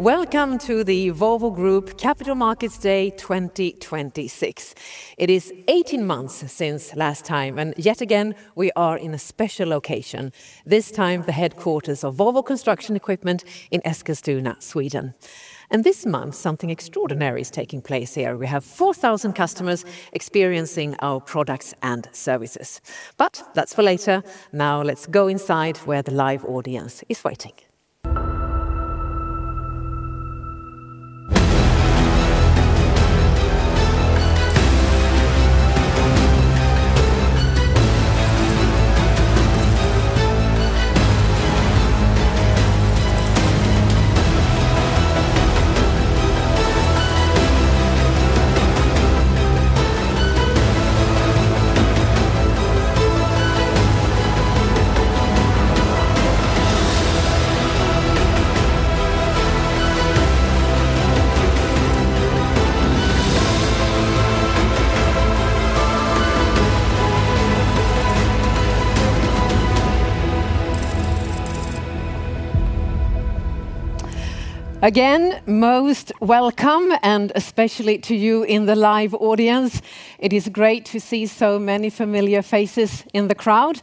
Welcome to the Volvo Group Capital Markets Day 2026. It is 18 months since last time, yet again, we are in a special location. This time the headquarters of Volvo Construction Equipment in Eskilstuna, Sweden. This month, something extraordinary is taking place here. We have 4,000 customers experiencing our products and services. That's for later. Now let's go inside where the live audience is waiting. Again, most welcome and especially to you in the live audience. It is great to see so many familiar faces in the crowd.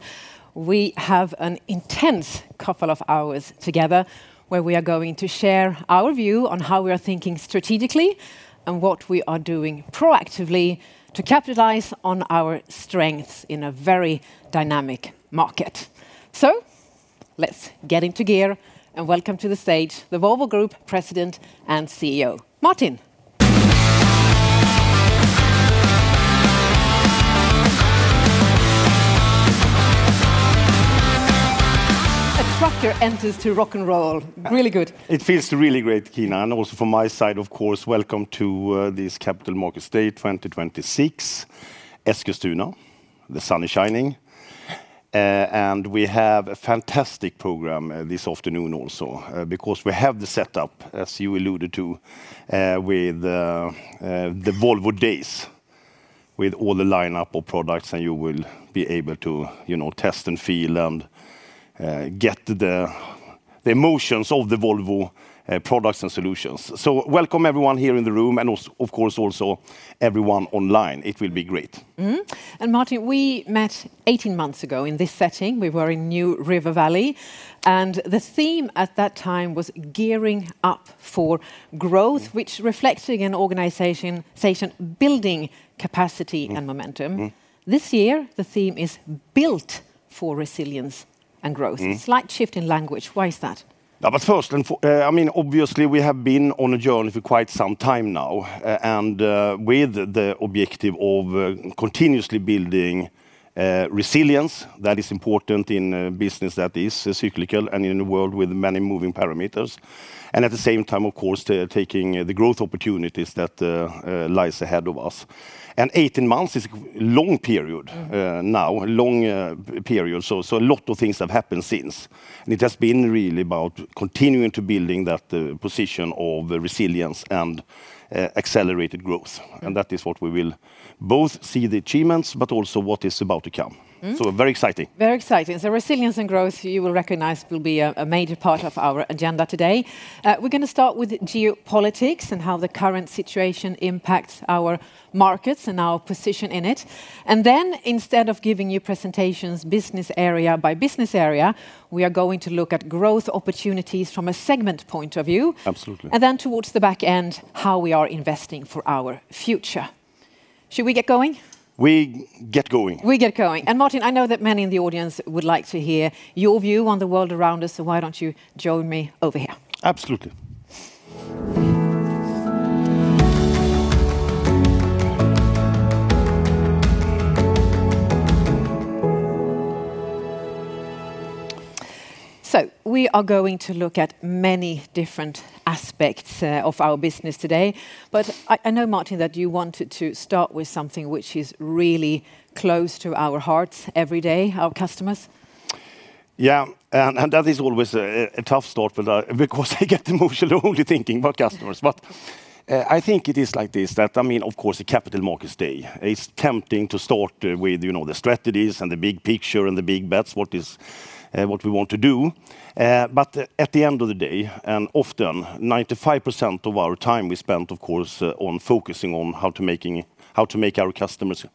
We have an intense couple of hours together where we are going to share our view on how we are thinking strategically and what we are doing proactively to capitalize on our strengths in a very dynamic market. Let's get into gear and welcome to the stage the Volvo Group President and CEO, Martin. A tractor enters to rock and roll. Really good. It feels really great, Kina, also from my side, of course, welcome to this Capital Markets Day 2026, Eskilstuna. The sun is shining. We have a fantastic program this afternoon also, because we have the setup, as you alluded to, with the Volvo Days with all the lineup of products. You will be able to test and feel and get the emotions of the Volvo products and solutions. Welcome everyone here in the room and, of course, also everyone online. It will be great. Martin we met 18 months ago in this setting. We were in New River Valley. The theme at that time was Gearing Up for Growth, which reflects an organization building capacity and momentum. This year, the theme is Built for Resilience and Growth. Slight shift in language. Why is that? Obviously we have been on a journey for quite some time now, with the objective of continuously building resilience that is important in business that is cyclical and in a world with many moving parameters. At the same time, of course, taking the growth opportunities that lies ahead of us. 18 months is a long period now. A long period. A lot of things have happened since. It has been really about continuing to building that position of resilience and accelerated growth. Yeah. That is what we will both see the achievements, but also what is about to come. Very exciting. Very exciting. Resilience and growth, you will recognize will be a major part of our agenda today. We're going to start with geopolitics and how the current situation impacts our markets and our position in it. Instead of giving you presentations, business area by business area, we are going to look at growth opportunities from a segment point of view. Absolutely. Towards the back end, how we are investing for our future. Should we get going? We get going. We get going. Martin, I know that many in the audience would like to hear your view on the world around us, so why don't you join me over here? Absolutely. We are going to look at many different aspects of our business today. I know, Martin, that you wanted to start with something which is really close to our hearts every day, our customers. Yeah, that is always a tough start for that because I get emotional only thinking about customers. I think it is like this, that of course, the Capital Markets Day. It's tempting to start with the strategies and the big picture and the big bets, what we want to do. At the end of the day, and often 95% of our time we spent, of course, on focusing on how to make our customers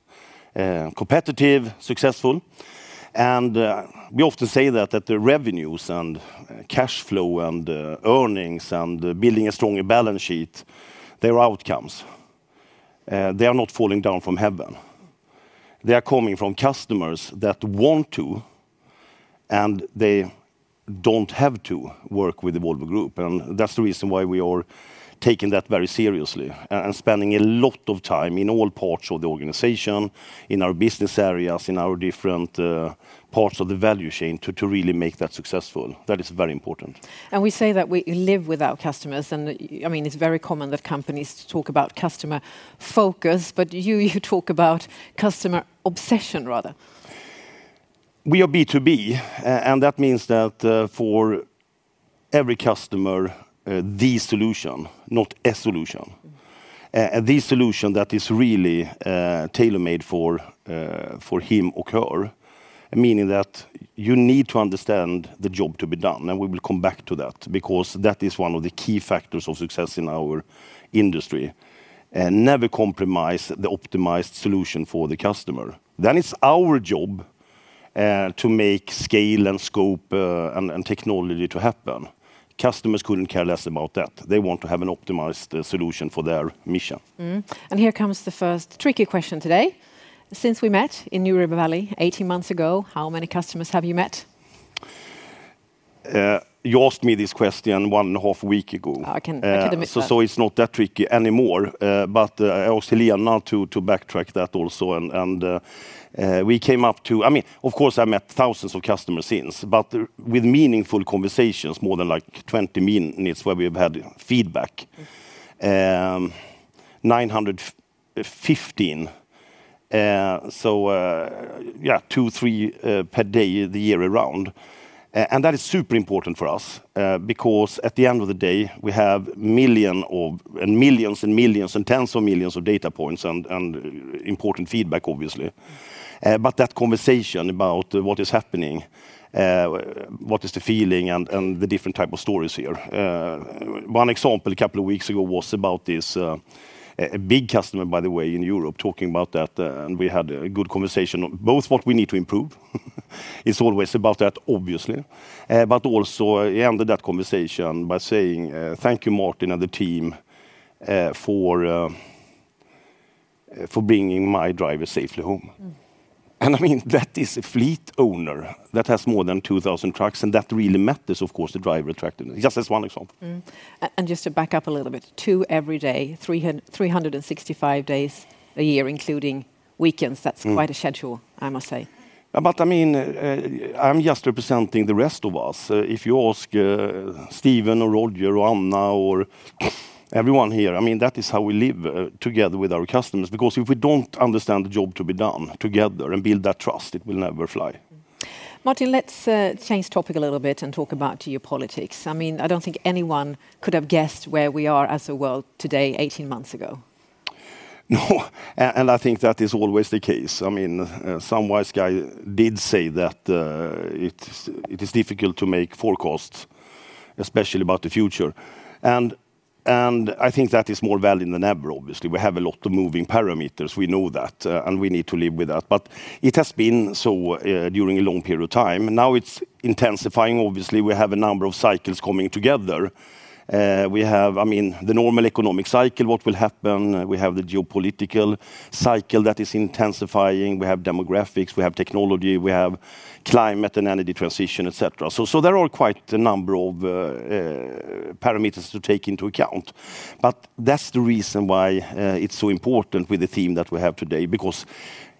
competitive, successful. We often say that the revenues and cash flow and earnings and building a stronger balance sheet, they're outcomes. They are not falling down from heaven. They are coming from customers that want to, and they don't have to work with the Volvo Group. That's the reason why we are taking that very seriously and spending a lot of time in all parts of the organization, in our business areas, in our different parts of the value chain to really make that successful. That is very important. We say that we live with our customers. It's very common that companies talk about customer focus, but you talk about customer obsession, rather. We are B2B, that means that for every customer, the solution that is really tailor-made for him or her, meaning that you need to understand the job to be done, and we will come back to that because that is one of the key factors of success in our industry. Never compromise the optimized solution for the customer. It's our job to make scale and scope and technology to happen. Customers couldn't care less about that. They want to have an optimized solution for their mission. Here comes the first tricky question today. Since we met in New River Valley 18 months ago, how many customers have you met? You asked me this question 1.5 Week ago. I could have missed that. It's not that tricky anymore. I asked Helena to backtrack that also, and we came up to Of course, I've met thousands of customers since, but with meaningful conversations, more than 20 minutes, where we have had feedback, 915. Yeah, two, three per day the year around. That is super important for us, because at the end of the day, we have millions and millions and tens of millions of data points and important feedback, obviously. That conversation about what is happening, what is the feeling and the different type of stories here. One example a couple of weeks ago was about this, a big customer, by the way, in Europe, talking about that, and we had a good conversation, both what we need to improve, it's always about that, obviously. Also, he ended that conversation by saying, "Thank you Martin and the team, for bringing my driver safely home. I mean, that is a fleet owner that has more than 2,000 trucks, and that really matters, of course, the driver attractiveness. Just as one example. Just to back up a little bit, two every day, 365 days a year, including weekends. That's quite a schedule, I must say. I'm just representing the rest of us. If you ask Stephen or Roger or Anna or everyone here, that is how we live together with our customers, because if we don't understand the job to be done together and build that trust, it will never fly. Martin, let's change topic a little bit and talk about geopolitics. I don't think anyone could have guessed where we are as a world today 18 months ago. No. I think that is always the case. Some wise guy did say that it is difficult to make forecasts, especially about the future. I think that is more valid than ever, obviously. We have a lot of moving parameters. We know that, and we need to live with that. It has been so during a long period of time. Now it's intensifying, obviously. We have a number of cycles coming together. We have the normal economic cycle, what will happen? We have the geopolitical cycle that is intensifying. We have demographics, we have technology, we have climate and energy transition, et cetera. There are quite a number of parameters to take into account. That's the reason why it's so important with the theme that we have today, because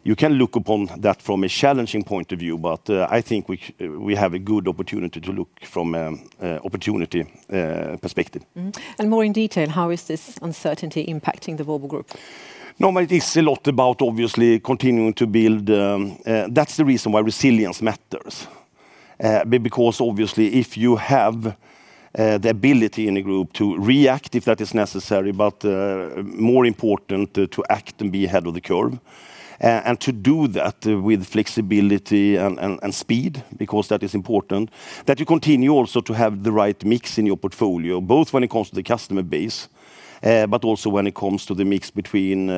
you can look upon that from a challenging point of view, but I think we have a good opportunity to look from an opportunity perspective. More in detail, how is this uncertainty impacting the Volvo Group? No, it is a lot about, obviously, continuing to build. That's the reason why resilience matters. Obviously, if you have the ability in a group to react if that is necessary, but more important, to act and be ahead of the curve. To do that with flexibility and speed, because that is important, that you continue also to have the right mix in your portfolio, both when it comes to the customer base, but also when it comes to the mix between,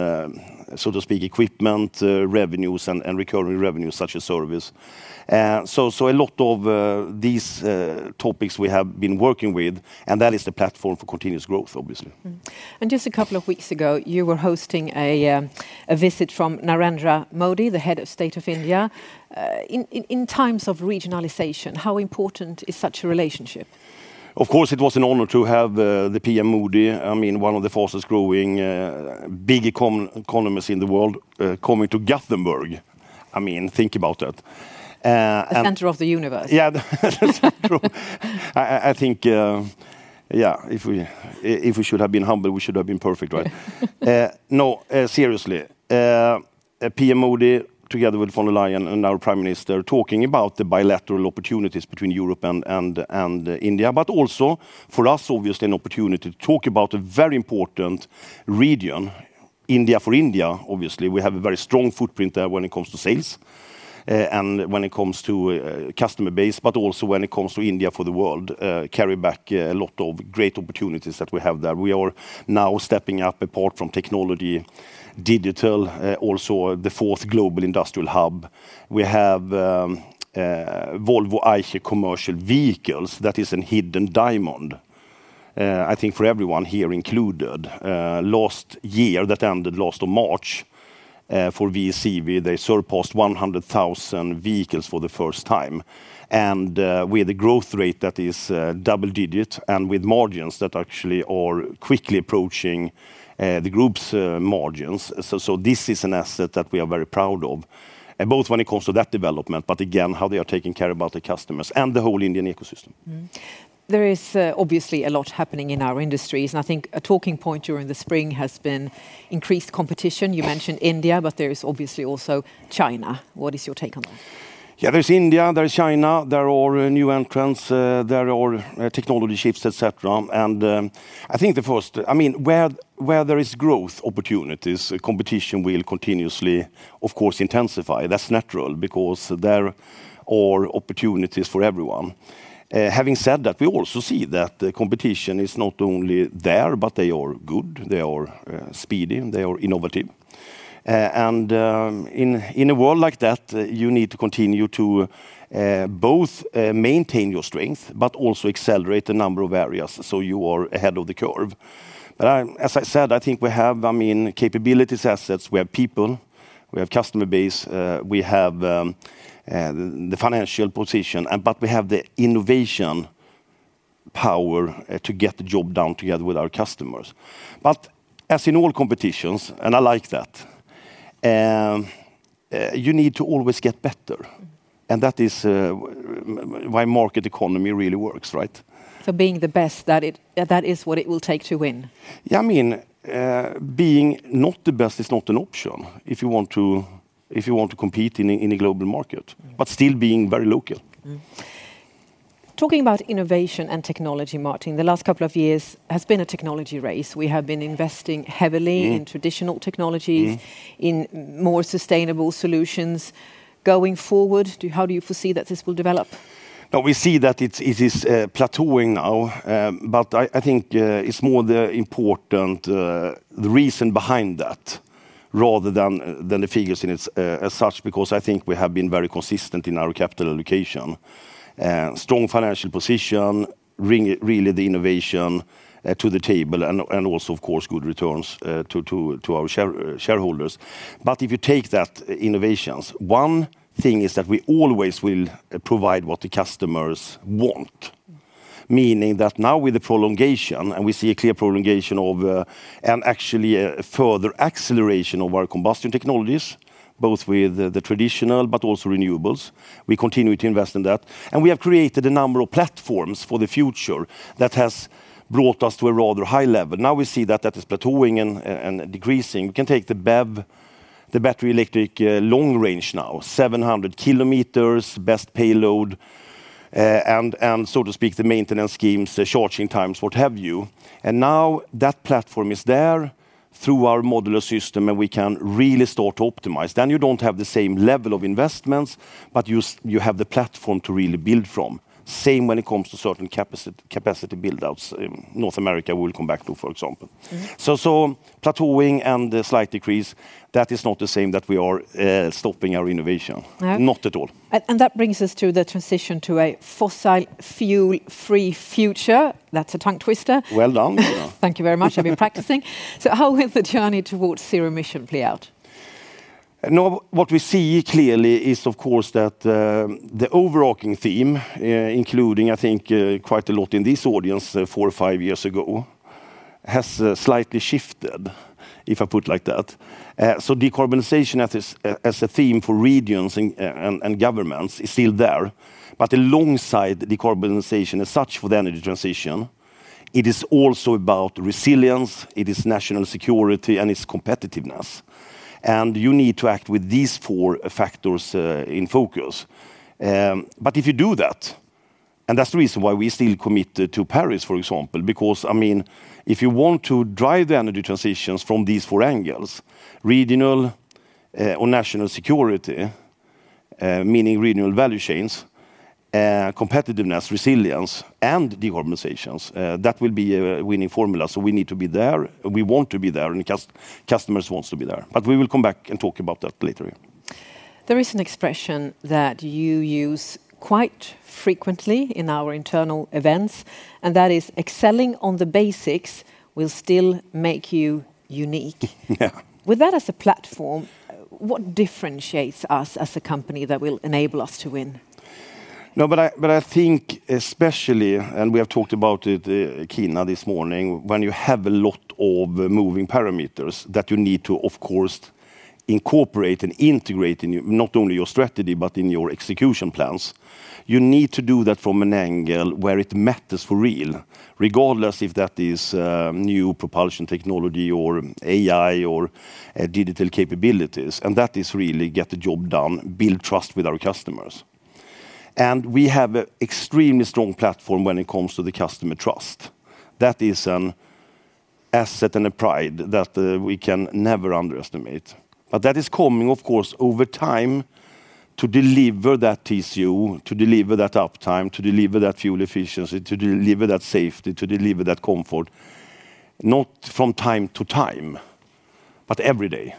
so to speak, equipment, revenues and recurring revenues such as service. A lot of these topics we have been working with, that is the platform for continuous growth, obviously. Mm-hmm. Just a couple of weeks ago, you were hosting a visit from Narendra Modi, the head of state of India. In times of regionalization, how important is such a relationship? Of course, it was an honor to have the PM Modi, one of the fastest-growing, big economies in the world, coming to Gothenburg. Think about that. The center of the universe. Yeah. That's true. I think, if we should have been humble, we should have been perfect, right? No, seriously. PM Modi, together with Von der Leyen and our Prime Minister, talking about the bilateral opportunities between Europe and India, but also, for us, obviously, an opportunity to talk about a very important region, India for India, obviously. We have a very strong footprint there when it comes to sales and when it comes to customer base, but also when it comes to India for the world, carry back a lot of great opportunities that we have there. We are now stepping up apart from technology, digital, also the fourth global industrial hub. We have Volvo Eicher commercial Vehicles. That is an hidden diamond, I think for everyone here included. Last year that ended March 31st, for VECV, they surpassed 100,000 vehicles for the first time. With a growth rate that is double-digit and with margins that actually are quickly approaching the group's margins. This is an asset that we are very proud of, both when it comes to that development, but again, how they are taking care about the customers and the whole Indian ecosystem. There is obviously a lot happening in our industries, and I think a talking point during the spring has been increased competition. You mentioned India, but there is obviously also China. What is your take on that? There's India, there's China, there are new entrants, there are technology shifts, et cetera. Where there is growth opportunities, competition will continuously, of course, intensify. That's natural because there are opportunities for everyone. Having said that, we also see that the competition is not only there, but they are good, they are speedy, and they are innovative. In a world like that, you need to continue to both maintain your strength, but also accelerate the number of areas so you are ahead of the curve. As I said, I think we have capabilities, assets, we have people, we have customer base, we have the financial position, but we have the innovation power to get the job done together with our customers. As in all competitions, and I like that, you need to always get better. That is why market economy really works, right? Being the best, that is what it will take to win. Being not the best is not an option if you want to compete in a global market, still being very local. Talking about innovation and technology, Martin, the last couple of years has been a technology race. We have been investing heavily. in traditional technologies. in more sustainable solutions. Going forward, how do you foresee that this will develop? No, we see that it is plateauing now. I think it's more the important, the reason behind that rather than the figures as such, because I think we have been very consistent in our capital allocation. Strong financial position, really the innovation to the table and also, of course, good returns to our shareholders. If you take that innovations, one thing is that we always will provide what the customers want. Meaning that now with the prolongation, we see a clear prolongation of, and actually a further acceleration of our combustion technologies, both with the traditional but also renewables. We continue to invest in that. We have created a number of platforms for the future that has brought us to a rather high level. Now we see that is plateauing and decreasing. We can take the BEV, the battery electric long range now, 700 km, best payload, and so to speak, the maintenance schemes, the charging times, what have you. Now that platform is there through our modular system, and we can really start to optimize. You don't have the same level of investments, but you have the platform to really build from. Same when it comes to certain capacity build-outs in North America, we'll come back to, for example. Plateauing and a slight decrease, that is not the same that we are stopping our innovation. No. Not at all. That brings us to the transition to a fossil fuel-free future. That's a tongue twister. Well done. Thank you very much. I've been practicing. How will the journey towards zero emission play out? What we see clearly is, of course, that the overarching theme, including, I think quite a lot in this audience, four or five years ago, has slightly shifted, if I put like that. Decarbonization as a theme for regions and governments is still there, but alongside decarbonization as such for the energy transition, it is also about resilience, it is national security, and it's competitiveness. You need to act with these four factors in focus. If you do that's the reason why we still commit to Paris, for example, because if you want to drive the energy transitions from these four angles, regional or national security, meaning regional value chains, competitiveness, resilience, and decarbonizations, that will be a winning formula. We need to be there, and we want to be there, and the customers wants to be there. We will come back and talk about that later. There is an expression that you use quite frequently in our internal events, and that is, "Excelling on the basics will still make you unique. Yeah. With that as a platform, what differentiates us as a company that will enable us to win? I think especially, and we have talked about it, Kina, this morning, when you have a lot of moving parameters that you need to, of course, incorporate and integrate in not only your strategy, but in your execution plans, you need to do that from an angle where it matters for real, regardless if that is new propulsion technology or AI or digital capabilities, and that is really get the job done, build trust with our customers. We have an extremely strong platform when it comes to the customer trust. That is an asset and a pride that we can never underestimate. That is coming, of course, over time to deliver that TCO, to deliver that uptime, to deliver that fuel efficiency, to deliver that safety, to deliver that comfort, not from time to time, but every day.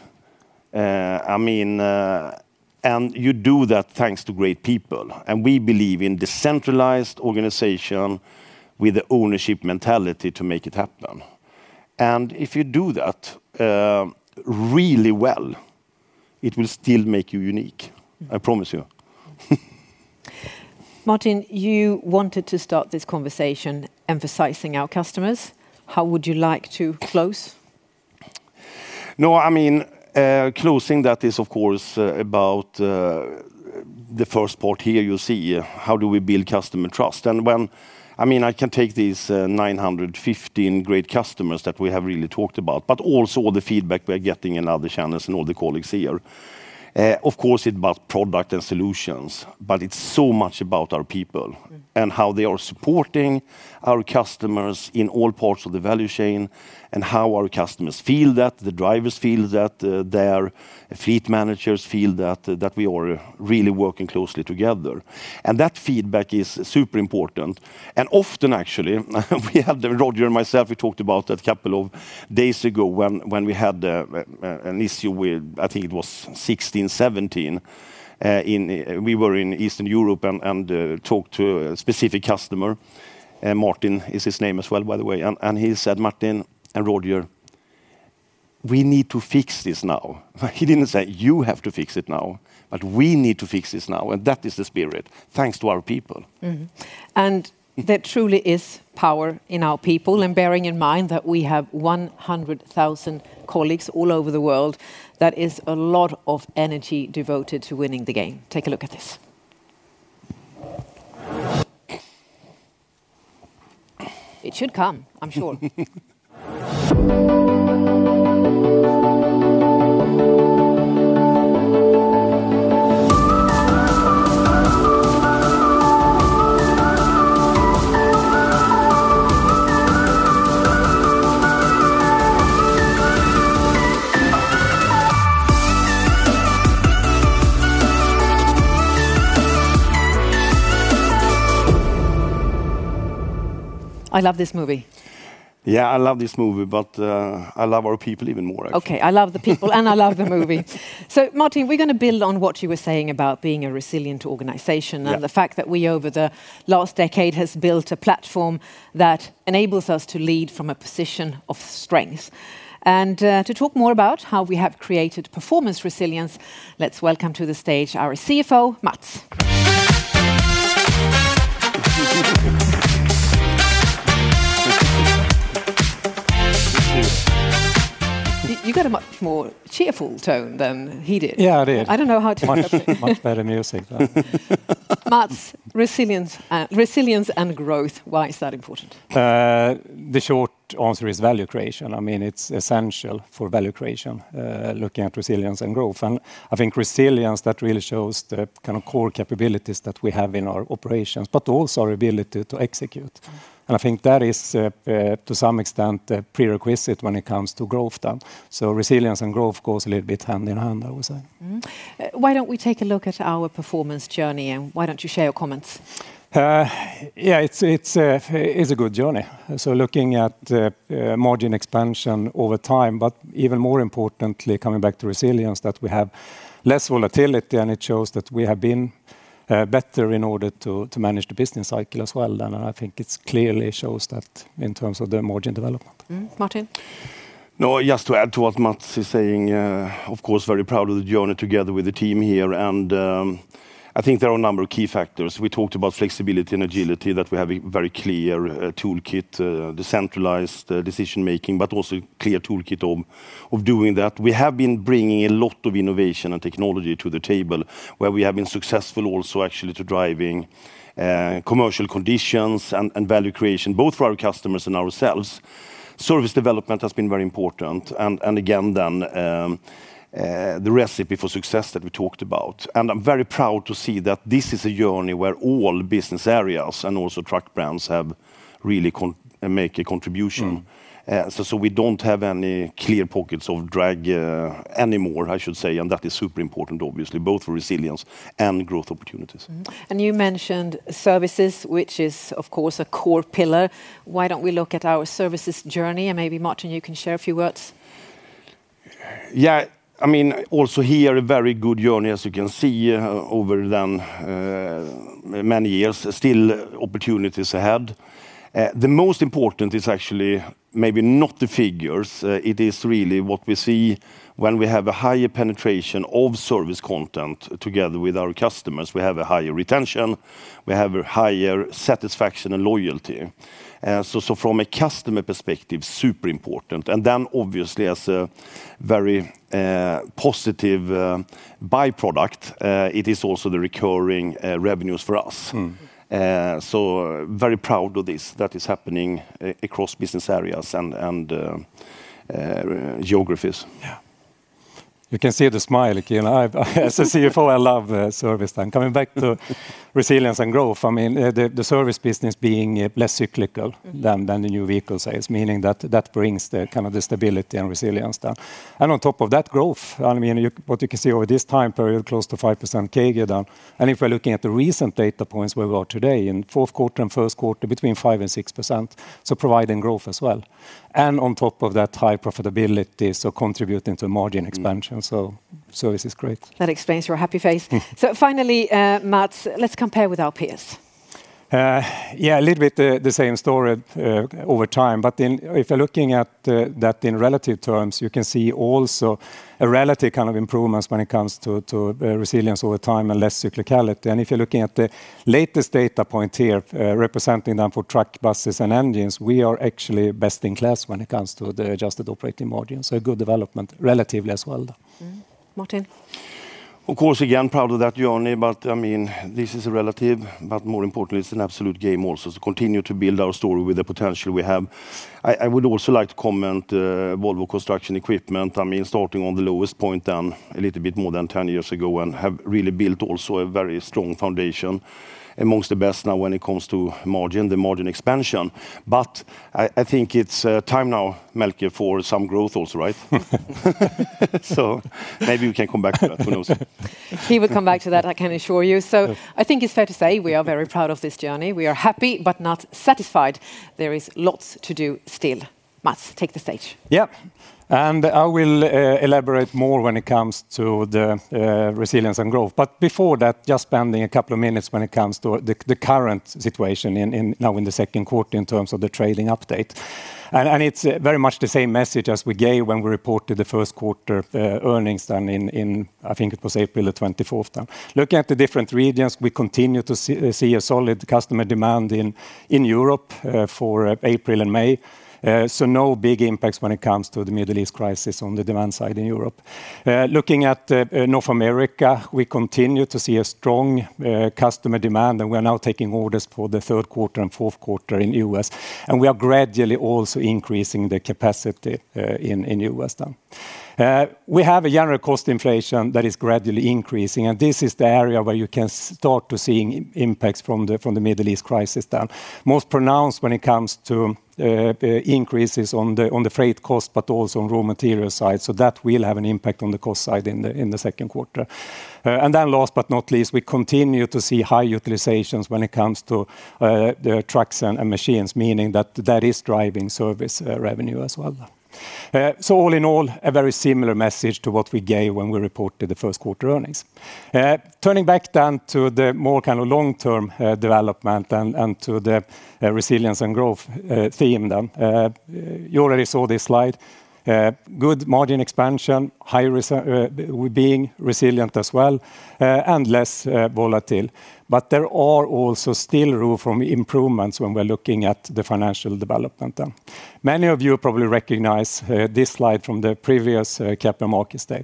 You do that thanks to great people, and we believe in decentralized organization with the ownership mentality to make it happen. If you do that really well, it will still make you unique. I promise you. Martin, you wanted to start this conversation emphasizing our customers. How would you like to close? Closing that is, of course, about the first part here you see, how do we build customer trust? I can take these 915 great customers that we have really talked about, but also all the feedback we're getting in other channels and all the colleagues here. It's about product and solutions, but it's so much about our people, and how they are supporting our customers in all parts of the value chain, and how our customers feel that, the drivers feel that, their fleet managers feel that we are really working closely together. That feedback is super important. Often, actually, Roger and myself, we talked about that a couple of days ago, when we had an issue with, I think it was 1617. We were in Eastern Europe and talked to a specific customer, Martin is his name as well, by the way. He said, "Martin and Roger, we need to fix this now." He didn't say, "You have to fix it now," but, "We need to fix this now." That is the spirit. Thanks to our people. Mm-hmm. There truly is power in our people. Bearing in mind that we have 100,000 colleagues all over the world, that is a lot of energy devoted to winning the game. Take a look at this. It should come, I'm sure. I love this movie. Yeah, I love this movie, but I love our people even more, I think. Okay. I love the people, and I love the movie. Martin, we're going to build on what you were saying about being a resilient organization- Yeah The fact that we, over the last decade, have built a platform that enables us to lead from a position of strength. To talk more about how we have created performance resilience, let's welcome to the stage our CFO, Mats. You got a much more cheerful tone than he did. Yeah, I did. I don't know how to interpret it. Much better music. Mats, resilience and growth, why is that important? The short answer is value creation. It's essential for value creation, looking at resilience and growth. I think resilience really shows the kind of core capabilities that we have in our operations, but also our ability to execute. I think that is, to some extent, a prerequisite when it comes to growth. Resilience and growth goes a little bit hand in hand, I would say. Why don't we take a look at our performance journey, why don't you share your comments? It's a good journey. Looking at margin expansion over time, but even more importantly, coming back to resilience, that we have less volatility, it shows that we have been better in order to manage the business cycle as well. I think it clearly shows that in terms of the margin development. Martin? Just to add to what Mats is saying, of course, very proud of the journey together with the team here. I think there are a number of key factors. We talked about flexibility and agility, that we have a very clear toolkit, the centralized decision making, but also clear toolkit of doing that. We have been bringing a lot of innovation and technology to the table, where we have been successful also actually to driving commercial conditions and value creation, both for our customers and ourselves. Service development has been very important. Again, the recipe for success that we talked about. I'm very proud to see that this is a journey where all business areas and also truck brands have really made a contribution. We don't have any clear pockets of drag anymore, I should say. That is super important, obviously, both for resilience and growth opportunities. You mentioned services, which is, of course, a core pillar. Why don't we look at our services journey and maybe, Martin, you can share a few words. Also here, a very good journey, as you can see, over many years. Still opportunities ahead. The most important is actually maybe not the figures. It is really what we see when we have a higher penetration of service content together with our customers. We have a higher retention, we have a higher satisfaction and loyalty. From a customer perspective, super important. Then obviously as a very positive by-product, it is also the recurring revenues for us. Very proud of this, that is happening across business areas and geographies. You can see the smile, Caroline. As a CFO, I love service. Coming back to resilience and growth, the service business being less cyclical than the new vehicle sales, meaning that brings the stability and resilience. On top of that growth, what you can see over this time period, close to 5% compound annual growth rate. If we're looking at the recent data points where we are today, in fourth quarter and first quarter, between 5%-6%, providing growth as well. On top of that, high profitability, contributing to margin expansion. Service is great. That explains your happy face. Finally, Mats, let's compare with our peers. A little bit the same story over time. If you're looking at that in relative terms, you can see also a relative kind of improvements when it comes to resilience over time and less cyclicality. If you're looking at the latest data point here, representing them for truck, buses, and engines, we are actually best in class when it comes to the adjusted operating margin. A good development, relatively as well. Martin? Of course, again, proud of that journey, but this is relative, but more importantly, it's an absolute game also to continue to build our story with the potential we have. I would also like to comment, Volvo Construction Equipment, starting on the lowest point a little bit more than 10 years ago and have really built also a very strong foundation amongst the best now when it comes to margin, the margin expansion. I think it's time now, Melker, for some growth also, right? Maybe we can come back to that. Who knows? He will come back to that, I can assure you. I think it's fair to say we are very proud of this journey. We are happy but not satisfied. There is lots to do still. Mats, take the stage. Yeah. I will elaborate more when it comes to the resilience and growth. Before that, just spending a couple of minutes when it comes to the current situation now in the second quarter in terms of the trailing update. It's very much the same message as we gave when we reported the first quarter earnings in, I think it was April 24th, 2026. Looking at the different regions, we continue to see a solid customer demand in Europe for April and May. No big impacts when it comes to the Middle East crisis on the demand side in Europe. Looking at North America, we continue to see a strong customer demand, and we are now taking orders for the third quarter and fourth quarter in the U.S. We are gradually also increasing the capacity in U.S. then. We have a general cost inflation that is gradually increasing, this is the area where you can start to see impacts from the Middle East crisis, most pronounced when it comes to increases on the freight cost, but also on raw material side. That will have an impact on the cost side in the second quarter. Last but not least, we continue to see high utilizations when it comes to the trucks and machines, meaning that that is driving service revenue as well. All in all, a very similar message to what we gave when we reported the first-quarter earnings. Turning back to the more long-term development and to the resilience and growth theme. You already saw this slide. Good margin expansion, being resilient as well, and less volatile. There are also still room for improvements when we're looking at the financial development. Many of you probably recognize this slide from the previous capital markets day.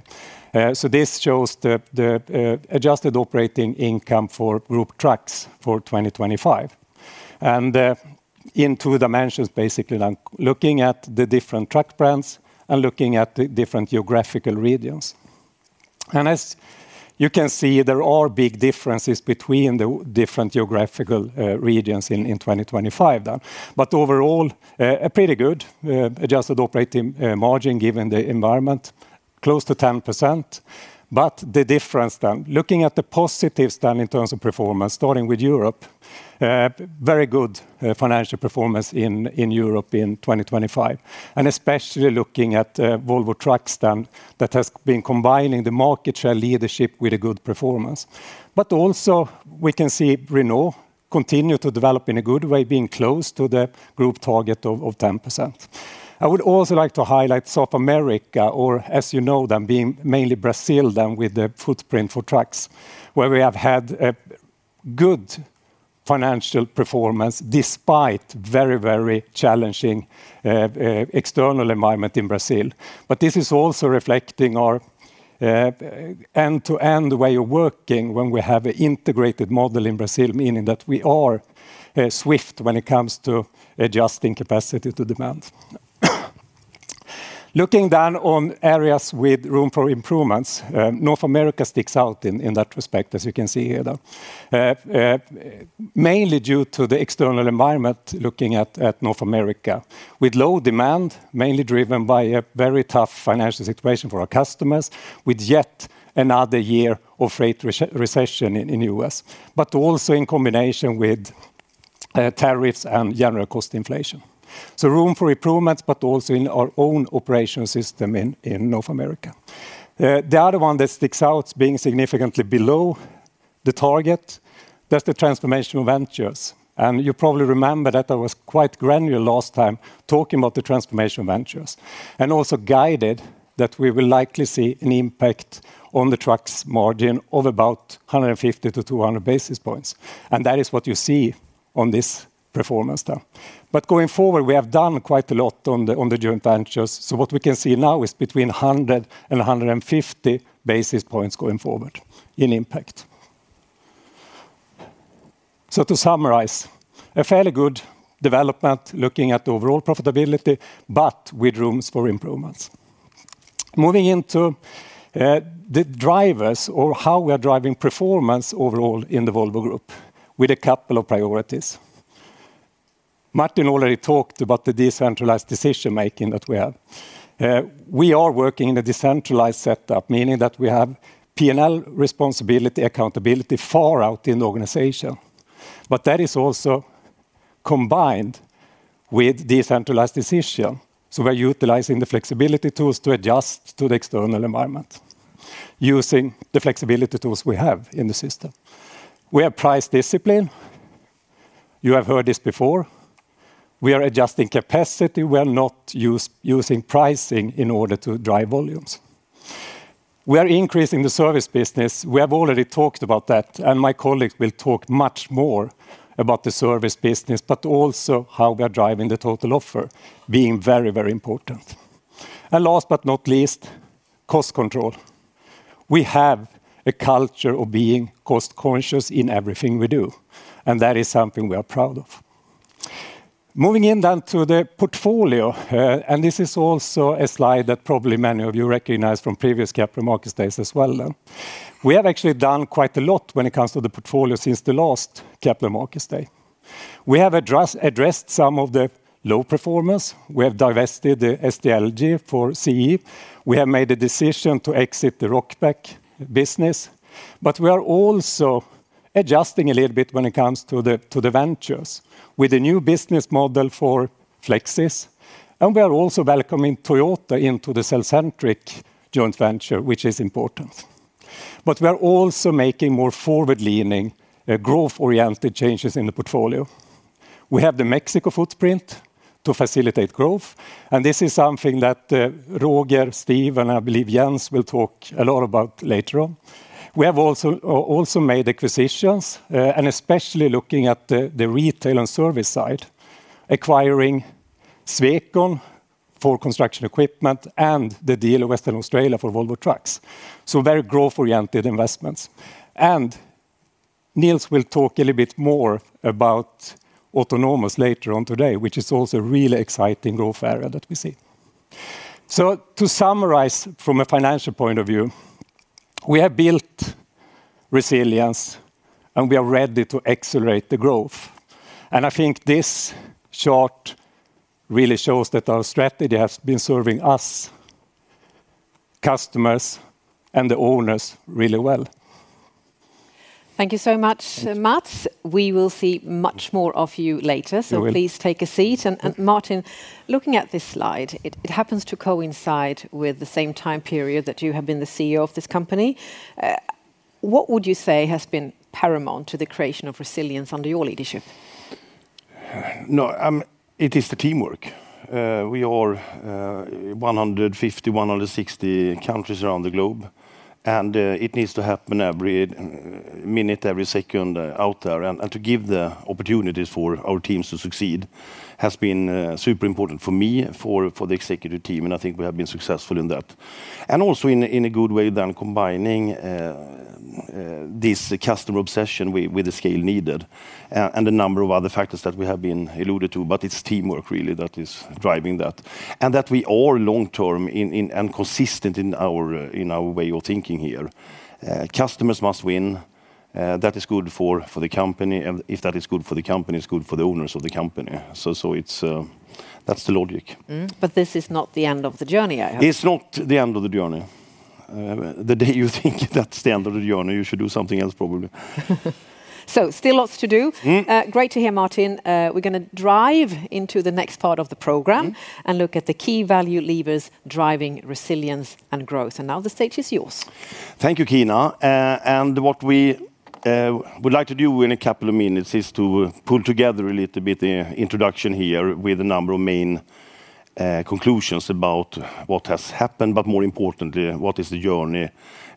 This shows the adjusted operating income for Group Trucks for 2025. In two dimensions, basically, looking at the different truck brands and looking at the different geographical regions. As you can see, there are big differences between the different geographical regions in 2025. Overall, a pretty good adjusted operating margin given the environment, close to 10%. The difference, looking at the positives in terms of performance, starting with Europe, very good financial performance in Europe in 2025. Especially looking at Volvo Trucks that has been combining the market share leadership with a good performance. Also we can see Renault continue to develop in a good way, being close to the Group target of 10%. I would also like to highlight South America, or as you know them, being mainly Brazil with the footprint for trucks, where we have had a good financial performance despite very challenging external environment in Brazil. This is also reflecting our end-to-end way of working when we have an integrated model in Brazil, meaning that we are swift when it comes to adjusting capacity to demand. Looking down on areas with room for improvements, North America sticks out in that respect, as you can see here. Mainly due to the external environment, looking at North America. With low demand, mainly driven by a very tough financial situation for our customers, with yet another year of freight recession in the U.S., also in combination with tariffs and general cost inflation. Room for improvements, also in our own operation system in North America. The other one that sticks out being significantly below the target, that's the Transformational Ventures. You probably remember that I was quite granular last time talking about the Transformational Ventures, also guided that we will likely see an impact on the trucks margin of about 150-200 basis points. That is what you see on this performance. Going forward, we have done quite a lot on the joint ventures. What we can see now is between 100-150 basis points going forward in impact. To summarize, a fairly good development looking at overall profitability, but with rooms for improvements. Moving into the drivers or how we are driving performance overall in the Volvo Group with a couple of priorities. Martin already talked about the decentralized decision-making that we have. We are working in a decentralized setup, meaning that we have P&L responsibility, accountability far out in the organization. That is also combined with decentralized decision. We're utilizing the flexibility tools to adjust to the external environment using the flexibility tools we have in the system. We have price discipline. You have heard this before. We are adjusting capacity. We are not using pricing in order to drive volumes. We are increasing the service business. We have already talked about that, and my colleagues will talk much more about the service business, but also how we are driving the total offer being very important. Last but not least, cost control. We have a culture of being cost-conscious in everything we do, and that is something we are proud of. Moving in then to the portfolio, this is also a slide that probably many of you recognize from previous Capital Markets Days as well now. We have actually done quite a lot when it comes to the portfolio since the last Capital Markets Day. We have addressed some of the low performance. We have divested the SDLG for CE. We have made a decision to exit the Rokbak business, but we are also adjusting a little bit when it comes to the ventures with a new business model for Flexis, and we are also welcoming Toyota into the cellcentric joint venture, which is important. We are also making more forward-leaning, growth-oriented changes in the portfolio. We have the Mexico footprint to facilitate growth, and this is something that Roger, Steve, and I believe Jens will talk a lot about later on. We have also made acquisitions, and especially looking at the retail and service side, acquiring Swecon for construction equipment and the deal in Western Australia for Volvo Trucks. Very growth-oriented investments. Nils will talk a little bit more about autonomous later on today, which is also a really exciting growth area that we see. To summarize from a financial point of view, we have built resilience, and we are ready to accelerate the growth. I think this chart really shows that our strategy has been serving us, customers, and the owners really well. Thank you so much, Mats. We will see much more of you later. We will. Please take a seat. Martin, looking at this slide, it happens to coincide with the same time period that you have been the CEO of this company. What would you say has been paramount to the creation of resilience under your leadership? No, it is the teamwork. We are 150, 160 countries around the globe, it needs to happen every minute, every second out there. To give the opportunities for our teams to succeed has been super important for me, for the executive team, and I think we have been successful in that. Also in a good way then combining this customer obsession with the scale needed and a number of other factors that we have been alluding to, it's teamwork really that is driving that. That we are long-term and consistent in our way of thinking here. Customers must win. That is good for the company. If that is good for the company, it's good for the owners of the company. That's the logic. This is not the end of the journey, I hope. It's not the end of the journey. The day you think that's the end of the journey, you should do something else, probably. Still lots to do. Great to hear, Martin. We're going to drive into the next part of the program. Look at the key value levers driving resilience and growth. Now the stage is yours. Thank you, Kina. What we would like to do in a couple of minutes is to pull together a little bit the introduction here with a number of main conclusions about what has happened, but more importantly, what is the journey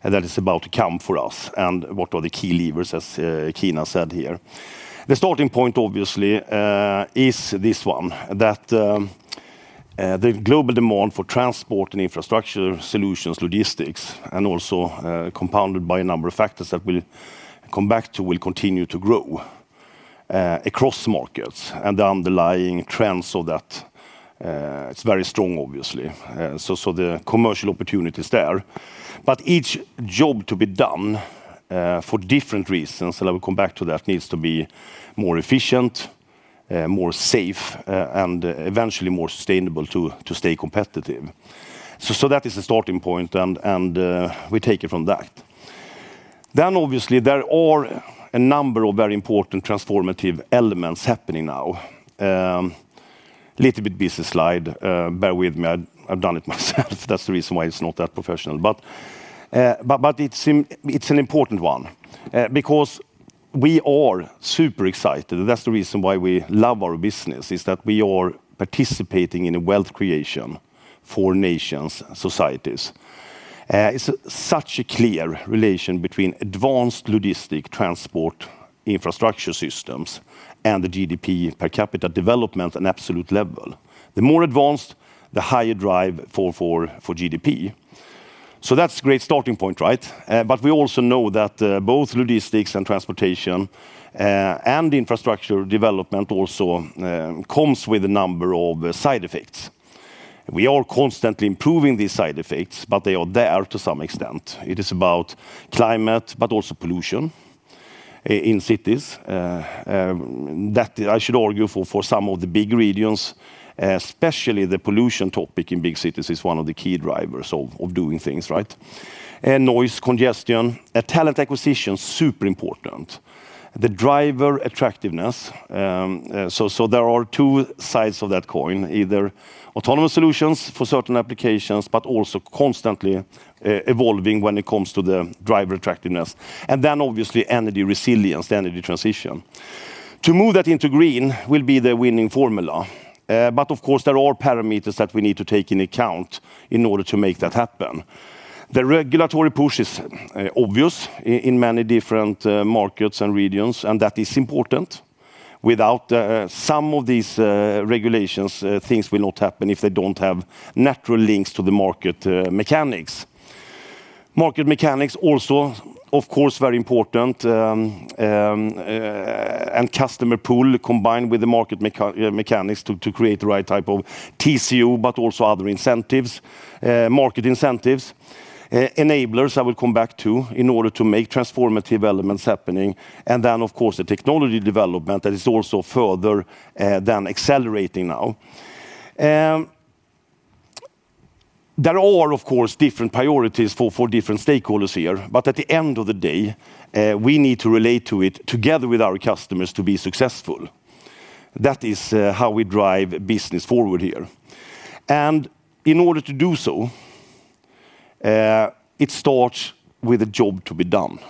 that is about to come for us and what are the key levers, as Kina said here. The starting point, obviously, is this one, that the global demand for transport and infrastructure solutions, logistics, and also compounded by a number of factors that we'll come back to, will continue to grow across markets and the underlying trends of that. It's very strong, obviously. The commercial opportunity is there. Each job to be done for different reasons, and I will come back to that, needs to be more efficient, more safe, and eventually more sustainable to stay competitive. That is the starting point, and we take it from that. Obviously there are a number of very important transformative elements happening now. Little bit busy slide. Bear with me. I've done it myself. That's the reason why it's not that professional. It's an important one because we are super excited. That's the reason why we love our business, is that we are participating in a wealth creation for nations, societies. It's such a clear relation between advanced logistic transport infrastructure systems and the GDP per capita development and absolute level. The more advanced, the higher drive for GDP. That's a great starting point, right? We also know that both logistics and transportation and infrastructure development also comes with a number of side effects. We are constantly improving these side effects, but they are there to some extent. It is about climate, but also pollution in cities. That I should argue for some of the big regions, especially the pollution topic in big cities is one of the key drivers of doing things, right? Noise congestion. Talent acquisition, super important. The driver attractiveness. There are two sides of that coin, either autonomous solutions for certain applications, but also constantly evolving when it comes to the driver attractiveness, and then obviously energy resilience, the energy transition. To move that into green will be the winning formula. Of course, there are parameters that we need to take into account in order to make that happen. The regulatory push is obvious in many different markets and regions, and that is important. Without some of these regulations, things will not happen if they don't have natural links to the market mechanics. Market mechanics also, of course, very important, and customer pool combined with the market mechanics to create the right type of TCO, but also other incentives, market incentives, enablers I will come back to in order to make transformative elements happening. Then, of course, the technology development that is also further than accelerating now. There are, of course, different priorities for different stakeholders here, but at the end of the day, we need to relate to it together with our customers to be successful. That is how we drive business forward here. In order to do so, it starts with a job to be done.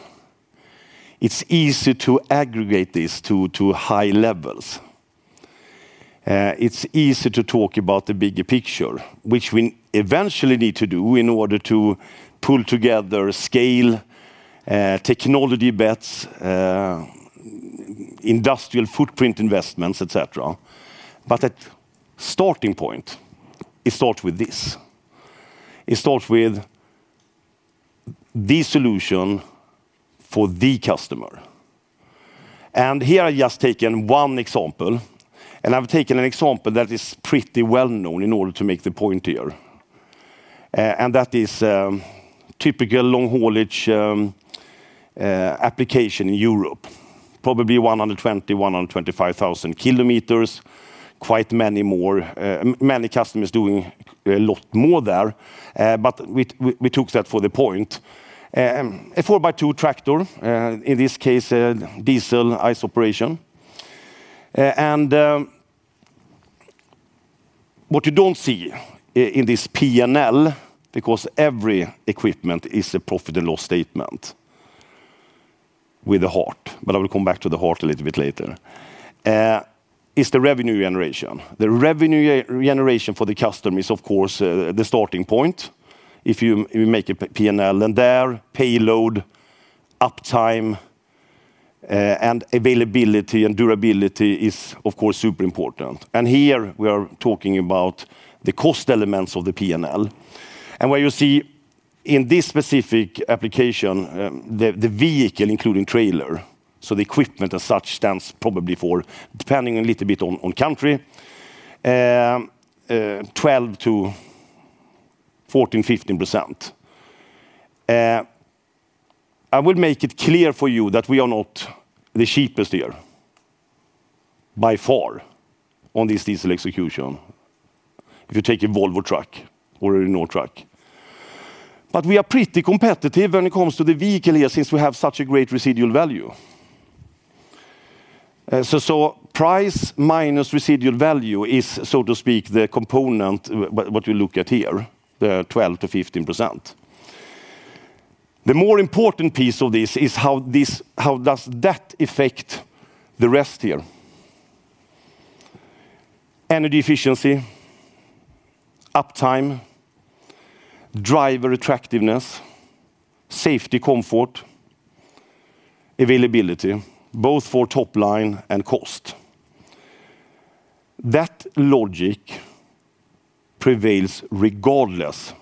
It's easy to aggregate this to high levels. It's easy to talk about the bigger picture, which we eventually need to do in order to pull together scale, technology bets, industrial footprint investments, et cetera. But at starting point, it starts with this. It starts with the solution for the customer. Here I've just taken one example, and I've taken an example that is pretty well-known in order to make the point here. That is typical long haulage application in Europe, probably 120,000-125,000 km. Quite many customers doing a lot more there, but we took that for the point. A 4x2 tractor, in this case, a diesel ICE operation. What you don't see in this P&L, because every equipment is a profit and loss statement with a heart, but I will come back to the heart a little bit later, is the revenue generation. The revenue generation for the customer is, of course, the starting point if you make a P&L, and there payload, uptime, and availability, and durability is, of course, super important. Here we are talking about the cost elements of the P&L. What you see in this specific application, the vehicle including trailer. The equipment as such stands probably for, depending a little bit on country, 12%-14%, 15%. I would make it clear for you that we are not the cheapest here by far on this diesel execution if you take a Volvo truck or a Renault truck. We are pretty competitive when it comes to the vehicle here since we have such a great residual value. Price minus residual value is, so to speak, the component, what we look at here, the 12%-15%. The more important piece of this is how does that affect the rest here. Energy efficiency, uptime, driver attractiveness, safety, comfort, availability, both for top line and cost. That logic prevails regardless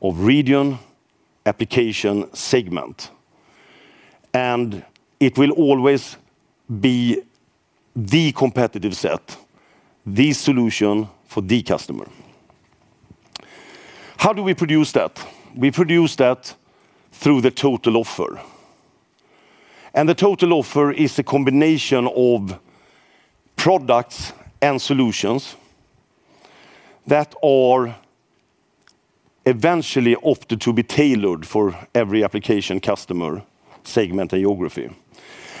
of region, application, segment, and it will always be the competitive set, the solution for the customer. How do we produce that? We produce that through the total offer. The total offer is a combination of products and solutions that are eventually offered to be tailored for every application customer, segment, and geography.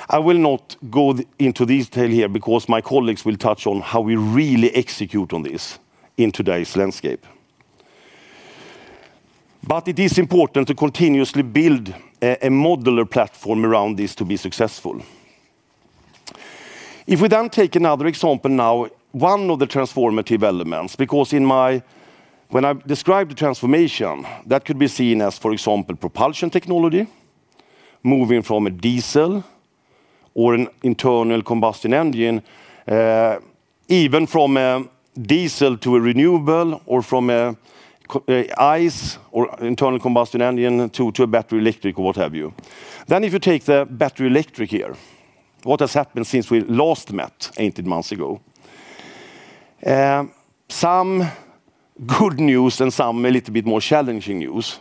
I will not go into detail here because my colleagues will touch on how we really execute on this in today's landscape. It is important to continuously build a modular platform around this to be successful. If we then take another example now, one of the transformative elements, because when I describe the transformation, that could be seen as, for example, propulsion technology, moving from a diesel or an internal combustion engine, even from a diesel to a renewable or from a ICE or internal combustion engine to a battery electric or what have you. If you take the battery electric here, what has happened since we last met 18 months ago? Some good news and some a little bit more challenging news.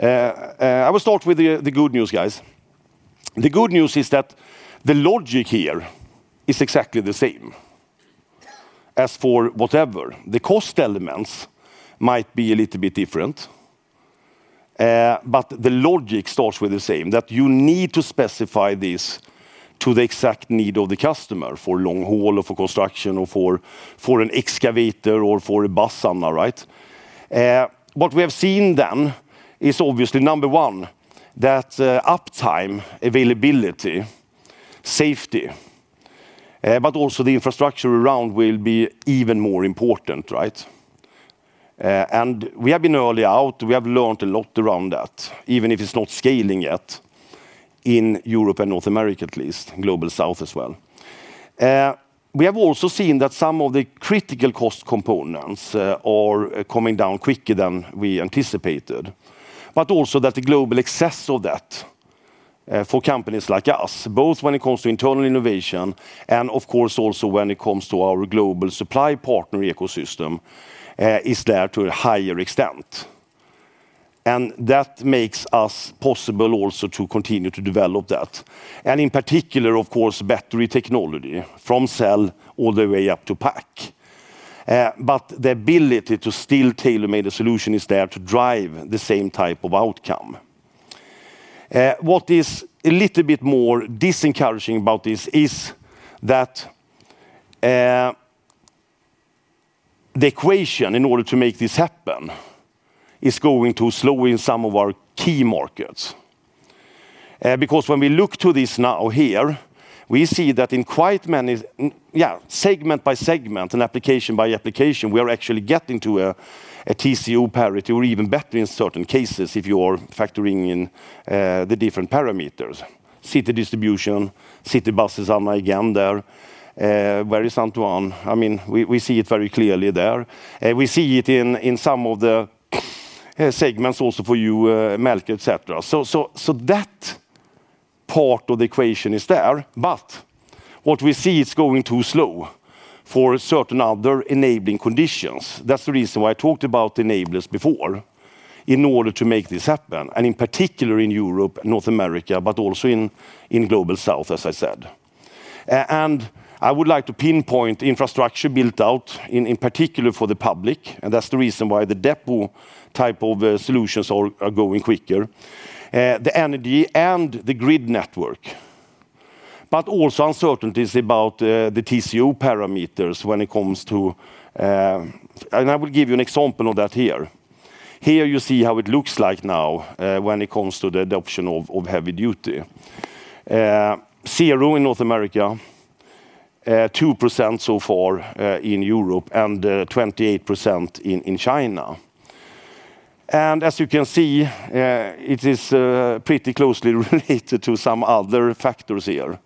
I will start with the good news, guys. The good news is that the logic here is exactly the same as for whatever. The cost elements might be a little bit different, but the logic starts with the same, that you need to specify this to the exact need of the customer for long haul or for construction or for an excavator or for a bus, right? What we have seen then is obviously, number one, that uptime, availability, safety, but also the infrastructure around will be even more important, right? We have been early out. We have learned a lot around that, even if it's not scaling yet. In Europe and North America at least, Global South as well. We have also seen that some of the critical cost components are coming down quicker than we anticipated, but also that the global access of that for companies like us, both when it comes to internal innovation and of course also when it comes to our global supply partner ecosystem, is there to a higher extent. That makes us possible also to continue to develop that, and in particular, of course, battery technology from cell all the way up to pack. The ability to still tailor-made a solution is there to drive the same type of outcome. What is a little bit more discouraging about this is that the equation in order to make this happen is going too slow in some of our key markets. When we look to this now here, we see that segment by segment and application by application, we are actually getting to a TCO parity or even better in certain cases if you are factoring in the different parameters, city distribution, city buses, Anna, again there. Where is Antoine? We see it very clearly there. We see it in some of the segments also for you, Melker, et cetera. That part of the equation is there, but what we see it's going too slow for certain other enabling conditions. That's the reason why I talked about enablers before in order to make this happen, and in particular in Europe and North America, but also in Global South, as I said. I would like to pinpoint infrastructure built out in particular for the public, and that's the reason why the depot type of solutions are going quicker. The energy and the grid network, but also uncertainties about the TCO parameters when it comes to. I will give you an example of that here. Here you see how it looks like now when it comes to the adoption of heavy duty. Zero in North America, 2% so far in Europe, and 28% in China. As you can see, it is pretty closely related to some other factors here.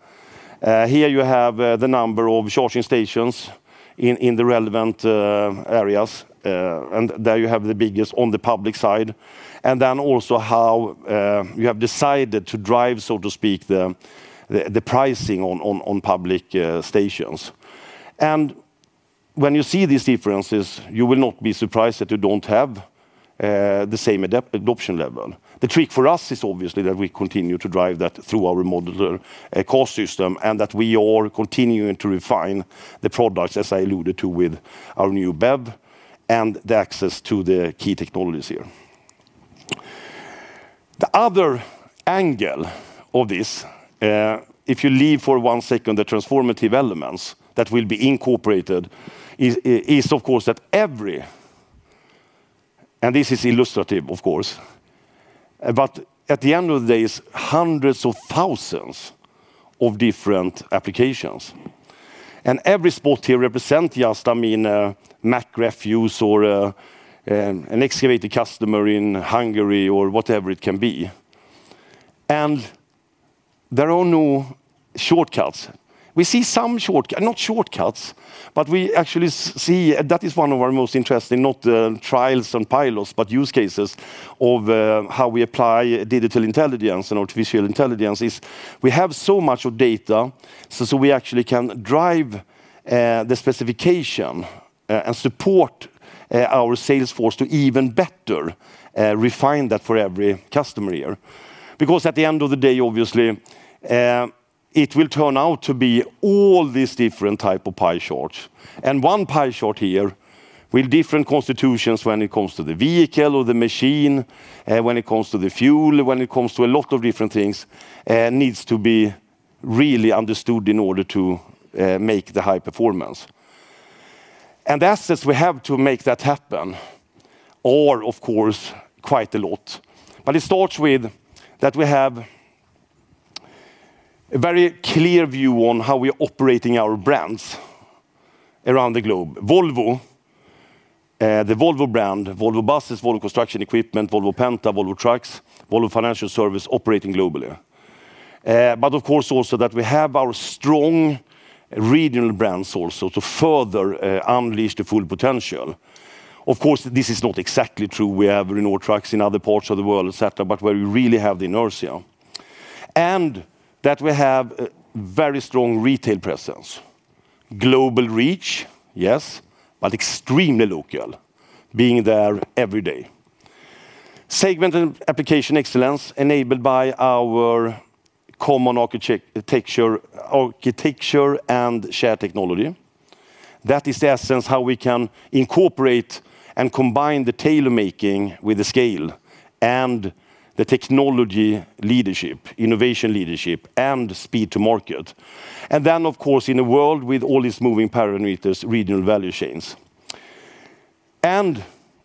Here you have the number of charging stations in the relevant areas, and there you have the biggest on the public side. How you have decided to drive, so to speak, the pricing on public stations. When you see these differences, you will not be surprised that you don't have the same adoption level. The trick for us is obviously that we continue to drive that through our modular cost system, that we are continuing to refine the products, as I alluded to with our new BEV and the access to the key technologies here. The other angle of this, if you leave for one second the transformative elements that will be incorporated is, of course, that every, and this is illustrative of course, but at the end of the day, is hundreds of thousands of different applications. Every spot here represent just Mack refuse or an excavator customer in Hungary or whatever it can be. There are no shortcuts. We see some shortcuts, not shortcuts, but we actually see that is one of our most interesting, not trials and pilots, but use cases of how we apply digital intelligence and artificial intelligence is we have so much data, so we actually can drive the specification and support our sales force to even better refine that for every customer here. At the end of the day, obviously, it will turn out to be all these different type of pie charts. One pie chart here with different constitutions when it comes to the vehicle or the machine, when it comes to the fuel, when it comes to a lot of different things, needs to be really understood in order to make the high performance. The assets we have to make that happen are, of course, quite a lot. It starts with that we have a very clear view on how we are operating our brands around the globe. Volvo, the Volvo brand, Volvo Buses, Volvo Construction Equipment, Volvo Penta, Volvo Trucks, Volvo Financial Services operating globally. Of course also that we have our strong regional brands also to further unleash the full potential. This is not exactly true. We have Renault Trucks in other parts of the world, et cetera, but where we really have the inertia. That we have very strong retail presence. Global reach, yes, but extremely local, being there every day. Segment and application excellence enabled by our common architecture and shared technology. That is in essence how we can incorporate and combine the tailor-making with the scale and the technology leadership, innovation leadership, and speed to market. Then, of course, in a world with all these moving parameters, regional value chains,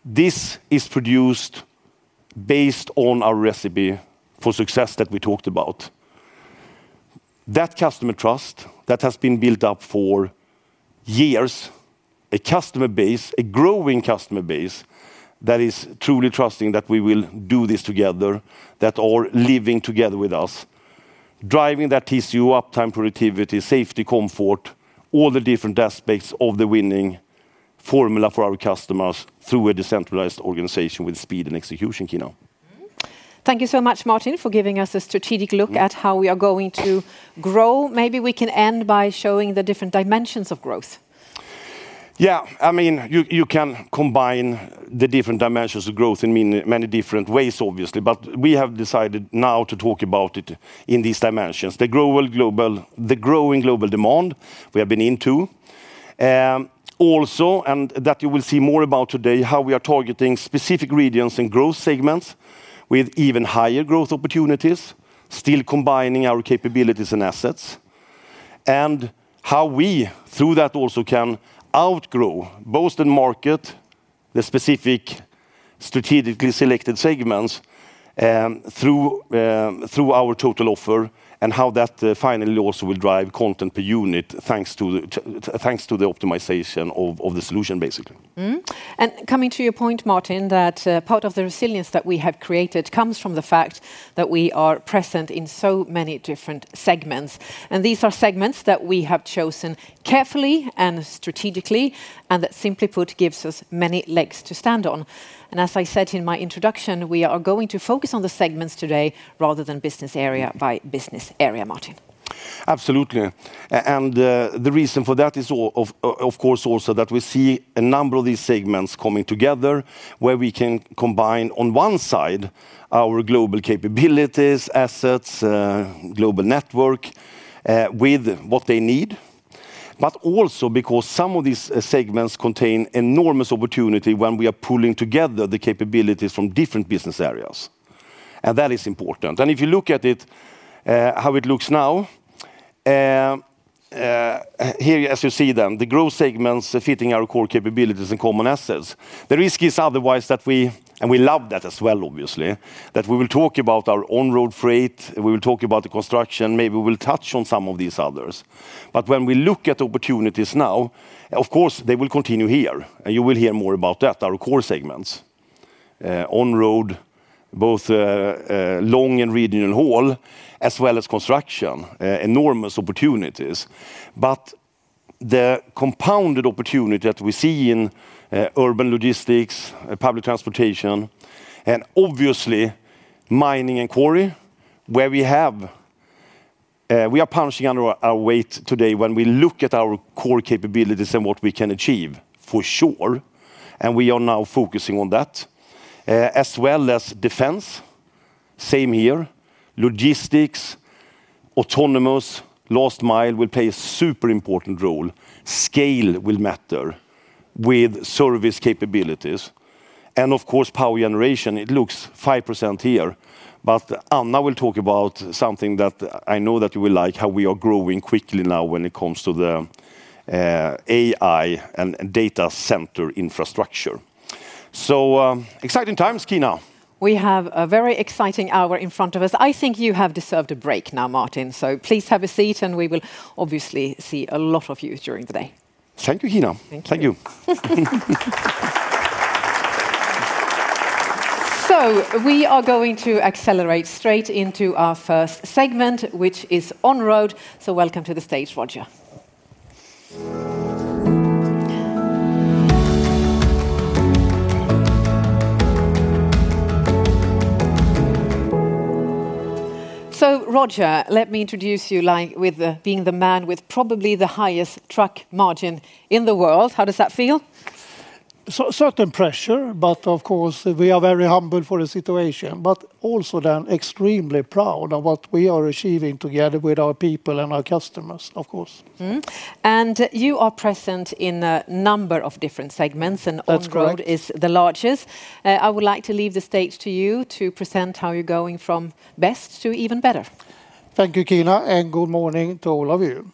this is produced based on our recipe for success that we talked about. That customer trust that has been built up for years, a growing customer base that is truly trusting that we will do this together, that are living together with us, driving that TCO, uptime, productivity, safety, comfort, all the different aspects of the winning formula for our customers through a decentralized organization with speed and execution, Kina. Thank you so much, Martin, for giving us a strategic look at how we are going to grow. Maybe we can end by showing the different dimensions of growth. Yeah. You can combine the different dimensions of growth in many different ways, obviously. We have decided now to talk about it in these dimensions. The growing global demand we have been into. Also, that you will see more about today, how we are targeting specific regions and growth segments with even higher growth opportunities, still combining our capabilities and assets, and how we, through that, also can outgrow both the market, the specific strategically selected segments through our total offer, and how that finally also will drive content per unit, thanks to the optimization of the solution, basically. Coming to your point, Martin, that part of the resilience that we have created comes from the fact that we are present in so many different segments, and these are segments that we have chosen carefully and strategically, and that, simply put, gives us many legs to stand on. As I said in my introduction, we are going to focus on the segments today rather than business area by business area, Martin. Absolutely. The reason for that is, of course, also that we see a number of these segments coming together where we can combine, on one side, our global capabilities, assets, global network with what they need, but also because some of these segments contain enormous opportunity when we are pulling together the capabilities from different business areas. That is important. If you look at it, how it looks now, here as you see them, the growth segments fitting our core capabilities and common assets. The risk is otherwise that we, and we love that as well, obviously, that we will talk about our on-road freight, we will talk about the construction, maybe we will touch on some of these others. When we look at opportunities now, of course, they will continue here, and you will hear more about that, our core segments. On-road, both long and regional haul, as well as construction, enormous opportunities. The compounded opportunity that we see in urban logistics, public transportation, and obviously mining and quarry, where we are punching under our weight today when we look at our core capabilities and what we can achieve for sure, and we are now focusing on that, as well as defense, same here. Logistics, autonomous, last mile will play a super important role. Scale will matter with service capabilities and, of course, power generation. It looks 5% here, Anna will talk about something that I know that you will like, how we are growing quickly now when it comes to the AI and data center infrastructure. Exciting times, Kina. We have a very exciting hour in front of us. I think you have deserved a break now, Martin. Please have a seat, and we will obviously see a lot of you during the day. Thank you, Kina. Thank you. Thank you. We are going to accelerate straight into our first segment, which is on-road. Welcome to the stage, Roger. Roger, let me introduce you with being the man with probably the highest truck margin in the world. How does that feel? Certain pressure, but of course, we are very humbled for the situation, but also then extremely proud of what we are achieving together with our people and our customers, of course. You are present in a number of different segments. That's correct On-road is the largest. I would like to leave the stage to you to present how you're going from best to even better. Thank you, Kina, and good morning to all of you.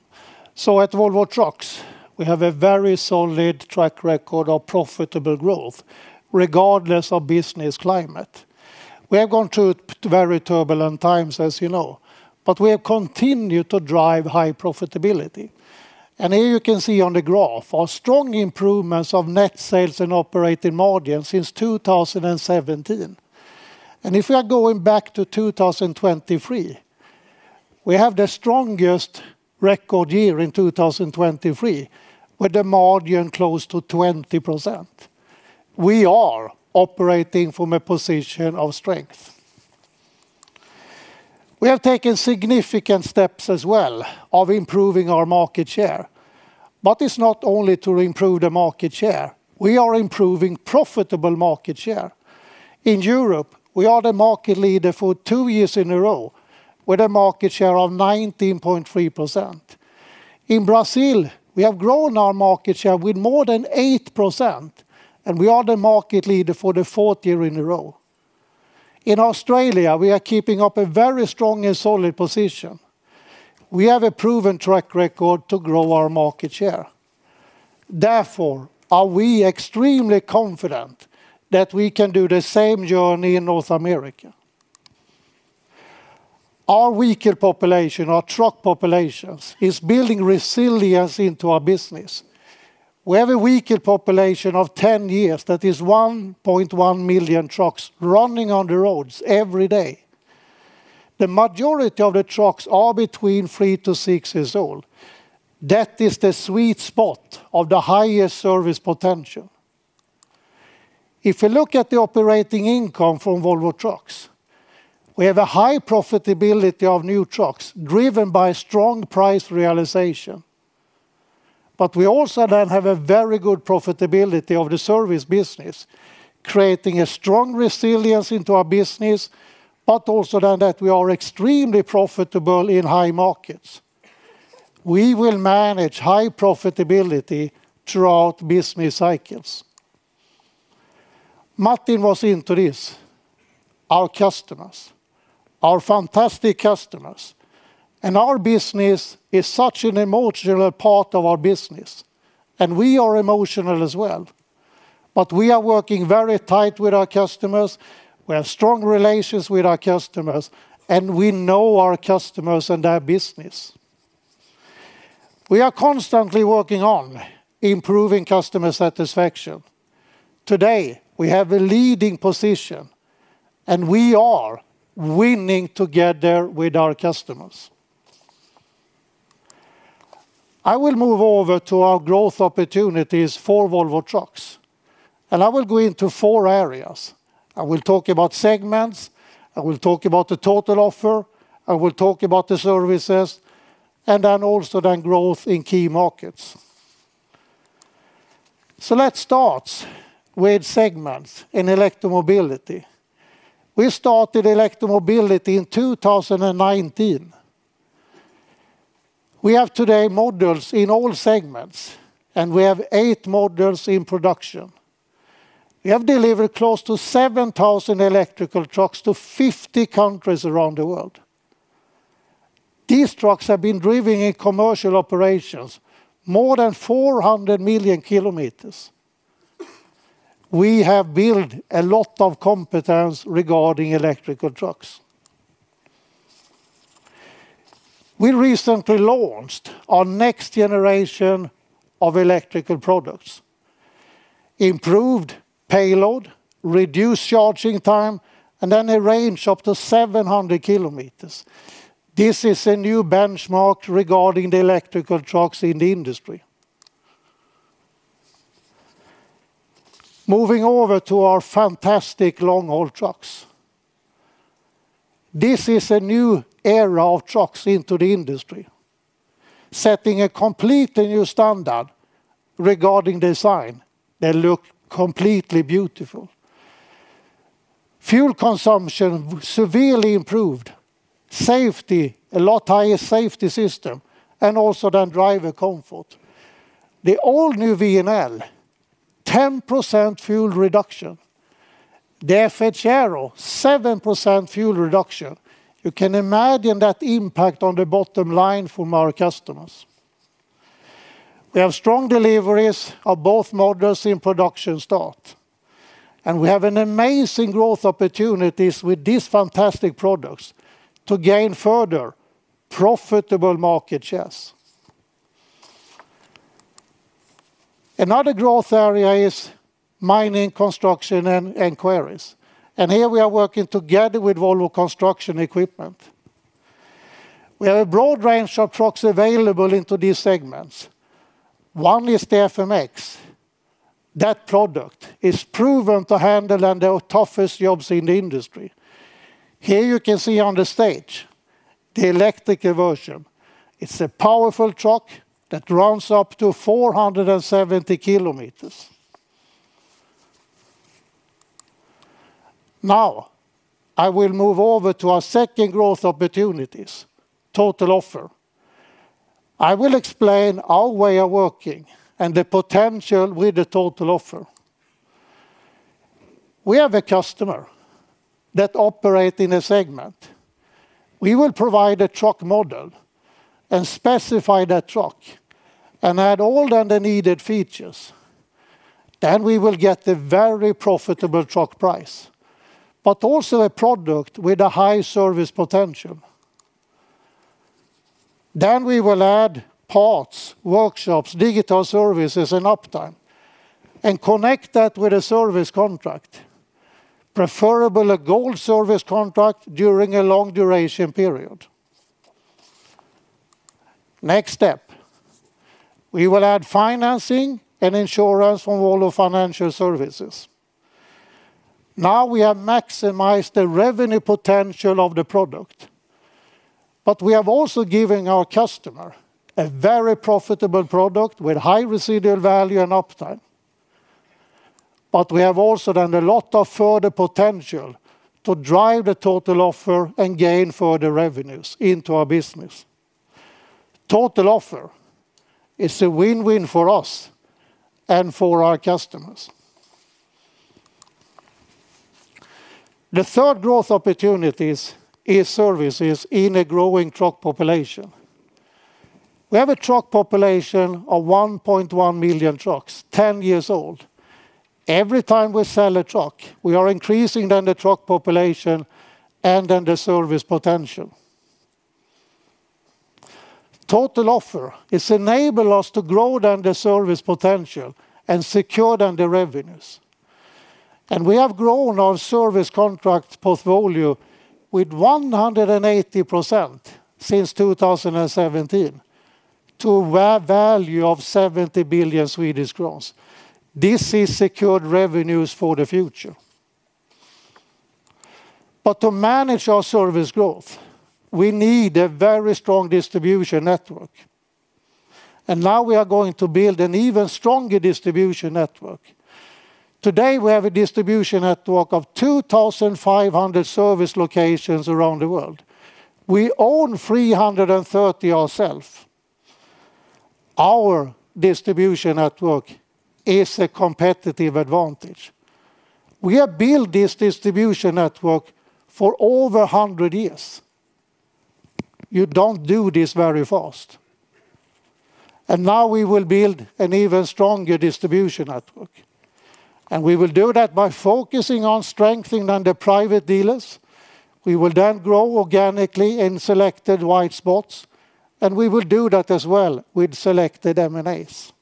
At Volvo Trucks, we have a very solid track record of profitable growth, regardless of business climate. We have gone through very turbulent times, as you know, but we have continued to drive high profitability. Here you can see on the graph our strong improvements of net sales and operating margin since 2017. If we are going back to 2023, we have the strongest record year in 2023 with the margin close to 20%. We are operating from a position of strength. We have taken significant steps as well of improving our market share, but it's not only to improve the market share. We are improving profitable market share. In Europe, we are the market leader for two years in a row with a market share of 19.3%. In Brazil, we have grown our market share with more than 8%, and we are the market leader for the fourth year in a row. In Australia, we are keeping up a very strong and solid position. We have a proven track record to grow our market share. Therefore, we are extremely confident that we can do the same journey in North America. Our vehicle population, our truck populations, is building resilience into our business. We have a vehicle population of 10 years that is 1.1 million trucks running on the roads every day. The majority of the trucks are between three to six years old. That is the sweet spot of the highest service potential. If you look at the operating income from Volvo Trucks, we have a high profitability of new trucks driven by strong price realization. We also then have a very good profitability of the service business, creating a strong resilience into our business, but also that we are extremely profitable in high markets. We will manage high profitability throughout business cycles. Martin was into this, our customers, our fantastic customers. Our business is such an emotional part of our business, and we are emotional as well. We are working very tight with our customers, we have strong relations with our customers, and we know our customers and their business. We are constantly working on improving customer satisfaction. Today, we have a leading position, and we are winning together with our customers. I will move over to our growth opportunities for Volvo Trucks, I will go into four areas. I will talk about segments, I will talk about the total offer, I will talk about the services, growth in key markets. Let's start with segments in electromobility. We started electromobility in 2019. We have today models in all segments, we have eight models in production. We have delivered close to 7,000 electrical trucks to 50 countries around the world. These trucks have been driven in commercial operations more than 400 million kilometers. We have built a lot of competence regarding electrical trucks. We recently launched our next generation of electrical products. Improved payload, reduced charging time, a range up to 700 km. This is a new benchmark regarding the electrical trucks in the industry. Moving over to our fantastic long-haul trucks. This is a new era of trucks into the industry, setting a completely new standard regarding design. They look completely beautiful. Fuel consumption, severely improved. Safety, a lot higher safety system, driver comfort. The all-new VNL, 10% fuel reduction. The FH Aero, 7% fuel reduction. You can imagine that impact on the bottom line from our customers. We have strong deliveries of both models in production start. We have an amazing growth opportunity with these fantastic products to gain further profitable market shares. Another growth area is mining, construction, and quarries. Here we are working together with Volvo Construction Equipment. We have a broad range of trucks available into these segments. One is the FMX. That product is proven to handle the toughest jobs in the industry. Here you can see on the stage the electrical version. It's a powerful truck that runs up to 470 km. I will move over to our second growth opportunities, total offer. I will explain our way of working and the potential with the total offer. We have a customer that operate in a segment. We will provide a truck model and specify that truck and add all the needed features. We will get the very profitable truck price, but also a product with a high service potential. We will add parts, workshops, digital services, and uptime, and connect that with a service contract, preferably a gold service contract during a long duration period. Next step, we will add financing and insurance from Volvo Financial Services. We have maximized the revenue potential of the product, but we have also given our customer a very profitable product with high residual value and uptime. We have also then a lot of further potential to drive the total offer and gain further revenues into our business. Total offer is a win-win for us and for our customers. The third growth opportunity is services in a growing truck population. We have a truck population of 1.1 million trucks, 10 years old. Every time we sell a truck, we are increasing the truck population and the service potential. Total offer has enabled us to grow the service potential and secure the revenues. We have grown our service contract portfolio with 180% since 2017 to a value of 70 billion Swedish crowns. This is secured revenues for the future. To manage our service growth, we need a very strong distribution network. Now we are going to build an even stronger distribution network. Today, we have a distribution network of 2,500 service locations around the world. We own 330 ourselves. Our distribution network is a competitive advantage. We have built this distribution network for over 100 years. You don't do this very fast. Now we will build an even stronger distribution network, and we will do that by focusing on strengthening the private dealers. We will grow organically in selected white spots, and we will do that as well with selected M&As.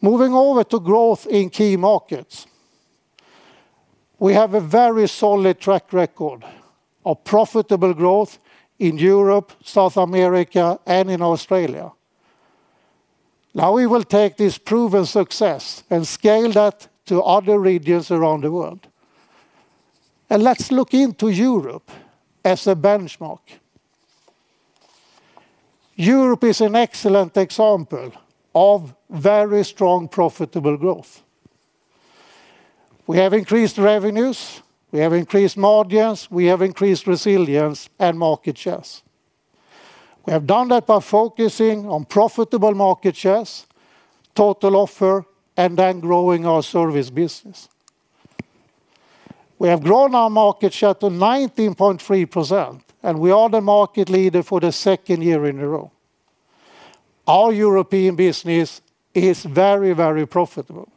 Moving over to growth in key markets. We have a very solid track record of profitable growth in Europe, South America, and in Australia. Now we will take this proven success and scale that to other regions around the world. Let's look into Europe as a benchmark. Europe is an excellent example of very strong, profitable growth. We have increased revenues, we have increased margins, we have increased resilience and market shares. We have done that by focusing on profitable market shares, total offer, and then growing our service business. We have grown our market share to 19.3%, and we are the market leader for the second year in a row. Our European business is very, very profitable.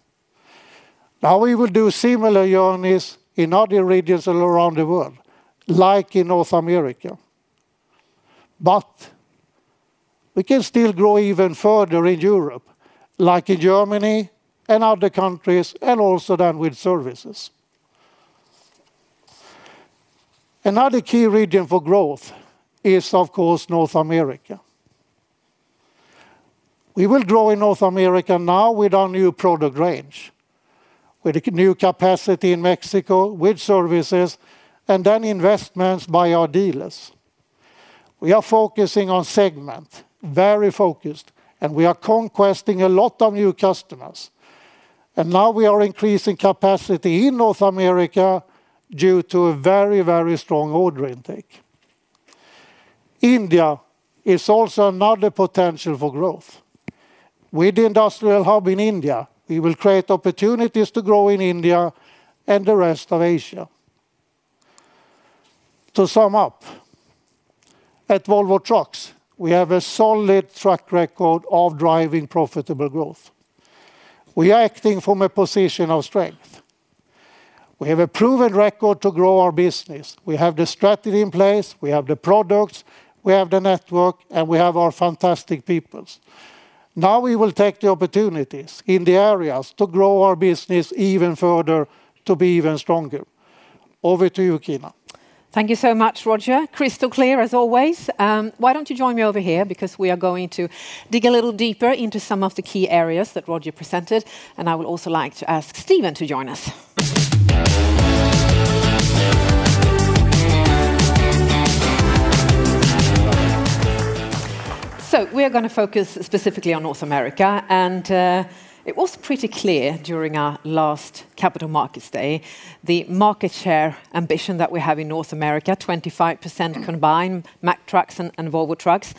Now we will do similar journeys in other regions all around the world, like in North America. We can still grow even further in Europe, like in Germany and other countries, and also then with services. Another key region for growth is, of course, North America. We will grow in North America now with our new product range, with new capacity in Mexico, with services, and then investments by our dealers. We are focusing on segment, very focused, and we are conquesting a lot of new customers. Now we are increasing capacity in North America due to a very, very strong order intake. India is also another potential for growth. With the industrial hub in India, we will create opportunities to grow in India and the rest of Asia. To sum up, at Volvo Trucks, we have a solid track record of driving profitable growth. We are acting from a position of strength. We have a proven record to grow our business. We have the strategy in place, we have the products, we have the network, and we have our fantastic people. Now we will take the opportunities in the areas to grow our business even further to be even stronger. Over to you, Kina. Thank you so much, Roger. Crystal clear as always. Why don't you join me over here? We are going to dig a little deeper into some of the key areas that Roger presented, and I would also like to ask Stephen to join us. We are going to focus specifically on North America, and it was pretty clear during our last capital markets day, the market share ambition that we have in North America, 25% combined Mack Trucks and Volvo Trucks.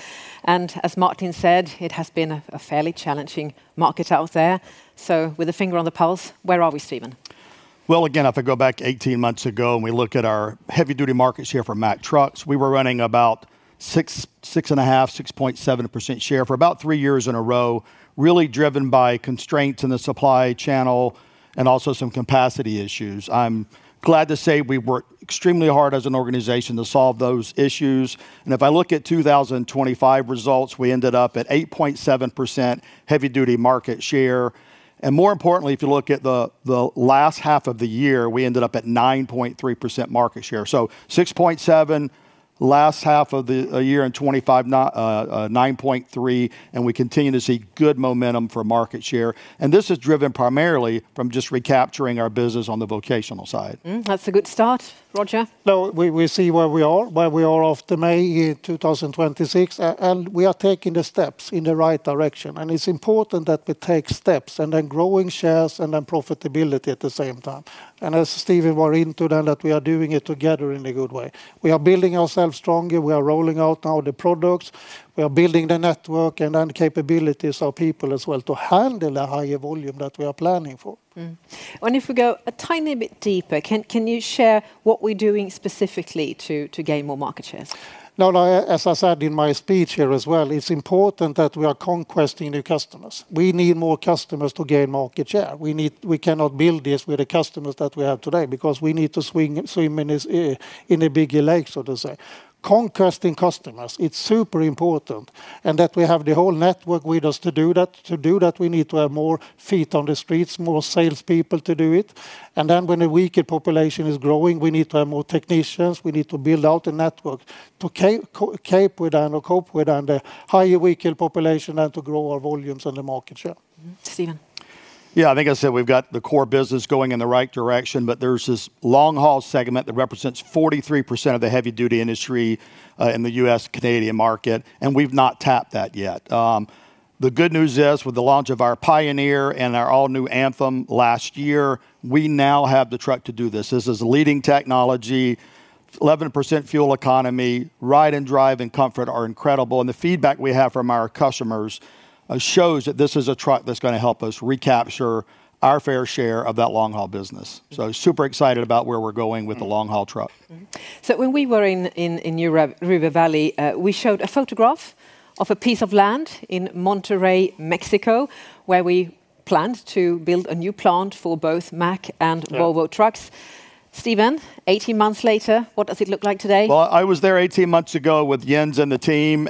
As Martin said, it has been a fairly challenging market out there. With a finger on the pulse, where are we, Stephen? Well, again, if I go back 18 months ago and we look at our heavy-duty market share for Mack Trucks, we were running about 6.5%-6.7% share for about three years in a row, really driven by constraints in the supply channel and also some capacity issues. I'm glad to say we worked extremely hard as an organization to solve those issues. If I look at 2025 results, we ended up at 8.7% heavy-duty market share. More importantly, if you look at the last half of the year, we ended up at 9.3% market share. 6.7%, last half of the year in 2025, 9.3%, and we continue to see good momentum for market share. This is driven primarily from just recapturing our business on the vocational side. Mm. That's a good start. Roger? No, we see where we are, where we are after May 2026, and we are taking the steps in the right direction. It's important that we take steps, and then growing shares, and then profitability at the same time. As Stephen were into then, that we are doing it together in a good way. We are building ourselves stronger. We are rolling out now the products. We are building the network and then capabilities of people as well to handle the higher volume that we are planning for. If we go a tiny bit deeper, can you share what we're doing specifically to gain more market shares? As I said in my speech here as well, it's important that we are conquesting new customers. We need more customers to gain market share. We cannot build this with the customers that we have today because we need to swim in a bigger lake, so to say. Conquesting customers, it's super important that we have the whole network with us to do that. To do that, we need to have more feet on the streets, more salespeople to do it. Then when a VECV population is growing, we need to have more technicians. We need to build out a network to cope with the higher VECV population and to grow our volumes on the market share. Stephen? I think I said we've got the core business going in the right direction, but there's this long-haul segment that represents 43% of the heavy duty industry, in the U.S., Canadian market, and we've not tapped that yet. The good news is, with the launch of our Mack Pioneer and our all-new Mack Anthem last year, we now have the truck to do this. This is leading technology, 11% fuel economy, ride and drive and comfort are incredible, and the feedback we have from our customers shows that this is a truck that's gonna help us recapture our fair share of that long-haul business. Super excited about where we're going. the long-haul truck. When we were in New River Valley, we showed a photograph of a piece of land in Monterrey, Mexico, where we planned to build a new plant for both Mack and- Yeah Volvo Trucks. Stephen, 18 months later, what does it look like today? I was there 18 months ago with Jens and the team.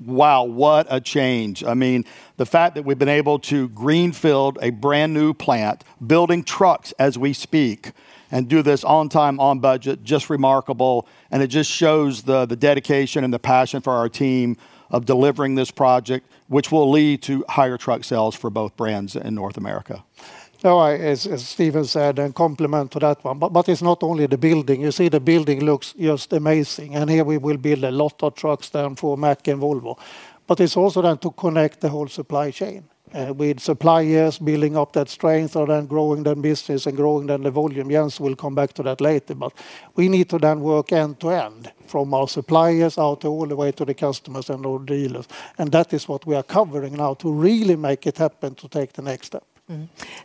Wow, what a change. The fact that we've been able to greenfield a brand-new plant, building trucks as we speak, and do this on time, on budget, just remarkable, and it just shows the dedication and the passion for our team of delivering this project, which will lead to higher truck sales for both brands in North America. All right. As Stephen said, compliment to that one, it's not only the building. You see the building looks just amazing, here we will build a lot of trucks then for Mack and Volvo. It's also then to connect the whole supply chain, with suppliers building up that strength and then growing their business and growing then the volume. Jens will come back to that later, we need to then work end to end, from our suppliers out all the way to the customers and our dealers. That is what we are covering now to really make it happen to take the next step.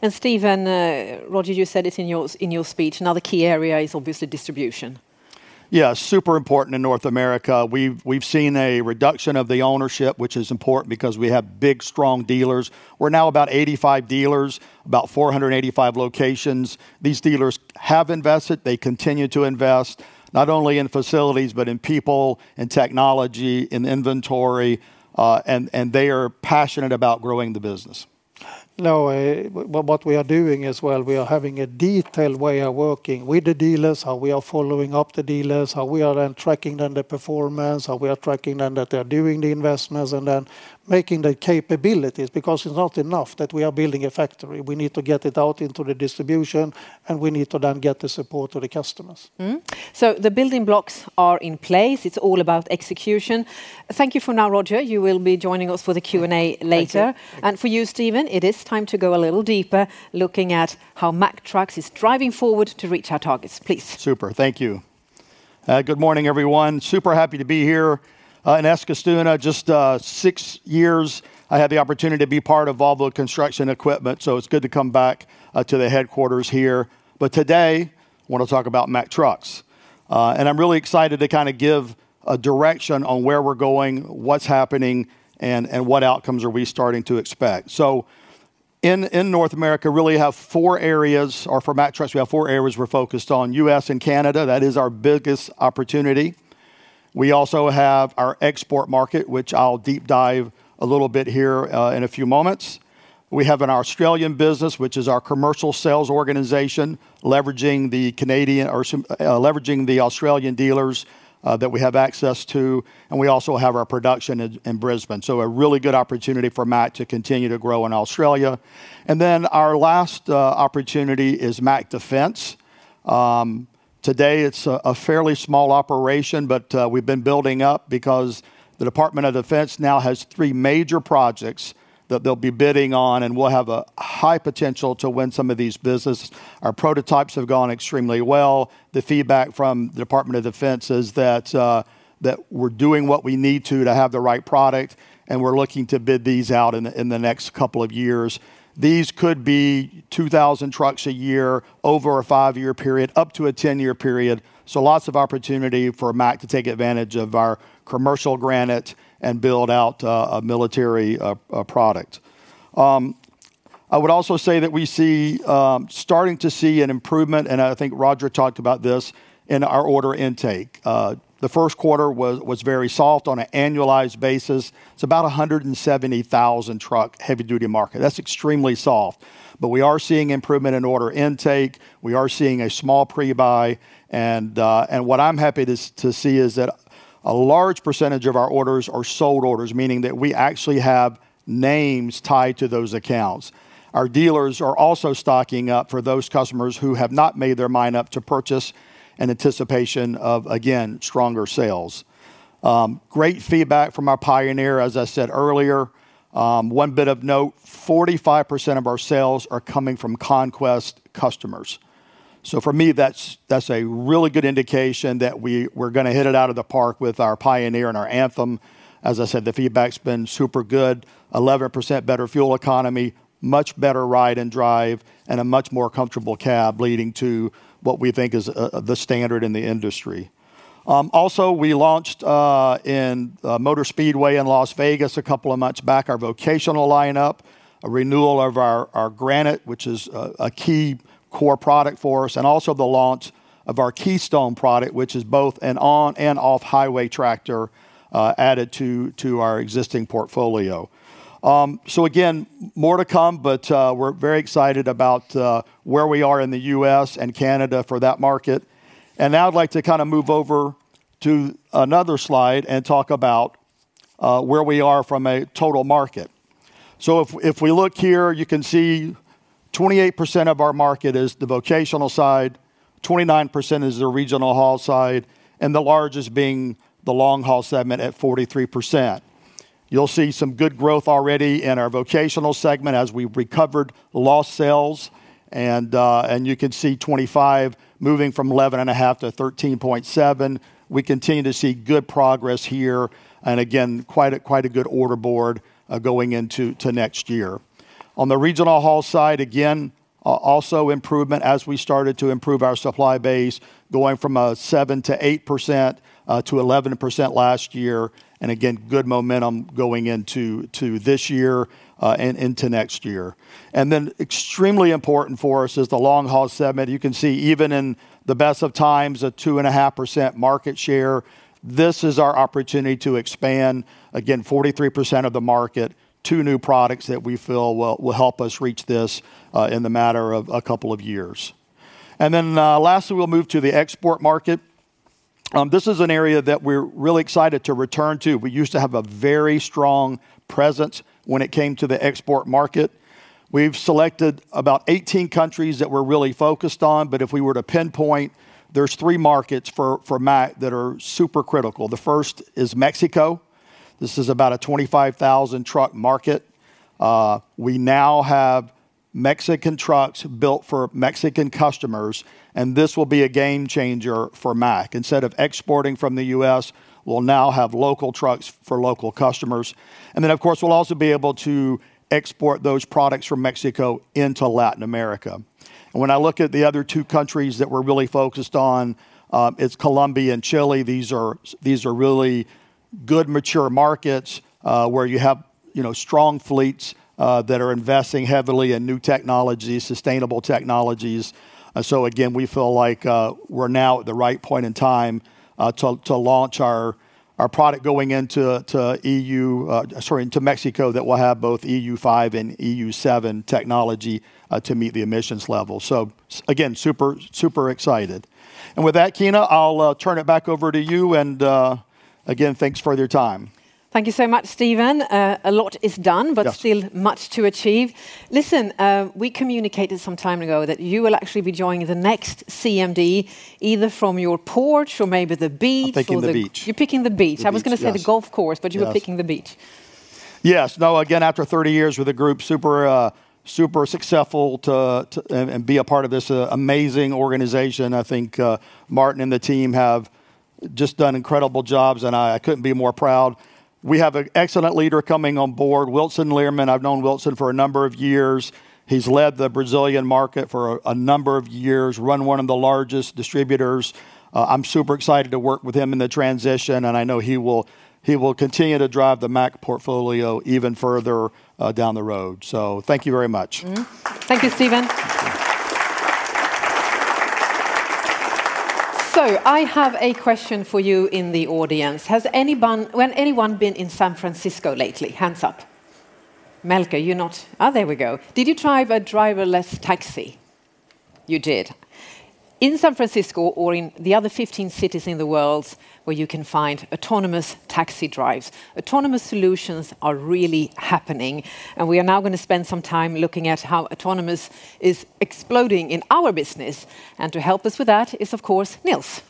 Stephen, Roger, you said it in your speech, another key area is obviously distribution. Super important in North America. We've seen a reduction of the ownership, which is important because we have big, strong dealers. We're now about 85 dealers, about 485 locations. These dealers have invested. They continue to invest not only in facilities, but in people, in technology, in inventory, and they are passionate about growing the business. What we are doing as well, we are having a detailed way of working with the dealers, how we are following up the dealers, how we are then tracking then the performance, how we are tracking then that they're doing the investments, and then making the capabilities. It's not enough that we are building a factory. We need to get it out into the distribution, we need to then get the support of the customers. The building blocks are in place. It's all about execution. Thank you for now, Roger. You will be joining us for the Q&A later. Thank you. For you, Stephen, it is time to go a little deeper, looking at how Mack Trucks is driving forward to reach our targets. Please. Super. Thank you. Good morning, everyone. Super happy to be here, in Eskilstuna. Just six years, I had the opportunity to be part of Volvo Construction Equipment, so it's good to come back to the headquarters here. Today, want to talk about Mack Trucks. I'm really excited to give a direction on where we're going, what's happening, and what outcomes are we starting to expect. In North America, really have four areas, or for Mack Trucks, we have four areas we're focused on. U.S. and Canada. That is our biggest opportunity. We also have our export market, which I'll deep dive a little bit here in a few moments. We have an Australian business, which is our commercial sales organization, leveraging the Australian dealers that we have access to, and we also have our production in Brisbane. A really good opportunity for Mack to continue to grow in Australia. Our last opportunity is Mack Defense. Today it is a fairly small operation, but we have been building up because the Department of Defense now has three major projects that they will be bidding on, and we will have a high potential to win some of these business. Our prototypes have gone extremely well. The feedback from the Department of Defense is that we are doing what we need to have the right product, and we are looking to bid these out in the next couple of years. These could be 2,000 trucks a year over a five-year period, up to a 10-year period, lots of opportunity for Mack to take advantage of our commercial Mack Granite and build out a military product. I would also say that we see starting to see an improvement, and I think Roger talked about this in our order intake. The first quarter was very soft on an annualized basis. It is about 170,000 truck heavy-duty market. That is extremely soft. We are seeing improvement in order intake. We are seeing a small pre-buy, and what I am happy to see is that a large percentage of our orders are sold orders, meaning that we actually have names tied to those accounts. Our dealers are also stocking up for those customers who have not made their mind up to purchase in anticipation of, again, stronger sales. Great feedback from our Mack Pioneer, as I said earlier. One bit of note, 45% of our sales are coming from conquest customers. For me, that is a really good indication that we are going to hit it out of the park with our Mack Pioneer and our Mack Anthem. As I said, the feedback has been super good, 11% better fuel economy, much better ride and drive, and a much more comfortable cab leading to what we think is the standard in the industry. Also, we launched, in Las Vegas Motor Speedway a couple of months back, our vocational lineup, a renewal of our Mack Granite, which is a key core product for us, and also the launch of our Mack Keystone product, which is both an on and off highway tractor, added to our existing portfolio. Again, more to come, but we are very excited about where we are in the U.S. and Canada for that market. Now I would like to move over to another slide and talk about where we are from a total market. If we look here, you can see 28% of our market is the vocational side, 29% is the regional haul side, and the largest being the long haul segment at 43%. You will see some good growth already in our vocational segment as we recovered lost sales and you can see 25 moving from 11.5 to 13.7. We continue to see good progress here, and again, quite a good order board going into next year. On the regional haul side, again, also improvement as we started to improve our supply base, going from a 7%-8%-11% last year, and again, good momentum going into this year, and into next year. Extremely important for us is the long haul segment. You can see even in the best of times, a 2.5% market share. This is our opportunity to expand, again, 43% of the market to new products that we feel will help us reach this, in the matter of a couple of years. Lastly, we'll move to the export market. This is an area that we're really excited to return to. We used to have a very strong presence when it came to the export market. We've selected about 18 countries that we're really focused on, but if we were to pinpoint, there's three markets for Mack that are super critical. The first is Mexico. This is about a 25,000 truck market. We now have Mexican trucks built for Mexican customers, and this will be a game changer for Mack. Instead of exporting from the U.S., we'll now have local trucks for local customers. Of course, we'll also be able to export those products from Mexico into Latin America. When I look at the other two countries that we're really focused on, it's Colombia and Chile. These are really good, mature markets, where you have strong fleets that are investing heavily in new technologies, sustainable technologies. Again, we feel like we're now at the right point in time to launch our product going into Mexico that will have both EU5 and EU7 technology to meet the emissions level. Again, super excited. With that, Kina, I'll turn it back over to you and, again, thanks for your time. Thank you so much, Stephen. A lot is done. Yeah Still much to achieve. Listen, we communicated some time ago that you will actually be joining the next CMD, either from your porch or maybe the beach or. I'm picking the beach You're picking the beach. The beach, yes. I was going to say the golf course. Yes You are picking the beach. Again, after 30 years with a group, super successful to be a part of this amazing organization. I think Martin and the team have just done incredible jobs, and I couldn't be more proud. We have an excellent leader coming on board, Wilson Lirmann. I've known Wilson for a number of years. He's led the Brazilian market for a number of years, run one of the largest distributors. I'm super excited to work with him in the transition, and I know he will continue to drive the Mack portfolio even further down the road. Thank you very much. Thank you, Stephen. I have a question for you in the audience. Has anyone been in San Francisco lately? Hands up. Melker, you're not Oh, there we go. Did you drive a driverless taxi? You did. In San Francisco or in the other 15 cities in the world where you can find autonomous taxi drives, autonomous solutions are really happening, and we are now going to spend some time looking at how autonomous is exploding in our business. To help us with that is, of course, Nils.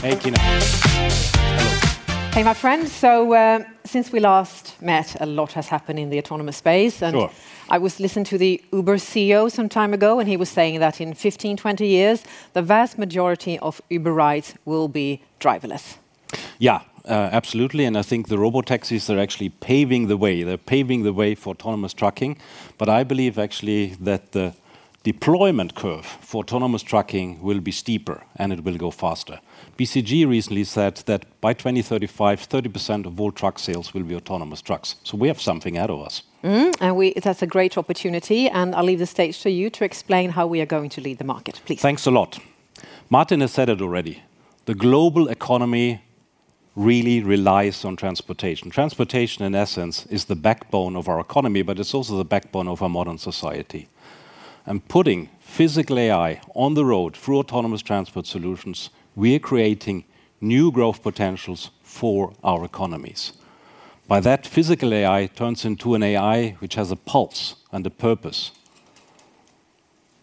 Hey, Kina. Hello. Hey, my friend. Since we last met, a lot has happened in the autonomous space. Sure I was listening to the Uber CEO some time ago, and he was saying that in 15, 20 years, the vast majority of Uber rides will be driverless. Yeah, absolutely. I think the robotaxis are actually paving the way. They're paving the way for autonomous trucking. I believe actually that the deployment curve for autonomous trucking will be steeper, and it will go faster. BCG recently said that by 2035, 30% of all truck sales will be autonomous trucks. We have something ahead of us. Mm-hmm. That's a great opportunity, and I'll leave the stage to you to explain how we are going to lead the market, please. Thanks a lot. Martin has said it already. The global economy really relies on transportation. Transportation, in essence, is the backbone of our economy, but it is also the backbone of our modern society. Putting physical AI on the road through autonomous transport solutions, we are creating new growth potentials for our economies. By that physical AI turns into an AI which has a pulse and a purpose.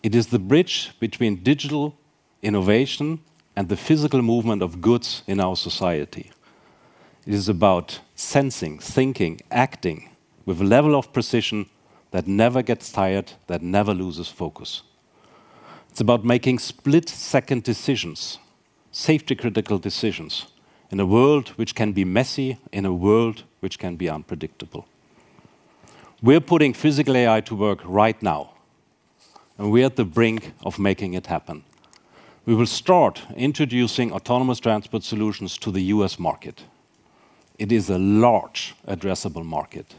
It is the bridge between digital innovation and the physical movement of goods in our society. It is about sensing, thinking, acting with a level of precision that never gets tired, that never loses focus. It is about making split-second decisions, safety-critical decisions in a world which can be messy, in a world which can be unpredictable. We are putting physical AI to work right now, we are at the brink of making it happen. We will start introducing autonomous transport solutions to the U.S. market. It is a large addressable market.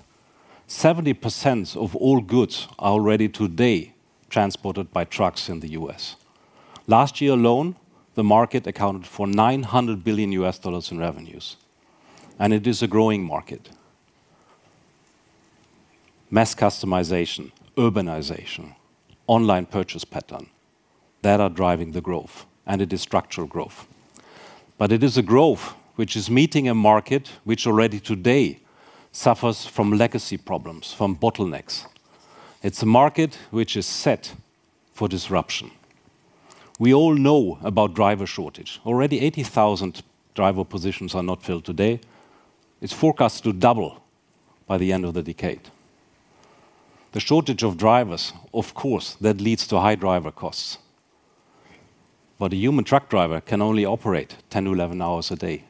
70% of all goods are already today transported by trucks in the U.S. Last year alone, the market accounted for $900 billion in revenues. It is a growing market. Mass customization, urbanization, online purchase pattern, that are driving the growth, it is structural growth. It is a growth which is meeting a market which already today suffers from legacy problems, from bottlenecks. It is a market which is set for disruption. We all know about driver shortage. Already 80,000 driver positions are not filled today. It is forecast to double by the end of the decade. The shortage of drivers, of course, that leads to high driver costs. A human truck driver can only operate 10 to 11 hours a day.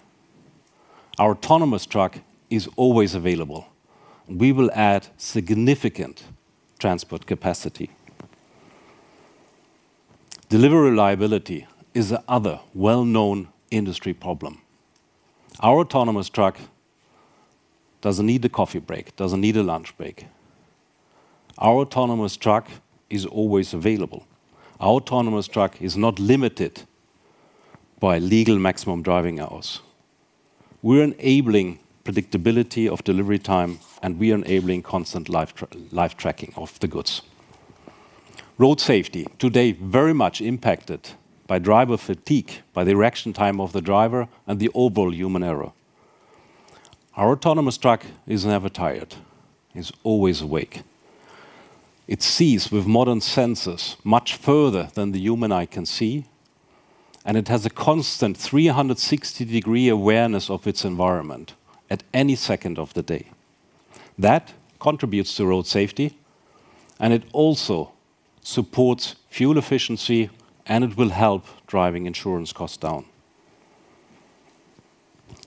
Our autonomous truck is always available. We will add significant transport capacity. Delivery liability is the other well-known industry problem. Our autonomous truck doesn't need a coffee break, doesn't need a lunch break. Our autonomous truck is always available. Our autonomous truck is not limited by legal maximum driving hours. We are enabling predictability of delivery time, we are enabling constant live tracking of the goods. Road safety, today very much impacted by driver fatigue, by the reaction time of the driver, the overall human error. Our autonomous truck is never tired. It is always awake. It sees with modern sensors much further than the human eye can see, it has a constant 360-degree awareness of its environment at any second of the day. That contributes to road safety, it also supports fuel efficiency, it will help driving insurance costs down.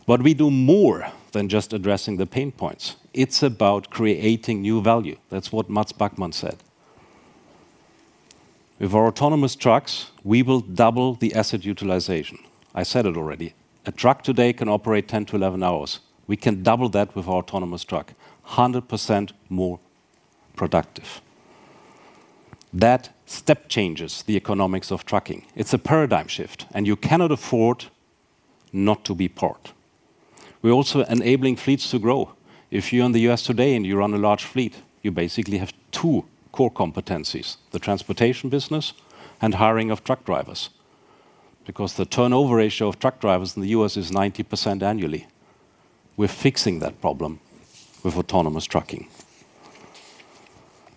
We do more than just addressing the pain points. It is about creating new value. That is what Mats Backman said. With our autonomous trucks, we will double the asset utilization. I said it already. A truck today can operate 10 to 11 hours. We can double that with our autonomous truck, 100% more productive. That step changes the economics of trucking. It is a paradigm shift, you cannot afford not to be part. We are also enabling fleets to grow. If you are in the U.S. today and you run a large fleet, you basically have two core competencies, the transportation business and hiring of truck drivers. Because the turnover ratio of truck drivers in the U.S. is 90% annually. We are fixing that problem with autonomous trucking.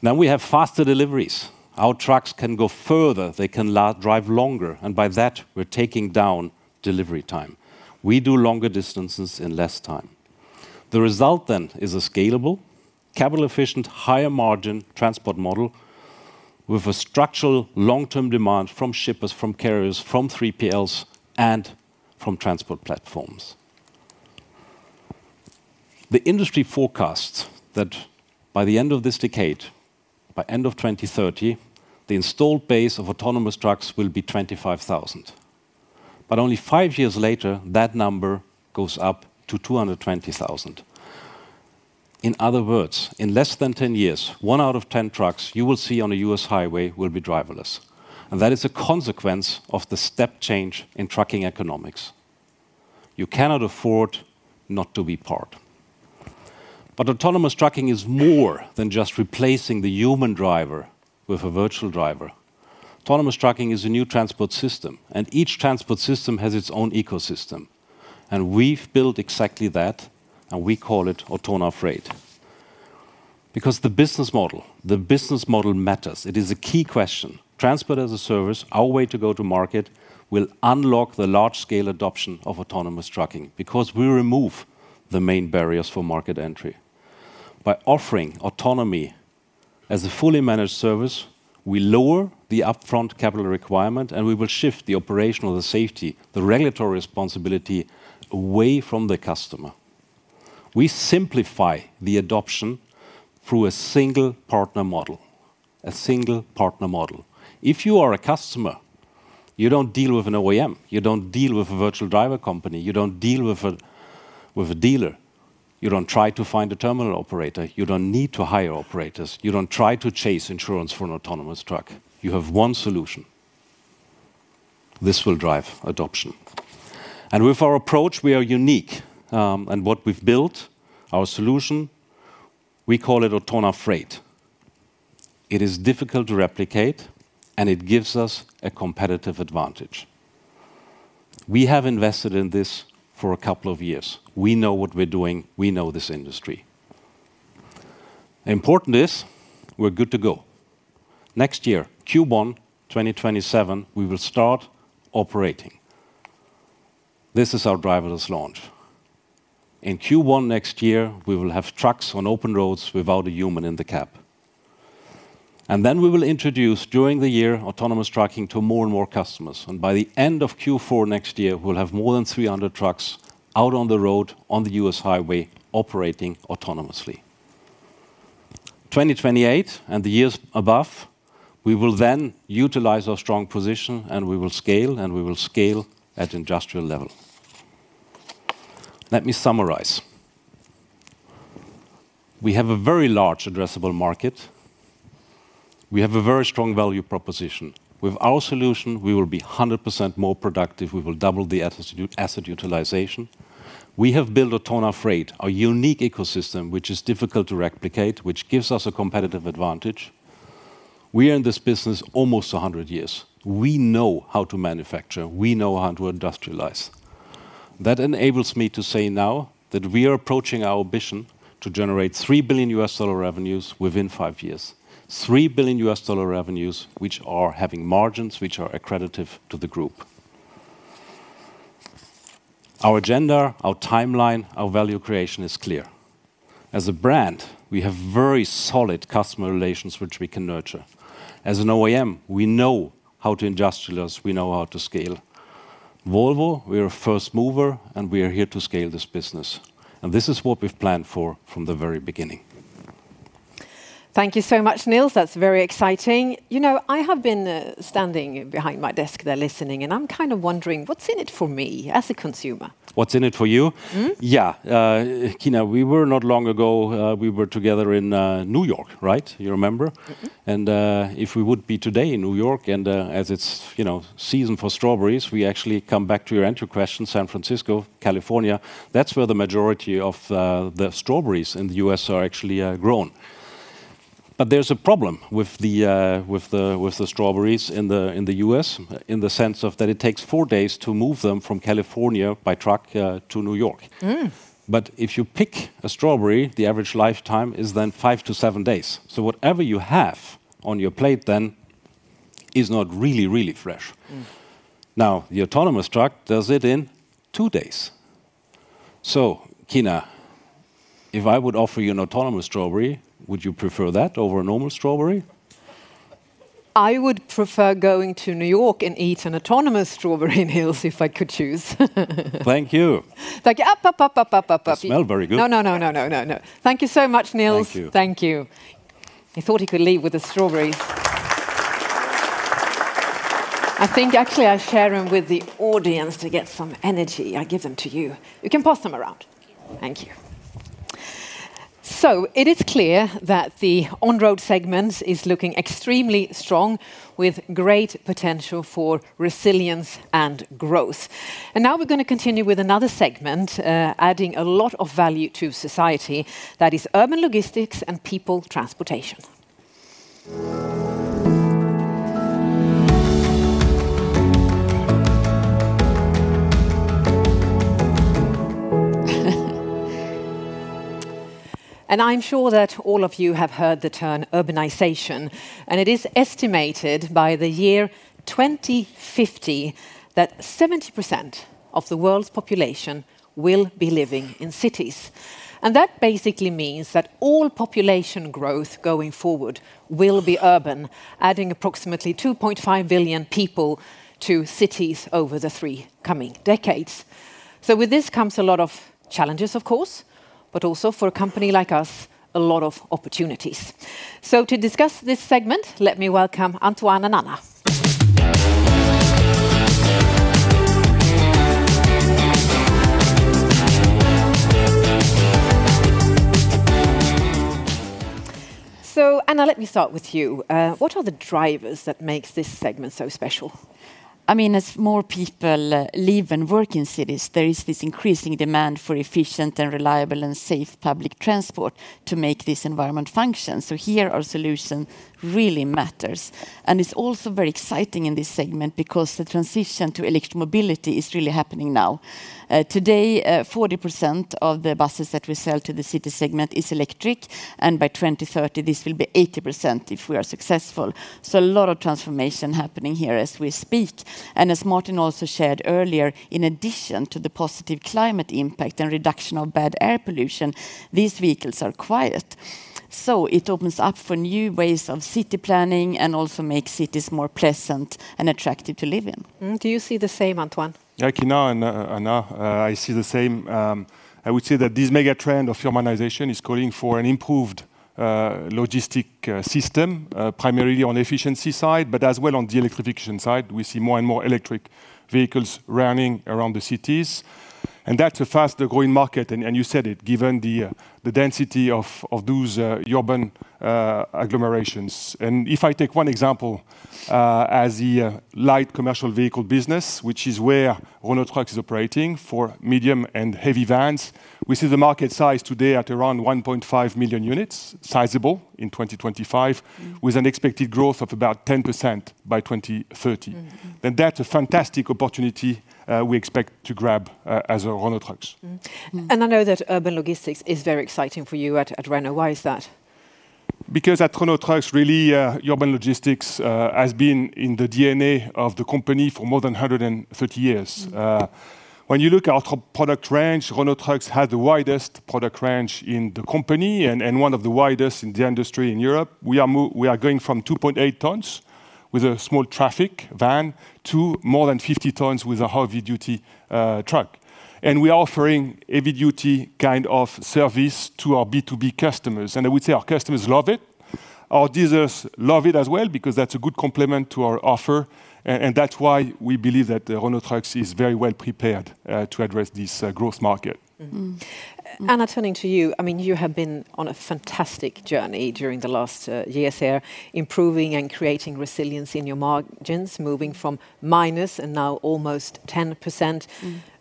Now we have faster deliveries. Our trucks can go further. They can drive longer. By that, we are taking down delivery time. We do longer distances in less time. The result is a scalable, capital-efficient, higher margin transport model with a structural long-term demand from shippers, from carriers, from 3PLs, and from transport platforms. The industry forecasts that by the end of this decade, by end of 2030, the installed base of autonomous trucks will be 25,000. Only five years later, that number goes up to 220,000. In other words, in less than 10 years, one out of 10 trucks you will see on a U.S. highway will be driverless. That is a consequence of the step change in trucking economics. You cannot afford not to be part. Autonomous trucking is more than just replacing the human driver with a virtual driver. Autonomous trucking is a new transport system, and each transport system has its own ecosystem. We've built exactly that, and we call it Autono-Freight. Because the business model matters. It is a key question. Transport as a service, our way to go to market, will unlock the large-scale adoption of autonomous trucking because we remove the main barriers for market entry. By offering autonomy as a fully managed service, we lower the upfront capital requirement, and we will shift the operational, the safety, the regulatory responsibility away from the customer. We simplify the adoption through a single partner model. If you are a customer, you don't deal with an OEM, you don't deal with a virtual driver company, you don't deal with a dealer. You don't try to find a terminal operator. You don't need to hire operators. You don't try to chase insurance for an autonomous truck. You have one solution. This will drive adoption. With our approach, we are unique. What we've built, our solution, we call it Autono-Freight. It is difficult to replicate, and it gives us a competitive advantage. We have invested in this for a couple of years. We know what we're doing. We know this industry. Important is, we're good to go. Next year, Q1 2027, we will start operating. This is our driverless launch. In Q1 next year, we will have trucks on open roads without a human in the cab. We will introduce, during the year, autonomous trucking to more and more customers. By the end of Q4 next year, we'll have more than 300 trucks out on the road on the U.S. highway operating autonomously. 2028 and the years above, we will then utilize our strong position, and we will scale, and we will scale at industrial level. Let me summarize. We have a very large addressable market. We have a very strong value proposition. With our solution, we will be 100% more productive. We will double the asset utilization. We have built Autono-Freight, our unique ecosystem, which is difficult to replicate, which gives us a competitive advantage. We are in this business almost 100 years. We know how to manufacture. We know how to industrialize. That enables me to say now that we are approaching our ambition to generate $3 billion US dollar revenues within five years. $3 billion US dollar revenues, which are having margins which are accretive to the group. Our agenda, our timeline, our value creation is clear. As a brand, we have very solid customer relations which we can nurture. As an OEM, we know how to industrialize, we know how to scale. Volvo, we are a first mover, and we are here to scale this business. This is what we've planned for from the very beginning. Thank you so much, Nils. That's very exciting. I have been standing behind my desk there listening, I'm kind of wondering, what's in it for me as a consumer? What's in it for you? Yeah. Kina, not long ago, we were together in New York, right? You remember? If we would be today in New York, as it's season for strawberries, we actually come back to your answer question, San Francisco, California, that's where the majority of the strawberries in the U.S. are actually grown. There's a problem with the strawberries in the U.S. in the sense of that it takes four days to move them from California by truck to New York. If you pick a strawberry, the average lifetime is then five to seven days. Whatever you have on your plate then is not really fresh. The autonomous truck does it in two days. Kina, if I would offer you an autonomous strawberry, would you prefer that over a normal strawberry? I would prefer going to New York and eat an autonomous strawberry, Nils, if I could choose. Thank you. Thank you. They smell very good. No. Thank you so much, Nils. Thank you. Thank you. He thought he could leave with the strawberries. I think actually I'll share them with the audience to get some energy. I give them to you. You can pass them around. Thank you. It is clear that the on-road segment is looking extremely strong, with great potential for resilience and growth. Now we're going to continue with another segment, adding a lot of value to society, that is urban logistics and people transportation. I'm sure that all of you have heard the term urbanization. It is estimated by the year 2050 that 70% of the world's population will be living in cities. That basically means that all population growth going forward will be urban, adding approximately 2.5 billion people to cities over the three coming decades. With this comes a lot of challenges, of course, but also for a company like us, a lot of opportunities. To discuss this segment, let me welcome Antoine and Anna. Anna, let me start with you. What are the drivers that makes this segment so special? As more people live and work in cities, there is this increasing demand for efficient and reliable and safe public transport to make this environment function. Here, our solution really matters. It's also very exciting in this segment because the transition to electric mobility is really happening now. Today, 40% of the buses that we sell to the city segment is electric, and by 2030, this will be 80% if we are successful. A lot of transformation happening here as we speak. As Martin also shared earlier, in addition to the positive climate impact and reduction of bad air pollution, these vehicles are quiet. So it opens up for new ways of city planning and also makes cities more pleasant and attractive to live in. Mm-hmm. Do you see the same, Antoine? Anna, I see the same. I would say that this mega trend of urbanization is calling for an improved logistic system, primarily on the efficiency side, but as well on the electrification side. We see more and more electric vehicles running around the cities, and that's a faster-growing market. You said it, given the density of those urban agglomerations. If I take one example, as the light commercial vehicle business, which is where Renault Trucks is operating for medium and heavy vans, we see the market size today at around 1.5 million units, sizable in 2025, with an expected growth of about 10% by 2030. That's a fantastic opportunity we expect to grab as Renault Trucks. I know that urban logistics is very exciting for you at Renault. Why is that? Because at Renault Trucks, really, urban logistics has been in the DNA of the company for more than 130 years. When you look at our product range, Renault Trucks has the widest product range in the company and one of the widest in the industry in Europe. We are going from 2.8 tons with a small Traffic van to more than 50 tons with a heavy-duty truck. We are offering heavy-duty kind of service to our B2B customers. I would say our customers love it. Our dealers love it as well because that's a good complement to our offer. That's why we believe that Renault Trucks is very well prepared to address this growth market. Mm-hmm. Anna, turning to you. You have been on a fantastic journey during the last year, improving and creating resilience in your margins, moving from minus and now almost 10%.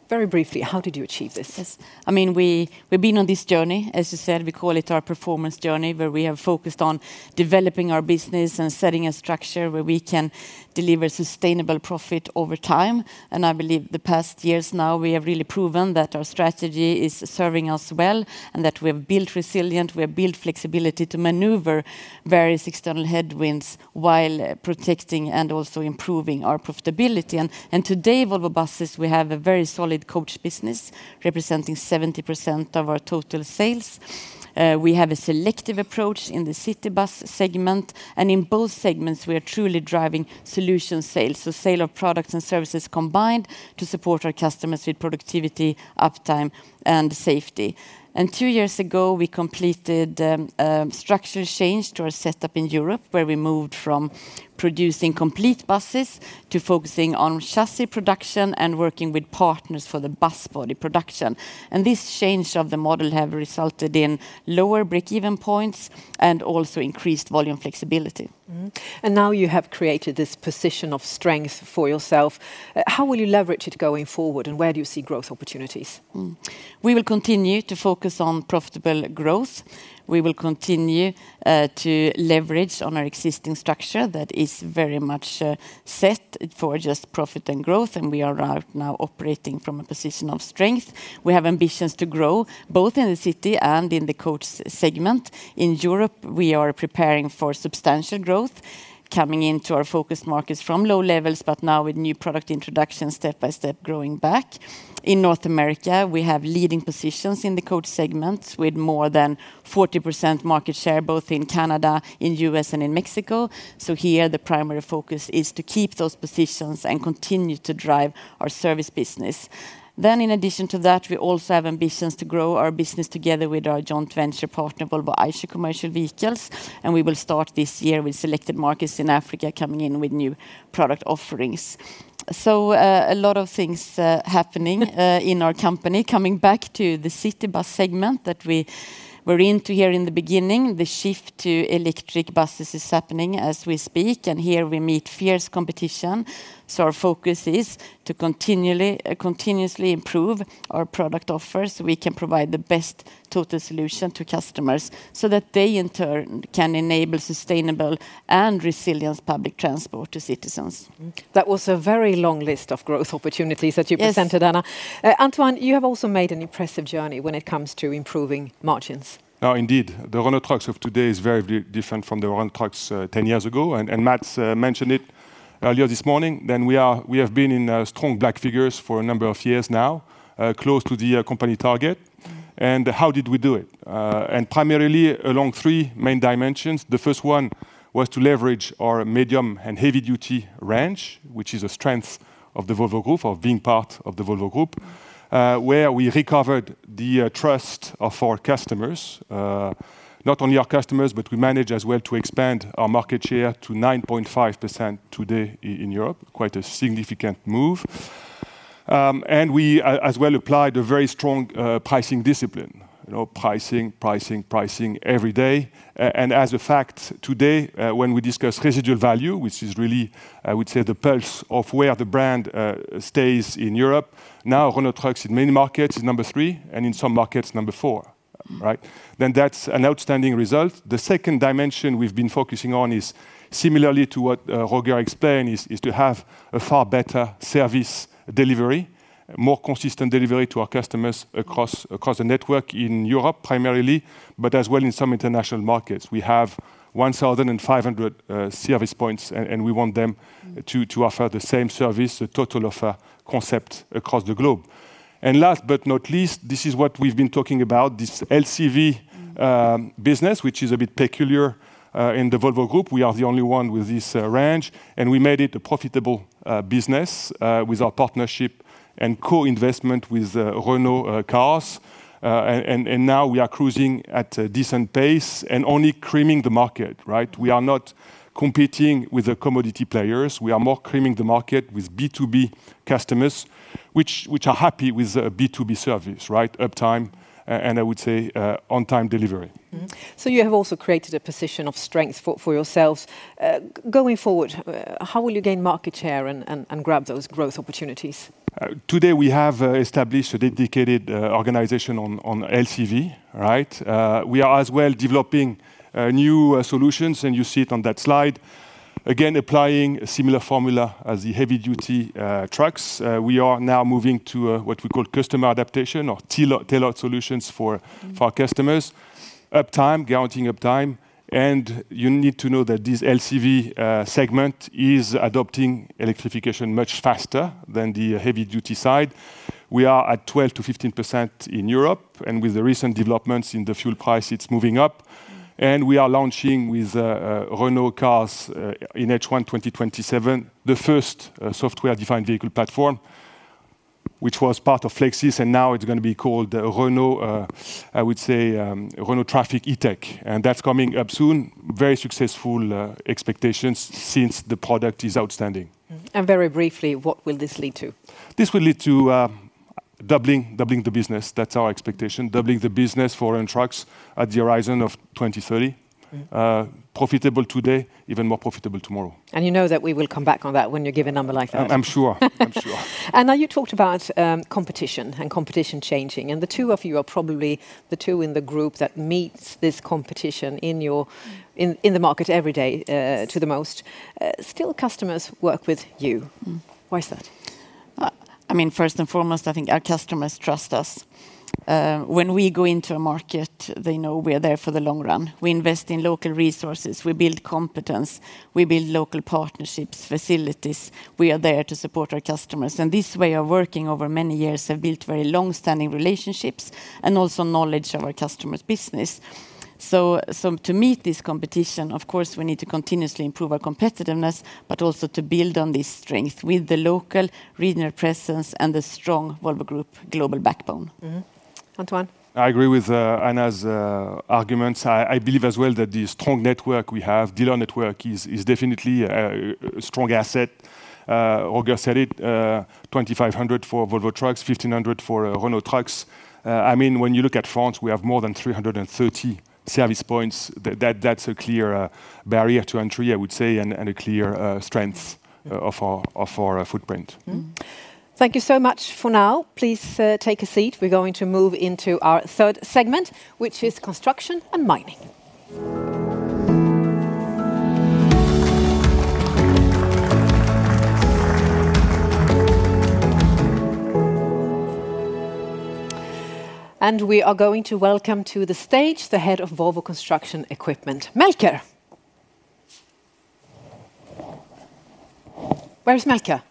Very briefly, how did you achieve this? Yes. We've been on this journey, as you said, we call it our performance journey, where we have focused on developing our business and setting a structure where we can deliver sustainable profit over time. I believe the past years now, we have really proven that our strategy is serving us well and that we have built resilience, we have built flexibility to maneuver various external headwinds while protecting and also improving our profitability. Today, Volvo Buses, we have a very solid coach business representing 70% of our total sales. We have a selective approach in the city bus segment, and in both segments, we are truly driving solution sales, so sale of products and services combined to support our customers with productivity, uptime, and safety. Two years ago, we completed a structure change to our setup in Europe, where we moved from producing complete buses to focusing on chassis production and working with partners for the bus body production. This change of the model have resulted in lower break-even points and also increased volume flexibility. Now you have created this position of strength for yourself. How will you leverage it going forward, and where do you see growth opportunities? We will continue to focus on profitable growth. We will continue to leverage on our existing structure that is very much set for just profit and growth, and we are now operating from a position of strength. We have ambitions to grow both in the city and in the coach segment. In Europe, we are preparing for substantial growth, coming into our focus markets from low levels, but now with new product introduction, step by step, growing back. In North America, we have leading positions in the coach segments with more than 40% market share, both in Canada, in U.S., and in Mexico. Here, the primary focus is to keep those positions and continue to drive our service business. In addition to that, we also have ambitions to grow our business together with our joint venture partner, Volvo Eicher Commercial Vehicles, and we will start this year with selected markets in Africa, coming in with new product offerings. A lot of things happening in our company. Coming back to the city bus segment that we were into here in the beginning, the shift to electric buses is happening as we speak, and here we meet fierce competition. Our focus is to continuously improve our product offers, so we can provide the best total solution to customers so that they, in turn, can enable sustainable and resilience public transport to citizens. That was a very long list of growth opportunities that you presented. Yes Anna, Antoine, you have also made an impressive journey when it comes to improving margins. Indeed. The Renault Trucks of today is very different from the Renault Trucks 10 years ago. Mats mentioned it earlier this morning, that we have been in strong black figures for a number of years now, close to the company target. How did we do it? Primarily along three main dimensions. The first one was to leverage our medium and heavy-duty range, which is a strength of the Volvo Group, of being part of the Volvo Group, where we recovered the trust of our customers. Not only our customers, but we managed as well to expand our market share to 9.5% today in Europe. Quite a significant move. We, as well, applied a very strong pricing discipline. Pricing, pricing every day. As a fact, today, when we discuss residual value, which is really, I would say, the pulse of where the brand stays in Europe, now Renault Trucks in many markets is number 3, and in some markets number 4. That's an outstanding result. The second dimension we've been focusing on is, similarly to what Roger explained, is to have a far better service delivery, more consistent delivery to our customers across the network in Europe primarily, but as well in some international markets. We have 1,500 service points, and we want them to offer the same service, a total of concept across the globe. Last but not least, this is what we've been talking about, this LCV business, which is a bit peculiar in the Volvo Group. We are the only one with this range, and we made it a profitable business with our partnership and co-investment with Renault Group. Now we are cruising at a decent pace and only creaming the market. We are not competing with the commodity players. We are more creaming the market with B2B customers, which are happy with a B2B service. Uptime, I would say on-time delivery. You have also created a position of strength for yourselves. Going forward, how will you gain market share and grab those growth opportunities? Today, we have established a dedicated organization on LCV. We are as well developing new solutions, and you see it on that slide. Again, applying a similar formula as the heavy-duty trucks. We are now moving to what we call customer adaptation or tailored solutions for our customers. Uptime, guaranteeing uptime, and you need to know that this LCV segment is adopting electrification much faster than the heavy-duty side. We are at 12%-15% in Europe, and with the recent developments in the fuel price, it's moving up. We are launching with Renault Group in H1 2027, the first software-defined vehicle platform, which was part of Flexis. Now it's going to be called Renault Trafic E-Tech. That's coming up soon. Very successful expectations since the product is outstanding. Very briefly, what will this lead to? This will lead to doubling the business. That's our expectation. Doubling the business for trucks at the horizon of 2030. Profitable today, even more profitable tomorrow. You know that we will come back on that when you give a number like that. I'm sure. Now you talked about competition and competition changing, and the two of you are probably the two in the group that meets this competition in the market every day to the most. Still, customers work with you. Why is that? First and foremost, I think our customers trust us. When we go into a market, they know we're there for the long run. We invest in local resources. We build competence. We build local partnerships, facilities. We are there to support our customers. This way of working over many years have built very long-standing relationships and also knowledge of our customer's business. To meet this competition, of course, we need to continuously improve our competitiveness, but also to build on this strength with the local regional presence and the strong Volvo Group global backbone. Antoine? I agree with Anna's arguments. I believe as well that the strong network we have, dealer network, is definitely a strong asset. Roger said it, 2,500 for Volvo Trucks, 1,500 for Renault Trucks. When you look at France, we have more than 330 service points. That's a clear barrier to entry, I would say, and a clear strength of our footprint. Thank you so much for now. Please take a seat. We are going to move into our 3rd segment, which is construction and mining. We are going to welcome to the stage the head of Volvo Construction Equipment, Melker. Where is Melker?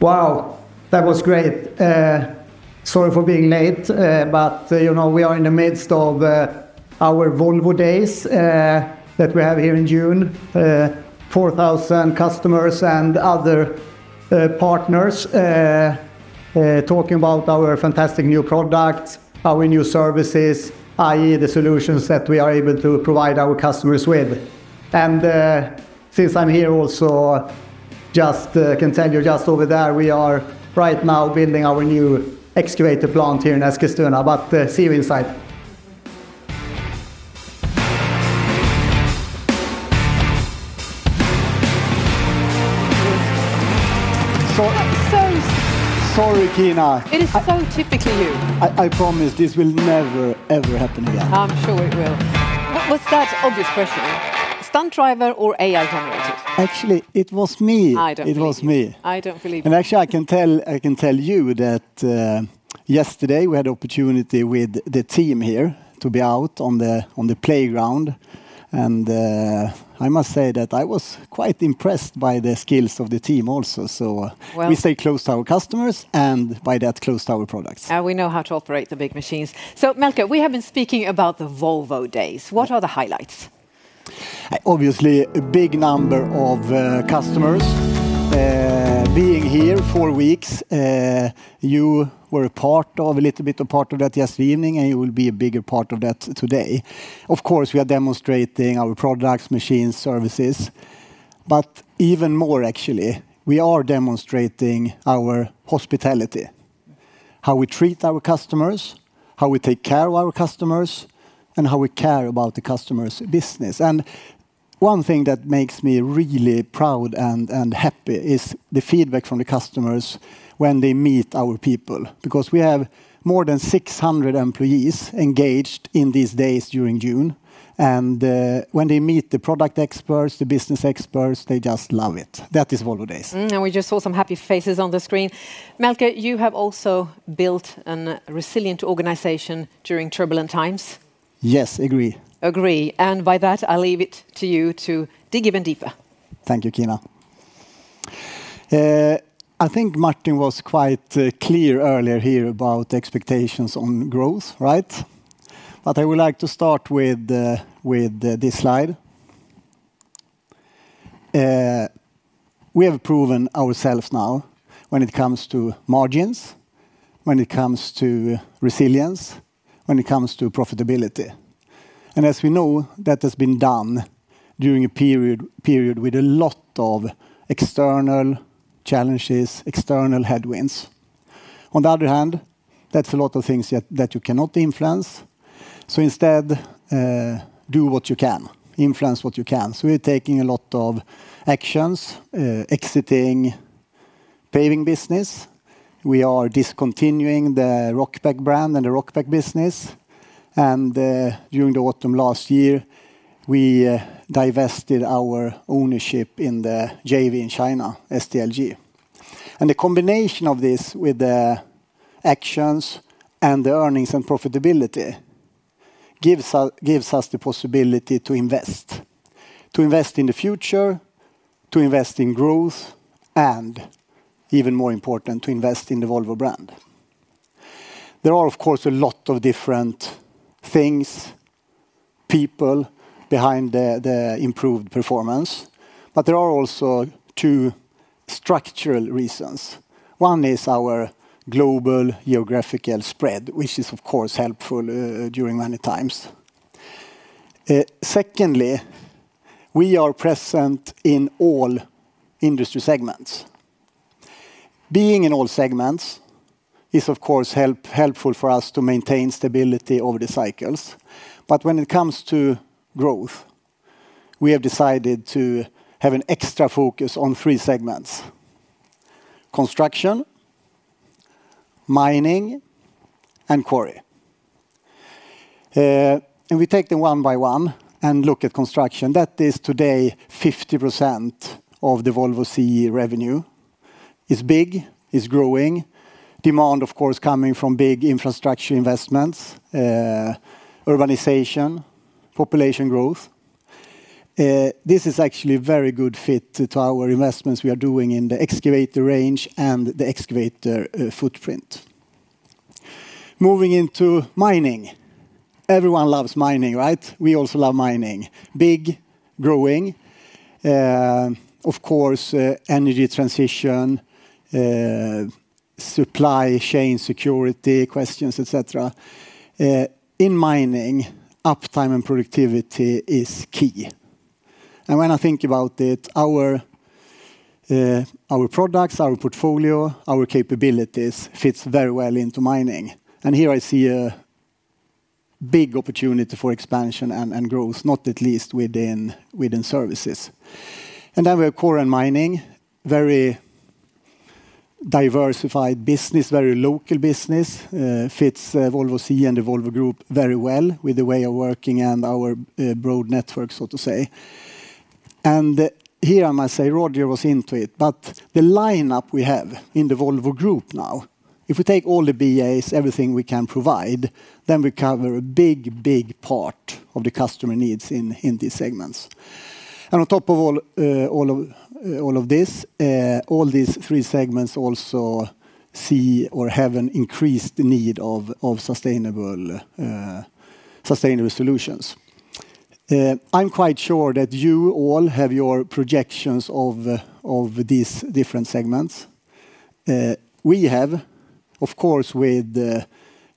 Wow, that was great. Sorry for being late, but we are in the midst of our Volvo Days that we have here in June. 4,000 customers and other partners talking about our fantastic new products, our new services, i.e., the solutions that we are able to provide our customers with. Since I am here also, just can tell you just over there, we are right now building our new excavator plant here in Eskilstuna, but see you inside. That was so- Sorry, Kina It is so typically you. I promise this will never, ever happen again. I'm sure it will. What was that? Obvious question. Stunt driver or AI-generated? Actually, it was me. I don't believe you. It was me. I don't believe you. Actually, I can tell you that yesterday we had the opportunity with the team here to be out on the playground, and I must say that I was quite impressed by the skills of the team also. We stay close to our customers, and by that, close to our products. We know how to operate the big machines. Melker, we have been speaking about the Volvo Days. What are the highlights? Obviously, a big number of customers being here four weeks. You were a little bit a part of that yesterday evening, and you will be a bigger part of that today. Of course, we are demonstrating our products, machines, services. But even more, we are demonstrating our hospitality, how we treat our customers, how we take care of our customers, and how we care about the customer's business. One thing that makes me really proud and happy is the feedback from the customers when they meet our people, because we have more than 600 employees engaged in these days during June. When they meet the product experts, the business experts, they just love it. That is Volvo Days. We just saw some happy faces on the screen. Melker, you have also built a resilient organization during turbulent times. Yes, agree. Agree. By that, I leave it to you to dig even deeper. Thank you, Kina. I think Martin was quite clear earlier here about the expectations on growth. I would like to start with this slide. We have proven ourselves now when it comes to margins, when it comes to resilience, when it comes to profitability. As we know, that has been done during a period with a lot of external challenges, external headwinds. On the other hand, that's a lot of things that you cannot influence. Instead, do what you can. Influence what you can. We are taking a lot of actions, exiting paving business. We are discontinuing the Rokbak brand and the Rokbak business. During the autumn last year, we divested our ownership in the JV in China, SDLG. The combination of this with the actions and the earnings and profitability gives us the possibility to invest. To invest in the future, to invest in growth, and even more important, to invest in the Volvo brand. There are, of course, a lot of different things, people behind the improved performance, there are also two structural reasons. One is our global geographical spread, which is, of course, helpful during many times. Secondly, we are present in all industry segments. Being in all segments is, of course, helpful for us to maintain stability over the cycles. When it comes to growth, we have decided to have an extra focus on three segments: construction, mining, and quarry. We take them one by one and look at construction. That is today 50% of the Volvo CE revenue. It's big, it's growing. Demand, of course, coming from big infrastructure investments, urbanization, population growth. This is actually a very good fit to our investments we are doing in the excavator range and the excavator footprint. Moving into mining. Everyone loves mining, right? We also love mining. Big, growing. Of course, energy transition, supply chain security questions, et cetera. In mining, uptime and productivity is key. When I think about it, our products, our portfolio, our capabilities fits very well into mining. Here I see a big opportunity for expansion and growth, not at least within services. Then we have quarry and mining, very diversified business, very local business. Fits Volvo CE and the Volvo Group very well with the way of working and our broad network, so to say. Here I must say, Roger was into it, but the lineup we have in the Volvo Group now, if we take all the BAs, everything we can provide, we cover a big part of the customer needs in these segments. On top of all of this, all these three segments also see or have an increased need of sustainable solutions. I'm quite sure that you all have your projections of these different segments. We have, of course, with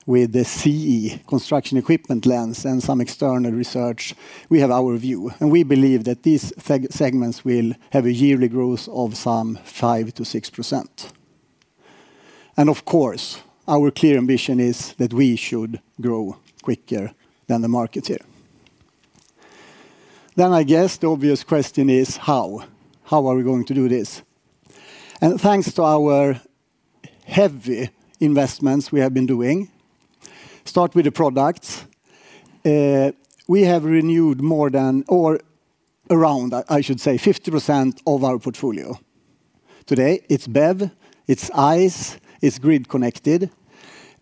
the CE, construction equipment lens and some external research, we have our view, and we believe that these segments will have a yearly growth of some 5%-6%. Of course, our clear ambition is that we should grow quicker than the market here. I guess the obvious question is how? How are we going to do this? Thanks to our heavy investments we have been doing, start with the products. We have renewed more than or around, I should say, 50% of our portfolio. Today, it's BEV, it's ICE, it's grid connected.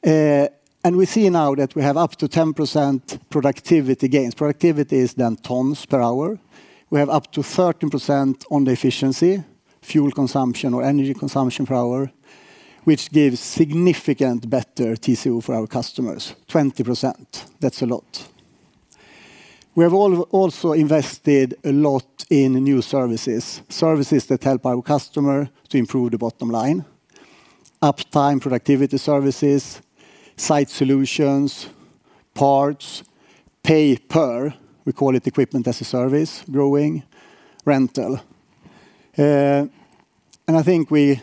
We see now that we have up to 10% productivity gains. Productivity is done tons per hour. We have up to 30% on the efficiency, fuel consumption or energy consumption per hour, which gives significant better TCO for our customers. 20%, that's a lot. We have also invested a lot in new services that help our customer to improve the bottom line. Uptime productivity services, site solutions, parts, pay per, we call it equipment as a service, growing rental. I think we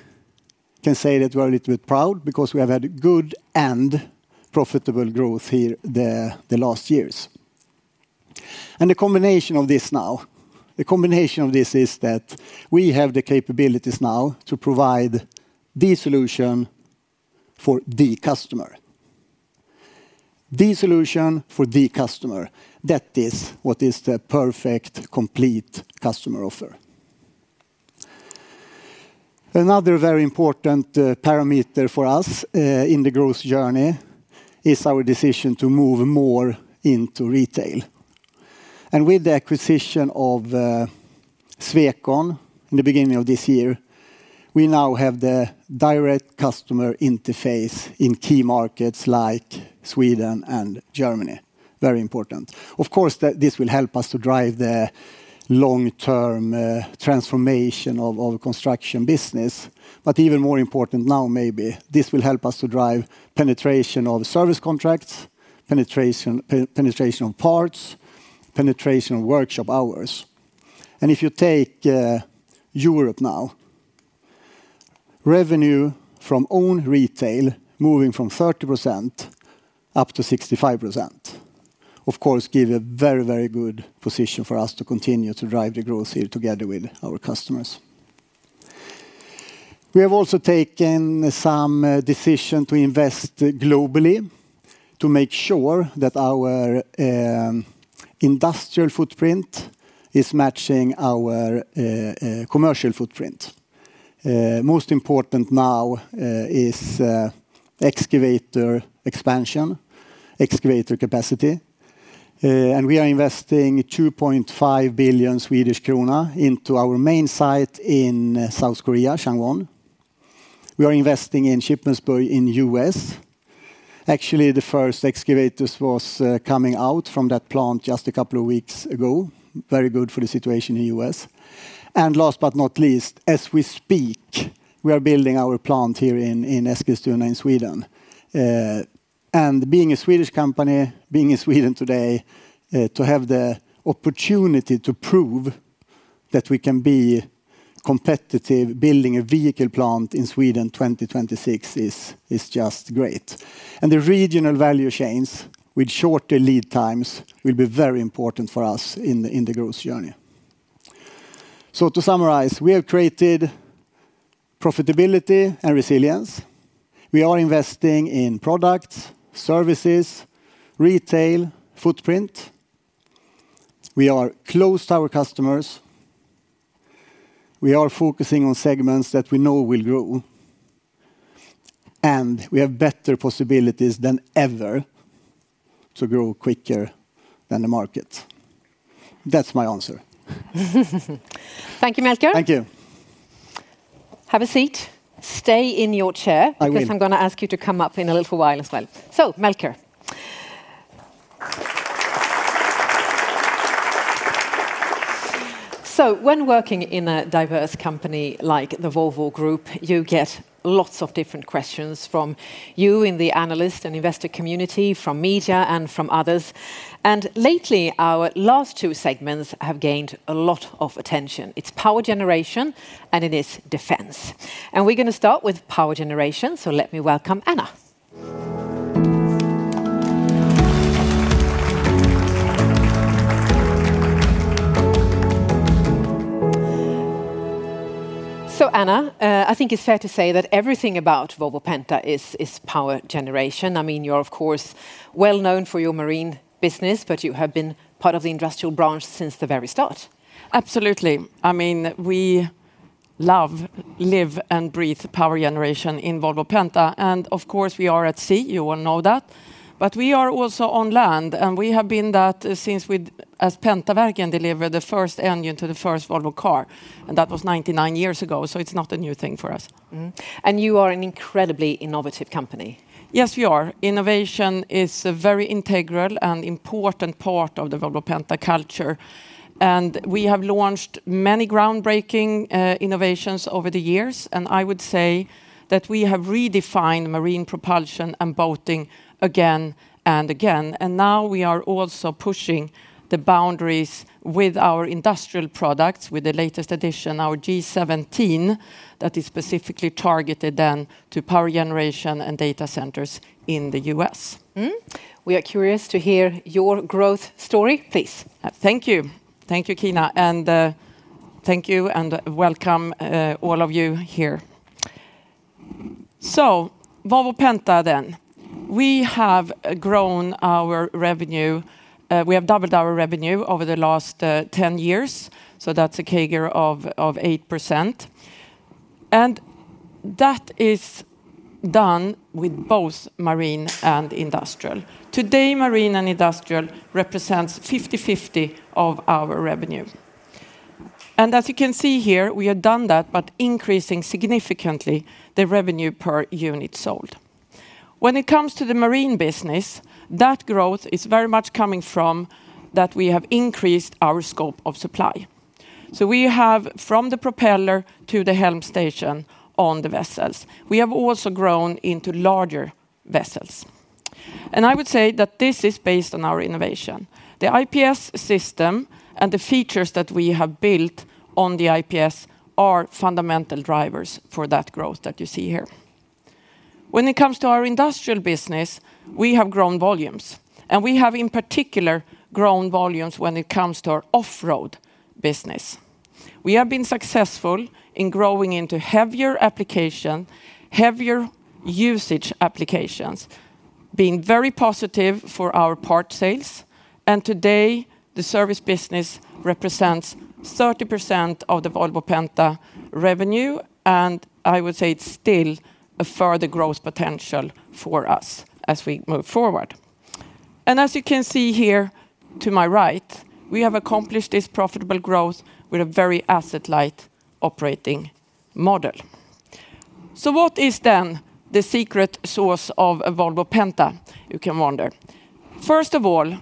can say that we are a little bit proud because we have had good and profitable growth here the last years. The combination of this now, the combination of this is that we have the capabilities now to provide the solution for the customer. The solution for the customer, that is what is the perfect, complete customer offer. Another very important parameter for us in the growth journey is our decision to move more into retail. With the acquisition of the Swecon in the beginning of this year, we now have the direct customer interface in key markets like Sweden and Germany. Very important. Of course, this will help us to drive the long-term transformation of construction business. Even more important now maybe, this will help us to drive penetration of service contracts, penetration of parts, penetration of workshop hours. If you take Europe now, revenue from own retail moving from 30%-65%, of course gives a very good position for us to continue to drive the growth here together with our customers. We have also taken some decision to invest globally to make sure that our industrial footprint is matching our commercial footprint. Most important now is excavator expansion, excavator capacity. We are investing 2.5 billion Swedish krona into our main site in South Korea, Changwon. We are investing in Shippensburg in the U.S. Actually, the first excavators was coming out from that plant just a couple of weeks ago. Very good for the situation in the U.S. Last but not least, as we speak, we are building our plant here in Eskilstuna in Sweden. Being a Swedish company, being in Sweden today, to have the opportunity to prove that we can be competitive building a vehicle plant in Sweden, 2026, is just great. The regional value chains with shorter lead times will be very important for us in the growth journey. To summarize, we have created profitability and resilience. We are investing in products, services, retail footprint. We are close to our customers. We are focusing on segments that we know will grow. We have better possibilities than ever to grow quicker than the market. That's my answer. Thank you, Melker. Thank you. Have a seat. Stay in your chair. I will I'm going to ask you to come up in a little while as well. Melker. When working in a diverse company like the Volvo Group, you get lots of different questions from you in the analyst and investor community, from media and from others. Lately, our last two segments have gained a lot of attention. It's power generation, and it is defense. We're going to start with power generation, so let me welcome Anna. Anna, I think it's fair to say that everything about Volvo Penta is power generation. You're of course well known for your marine business, but you have been part of the industrial branch since the very start. Absolutely. We love, live, and breathe power generation in Volvo Penta. Of course we are at sea, you all know that. We are also on land. We have been that since we as Pentaverken delivered the first engine to the first Volvo Cars. That was 99 years ago, so it's not a new thing for us. You are an incredibly innovative company. Yes, we are. Innovation is a very integral and important part of the Volvo Penta culture, and we have launched many groundbreaking innovations over the years, and I would say that we have redefined marine propulsion and boating again and again. Now we are also pushing the boundaries with our industrial products, with the latest edition, our G17, that is specifically targeted then to power generation and data centers in the U.S. Mm-hmm. We are curious to hear your growth story. Please. Thank you. Thank you, Kina. Thank you and welcome all of you here. Volvo Penta then. We have grown our revenue. We have doubled our revenue over the last 10 years, so that's a compound annual growth rate of 8%, and that is done with both marine and industrial. Today, marine and industrial represents 50/50 of our revenue. As you can see here, we have done that by increasing significantly the revenue per unit sold. When it comes to the marine business, that growth is very much coming from that we have increased our scope of supply. We have from the propeller to the helm station on the vessels. We have also grown into larger vessels. I would say that this is based on our innovation. The IPS system and the features that we have built on the IPS are fundamental drivers for that growth that you see here. When it comes to our industrial business, we have grown volumes. We have, in particular, grown volumes when it comes to our off-road business. We have been successful in growing into heavier usage applications, being very positive for our parts sales, and today, the service business represents 30% of the Volvo Penta revenue, and I would say it's still a further growth potential for us as we move forward. As you can see here to my right, we have accomplished this profitable growth with a very asset-light operating model. What is then the secret sauce of a Volvo Penta, you can wonder. First of all,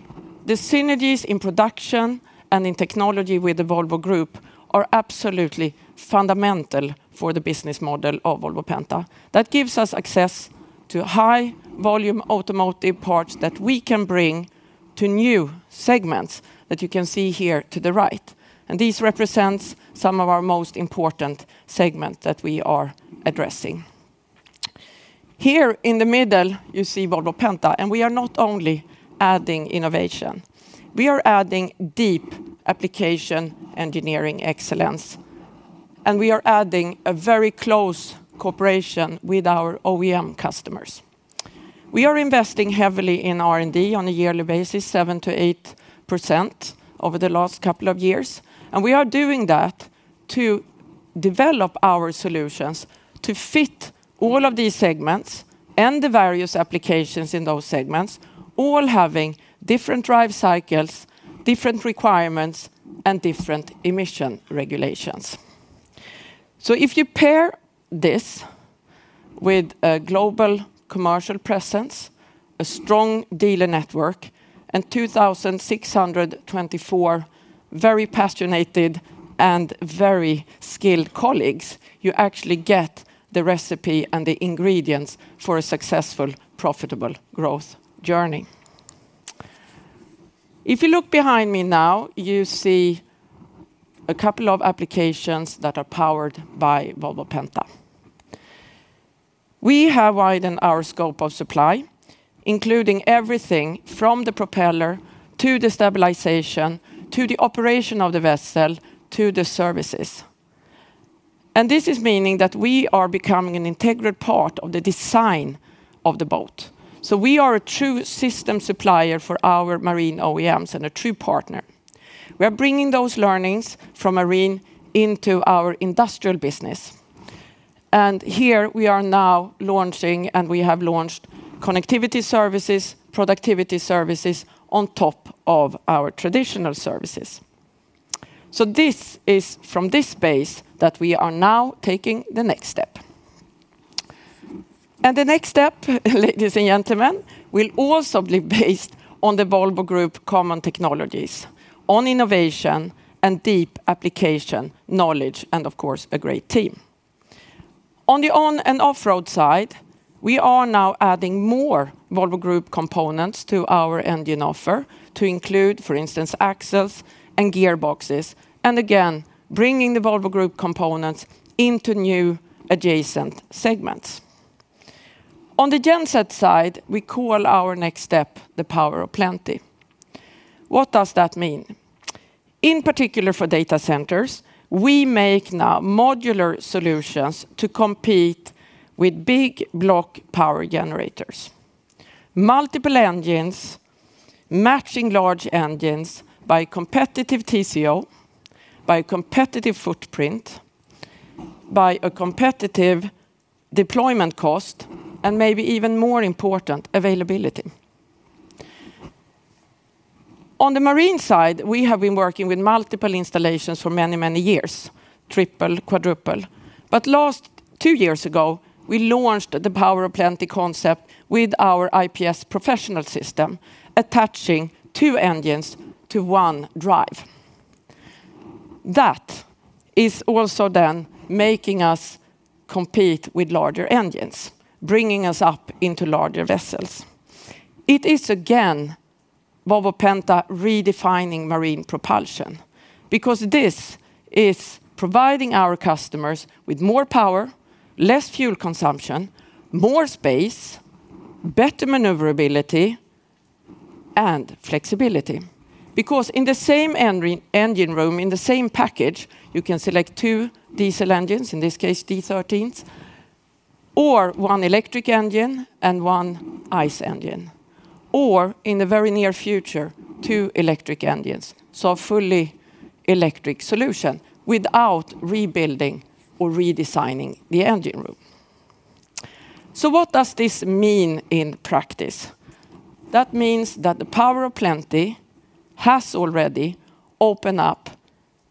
the synergies in production and in technology with the Volvo Group are absolutely fundamental for the business model of Volvo Penta. That gives us access to high-volume automotive parts that we can bring to new segments that you can see here to the right. These represent some of our most important segments that we are addressing. Here in the middle, you see Volvo Penta. We are not only adding innovation. We are adding deep application engineering excellence, and we are adding a very close cooperation with our OEM customers. We are investing heavily in R&D on a yearly basis, 7%-8% over the last couple of years. We are doing that to develop our solutions to fit all of these segments and the various applications in those segments, all having different drive cycles, different requirements, and different emission regulations. If you pair this with a global commercial presence, a strong dealer network, and 2,624 very passionate and very skilled colleagues, you actually get the recipe and the ingredients for a successful, profitable growth journey. If you look behind me now, you see a couple of applications that are powered by Volvo Penta. We have widened our scope of supply, including everything from the propeller, to the stabilization, to the operation of the vessel, to the services. This is meaning that we are becoming an integral part of the design of the boat. We are a true system supplier for our marine OEMs and a true partner. We are bringing those learnings from marine into our industrial business. Here we are now launching, and we have launched connectivity services, productivity services on top of our traditional services. This is from this space that we are now taking the next step. The next step, ladies and gentlemen, will also be based on the Volvo Group common technologies, on innovation and deep application knowledge, and of course, a great team. On the on and off-road side, we are now adding more Volvo Group components to our engine offer to include, for instance, axles and gearboxes, and again, bringing the Volvo Group components into new adjacent segments. On the genset side, we call our next step the Power of Plenty. What does that mean? In particular for data centers, we make now modular solutions to compete with big block power generators. Multiple engines, matching large engines by competitive TCO, by competitive footprint, by a competitive deployment cost, and maybe even more important, availability. On the marine side, we have been working with multiple installations for many, many years, triple, quadruple. Last two years ago, we launched the Power of Plenty concept with our IPS professional system, attaching two engines to one drive. That is also then making us compete with larger engines, bringing us up into larger vessels. It is, again, Volvo Penta redefining marine propulsion, because this is providing our customers with more power, less fuel consumption, more space, better maneuverability, and flexibility. Because in the same engine room, in the same package, you can select two diesel engines, in this case, D13s, or one electric engine and one ICE engine, or in the very near future, two electric engines. A fully electric solution without rebuilding or redesigning the engine room. What does this mean in practice? That means that the Power of Plenty has already opened up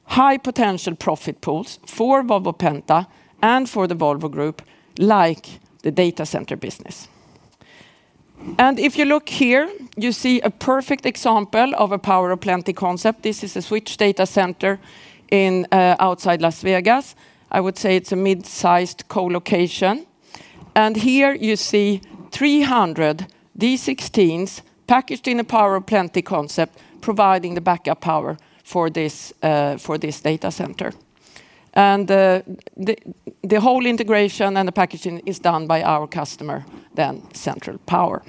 high potential profit pools for Volvo Penta and for the Volvo Group, like the data center business. If you look here, you see a perfect example of a Power of Plenty concept. This is a Switch data center outside Las Vegas. I would say it's a mid-sized co-location. Here you see 300 D16s packaged in a Power of Plenty concept, providing the backup power for this data center. The whole integration and the packaging is done by our customer, then Central Power.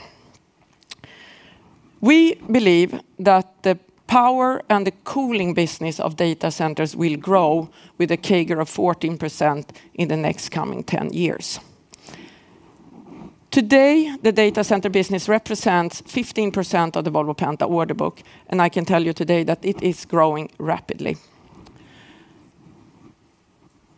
We believe that the power and the cooling business of data centers will grow with a compound annual growth rate of 14% in the next coming 10 years. Today, the data center business represents 15% of the Volvo Penta order book, and I can tell you today that it is growing rapidly.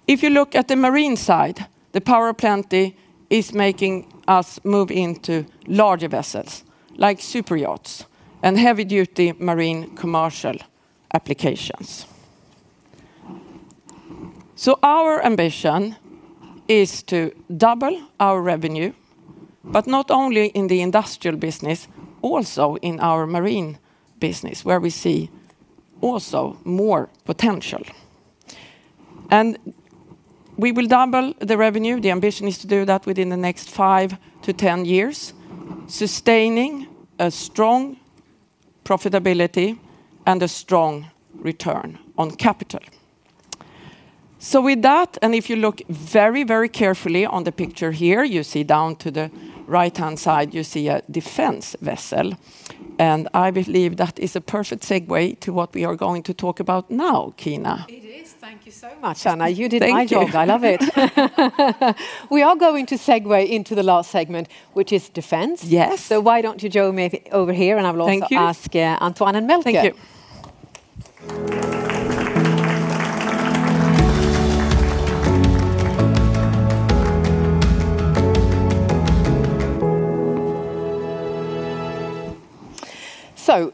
If you look at the marine side, the Power of Plenty is making us move into larger vessels, like super yachts and heavy-duty marine commercial applications. Our ambition is to double our revenue, but not only in the industrial business, also in our marine business, where we see also more potential. We will double the revenue. The ambition is to do that within the next 5 to 10 years, sustaining a strong profitability and a strong return on capital. With that, if you look very, very carefully on the picture here, you see down to the right-hand side, you see a defense vessel. I believe that is a perfect segue to what we are going to talk about now, Kina. It is. Thank you so much, Anna. Thank you. You did my job. I love it. We are going to segue into the last segment, which is defense. Yes. Why don't you join me over here. Thank you I will also ask Antoine and Melker. Thank you.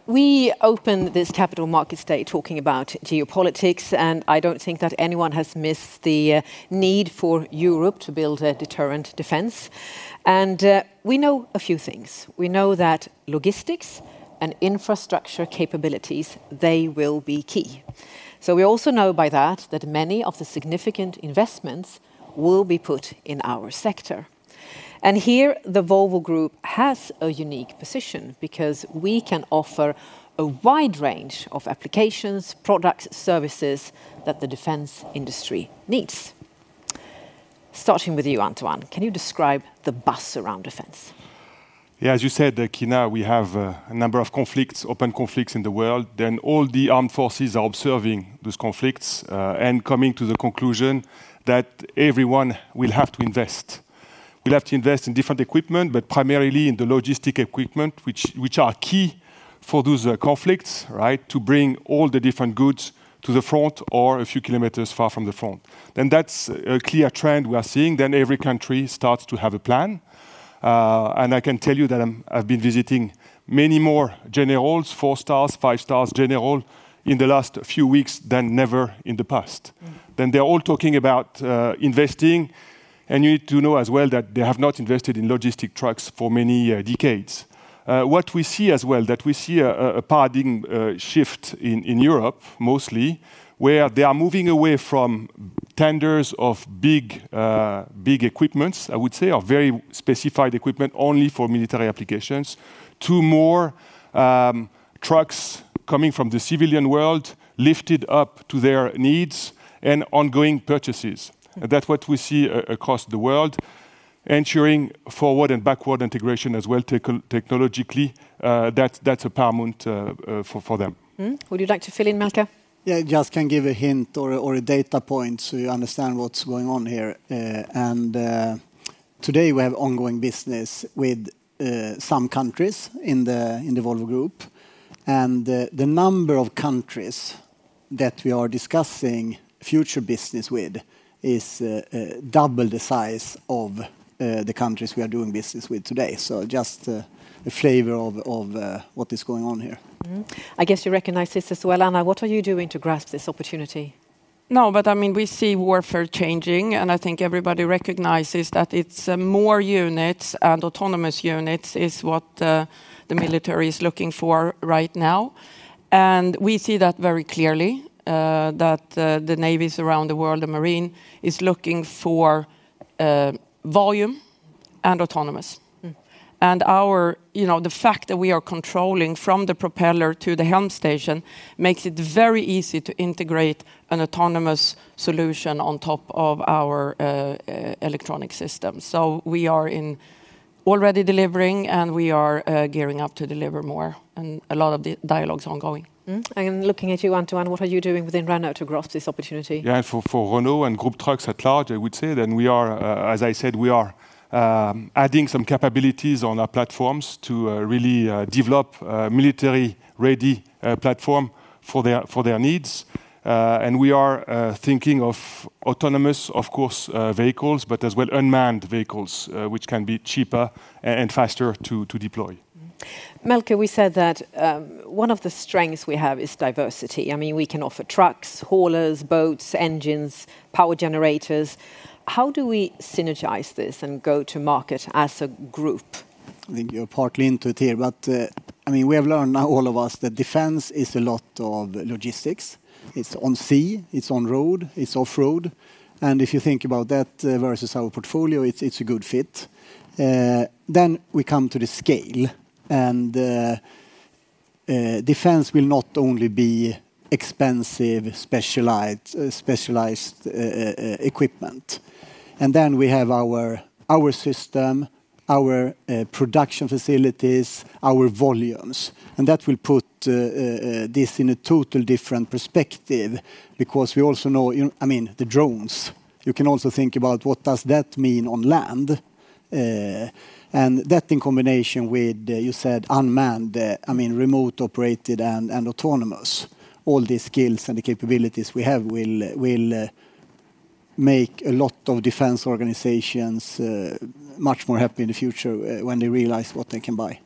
We opened this Capital Markets Day talking about geopolitics, I don't think that anyone has missed the need for Europe to build a deterrent defense. We know a few things. We know that logistics and infrastructure capabilities, they will be key. We also know by that many of the significant investments will be put in our sector. Here, the Volvo Group has a unique position because we can offer a wide range of applications, products, services that the defense industry needs. Starting with you, Antoine, can you describe the buzz around defense? As you said, Kina, we have a number of open conflicts in the world. All the armed forces are observing those conflicts and coming to the conclusion that everyone will have to invest. We'll have to invest in different equipment, but primarily in the logistic equipment, which are key for those conflicts, to bring all the different goods to the front or a few kilometers far from the front. That's a clear trend we are seeing. Every country starts to have a plan. I can tell you that I've been visiting many more generals, four-star, five-star general, in the last few weeks than ever in the past. They're all talking about investing, you need to know as well that they have not invested in logistic trucks for many decades. What we see as well, that we see a paradigm shift in Europe mostly, where they are moving away from tenders of big equipments, I would say, or very specified equipment only for military applications to more trucks coming from the civilian world lifted up to their needs and ongoing purchases. That's what we see across the world, ensuring forward and backward integration as well technologically, that's paramount for them. Would you like to fill in, Melker? Yeah, just can give a hint or a data point so you understand what's going on here. Today we have ongoing business with some countries in the Volvo Group. The number of countries that we are discussing future business with is double the size of the countries we are doing business with today. Just a flavor of what is going on here. I guess you recognize this as well, Anna. What are you doing to grasp this opportunity? No, we see warfare changing, and I think everybody recognizes that it's more units and autonomous units is what the military is looking for right now. We see that very clearly, that the navies around the world, the marine, is looking for volume and autonomous. The fact that we are controlling from the propeller to the helm station makes it very easy to integrate an autonomous solution on top of our electronic system. We are already delivering, and we are gearing up to deliver more, and a lot of the dialogue's ongoing. Looking at you, Antoine, what are you doing within Renault to grasp this opportunity? For Renault and Group Trucks at large, I would say then, as I said, we are adding some capabilities on our platforms to really develop military-ready platform for their needs. We are thinking of autonomous, of course, vehicles, but as well unmanned vehicles, which can be cheaper and faster to deploy. Melker, we said that one of the strengths we have is diversity. We can offer trucks, haulers, boats, engines, power generators. How do we synergize this and go to market as a group? I think you're partly into it here. We have learned now, all of us, that defense is a lot of logistics. It's on sea, it's on road, it's off-road. If you think about that versus our portfolio, it's a good fit. We come to the scale. Defense will not only be expensive, specialized equipment. We have our system, our production facilities, our volumes. That will put this in a total different perspective because we also know the drones. You can also think about what does that mean on land? That, in combination with, you said unmanned, remote operated and autonomous, all these skills and the capabilities we have will make a lot of defense organizations much more happy in the future when they realize what they can buy.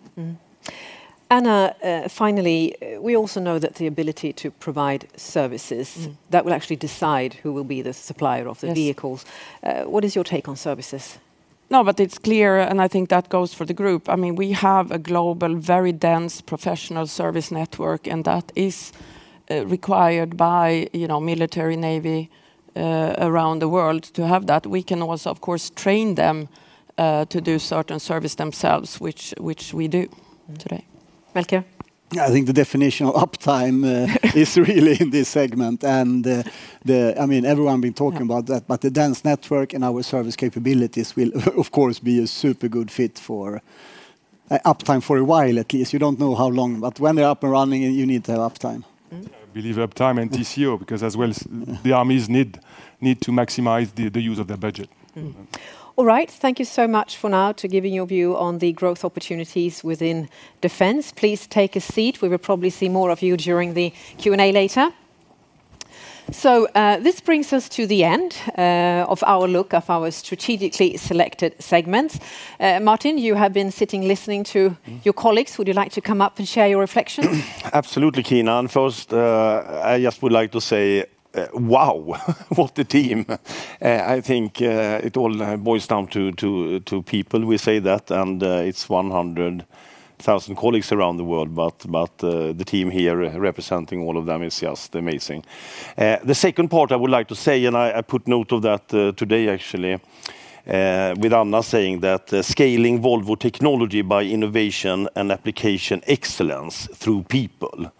Anna, finally, we also know that the ability to provide services, that will actually decide who will be the supplier of the vehicles. Yes. What is your take on services? It's clear. I think that goes for the group. We have a global, very dense professional service network. That is required by military, Navy around the world to have that. We can also, of course, train them to do certain service themselves, which we do today. Melker? I think the definition of uptime is really in this segment and everyone been talking about that, but the dense network and our service capabilities will of course be a super good fit for uptime for a while at least. You don't know how long, but when they're up and running, you need to have uptime. I believe uptime and TCO, because as well, the armies need to maximize the use of their budget. All right. Thank you so much for now to giving your view on the growth opportunities within defense. Please take a seat. We will probably see more of you during the Q&A later. This brings us to the end of our look of our strategically selected segments. Martin, you have been sitting listening to your colleagues. Would you like to come up and share your reflections? Absolutely, keen on. First, I just would like to say, wow what a team. I think it all boils down to people. We say that, it's 100,000 colleagues around the world, but the team here representing all of them is just amazing. The second part I would like to say, I put note of that today actually, with Anna saying that scaling Volvo technology by innovation and application excellence through people,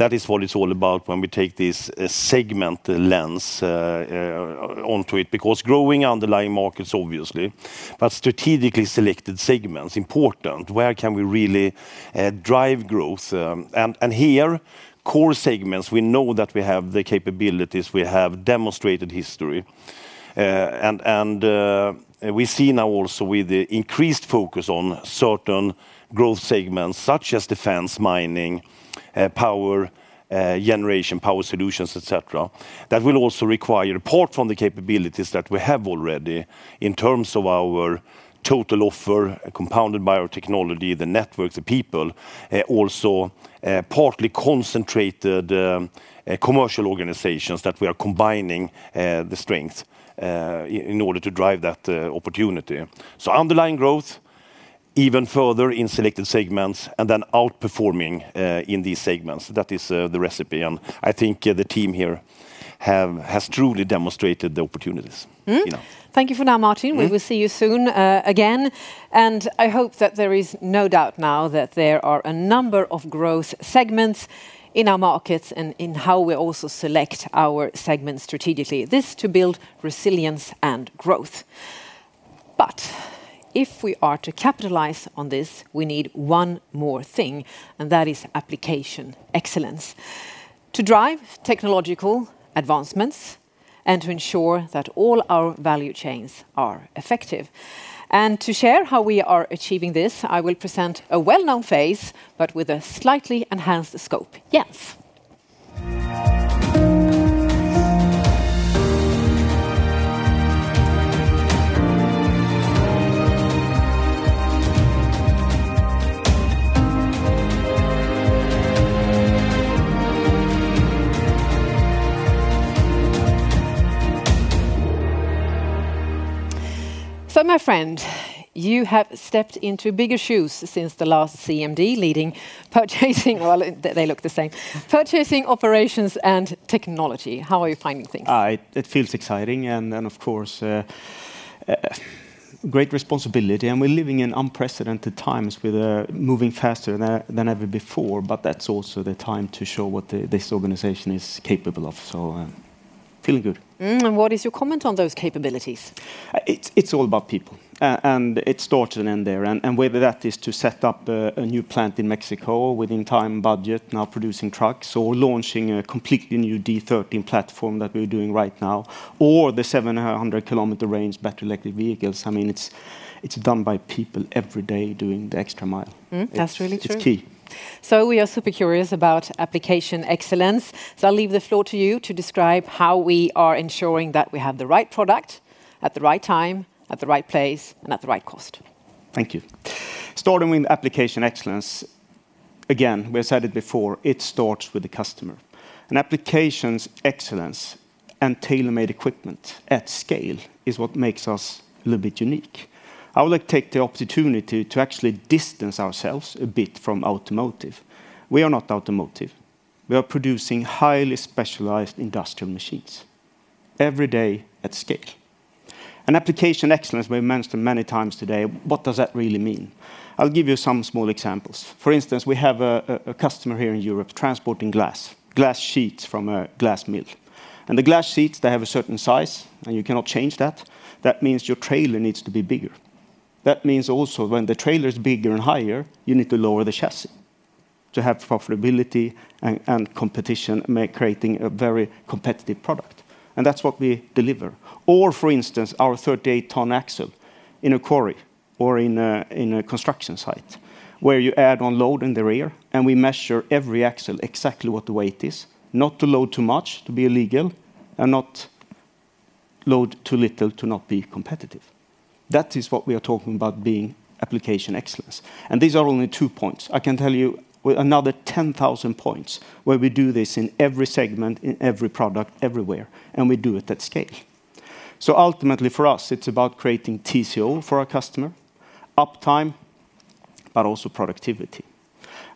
that is what it's all about when we take this segment lens onto it. Growing underlying markets, obviously, but strategically selected segment's important. Where can we really drive growth? Here, core segments, we know that we have the capabilities, we have demonstrated history. We see now also with the increased focus on certain growth segments such as defense, mining, power generation, power solutions, etc., that will also require, apart from the capabilities that we have already in terms of our total offer compounded by our technology, the networks, the people, also partly concentrated commercial organizations that we are combining the strength in order to drive that opportunity. Underlying growth even further in selected segments and then outperforming in these segments, that is the recipe, and I think the team here has truly demonstrated the opportunities. Thank you for now, Martin. We will see you soon again, and I hope that there is no doubt now that there are a number of growth segments in our markets and in how we also select our segments strategically. This, to build resilience and growth. If we are to capitalize on this, we need one more thing, and that is application excellence to drive technological advancements and to ensure that all our value chains are effective. To share how we are achieving this, I will present a well-known face, but with a slightly enhanced scope. Jens. My friend, you have stepped into bigger shoes since the last CMD, leading purchasing, well, they look the same. Purchasing, operations, and technology. How are you finding things? It feels exciting and of course, great responsibility, and we're living in unprecedented times with moving faster than ever before, but that's also the time to show what this organization is capable of, so feeling good. What is your comment on those capabilities? It's all about people, and it starts and ends there. Whether that is to set up a new plant in Mexico within time, budget, now producing trucks, or launching a completely new D13 platform that we're doing right now, or the 700-km range battery electric vehicles, it's done by people every day doing the extra mile. That's really true. It's key. We are super curious about application excellence. I'll leave the floor to you to describe how we are ensuring that we have the right product at the right time, at the right place, and at the right cost. Thank you. Starting with application excellence, again, we have said it before, it starts with the customer, and application excellence and tailormade equipment at scale is what makes us a little bit unique. I would like to take the opportunity to actually distance ourselves a bit from automotive. We are not automotive. We are producing highly specialized industrial machines every day at scale. Application excellence, we mentioned many times today, what does that really mean? I'll give you some small examples. For instance, we have a customer here in Europe transporting glass sheets from a glass mill. The glass sheets, they have a certain size and you cannot change that. That means your trailer needs to be bigger. That means also when the trailer is bigger and higher, you need to lower the chassis to have profitability and competition, creating a very competitive product, and that's what we deliver. Or, for instance, our 38-ton axle in a quarry or in a construction site where you add on load in the rear, and we measure every axle exactly what the weight is, not to load too much to be illegal and not load too little to not be competitive. That is what we are talking about being application excellence. These are only two points. I can tell you another 10,000 points where we do this in every segment, in every product, everywhere, and we do it at scale. Ultimately for us it's about creating TCO for our customer, uptime, but also productivity.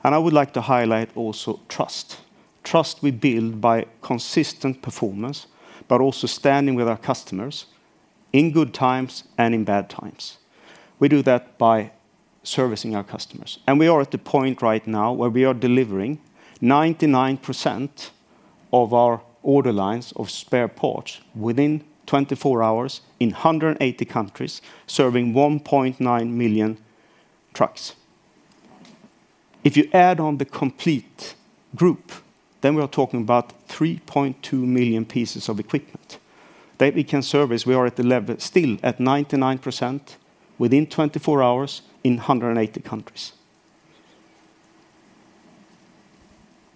I would like to highlight also trust. Trust we build by consistent performance, but also standing with our customers in good times and in bad times. We do that by servicing our customers, and we are at the point right now where we are delivering 99% of our order lines of spare parts within 24 hours in 180 countries, serving 1.9 million trucks. If you add on the complete group, then we are talking about 3.2 million pieces of equipment that we can service. We are at the level still at 99% within 24 hours in 180 countries.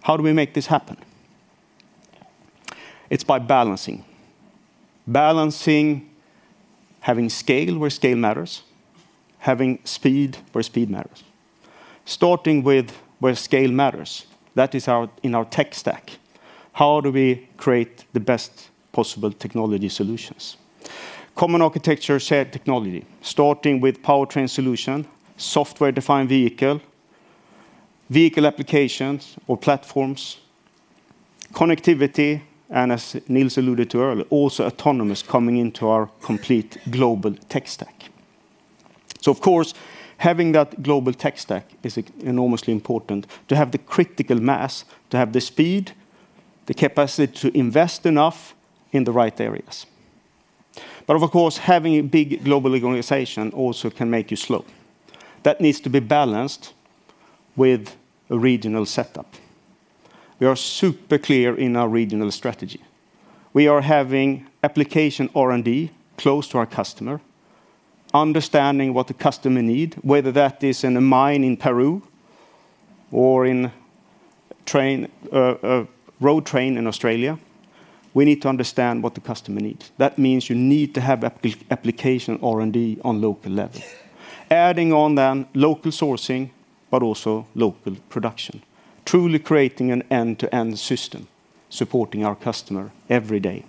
How do we make this happen? It's by balancing. Balancing, having scale where scale matters, having speed where speed matters. Starting with where scale matters. That is in our tech stack. How do we create the best possible technology solutions? Common architecture, shared technology, starting with powertrain solution, software-defined vehicle applications or platforms, connectivity, and as Nils alluded to earlier, also autonomous coming into our complete global tech stack. Of course, having that global tech stack is enormously important to have the critical mass, to have the speed, the capacity to invest enough in the right areas. Of course, having a big global organization also can make you slow. That needs to be balanced with a regional setup. We are super clear in our regional strategy. We are having application R&D close to our customer, understanding what the customer need, whether that is in a mine in Peru or in a road train in Australia. We need to understand what the customer needs. That means you need to have application R&D on local level. Adding on local sourcing, also local production, truly creating an end-to-end system supporting our customer every day.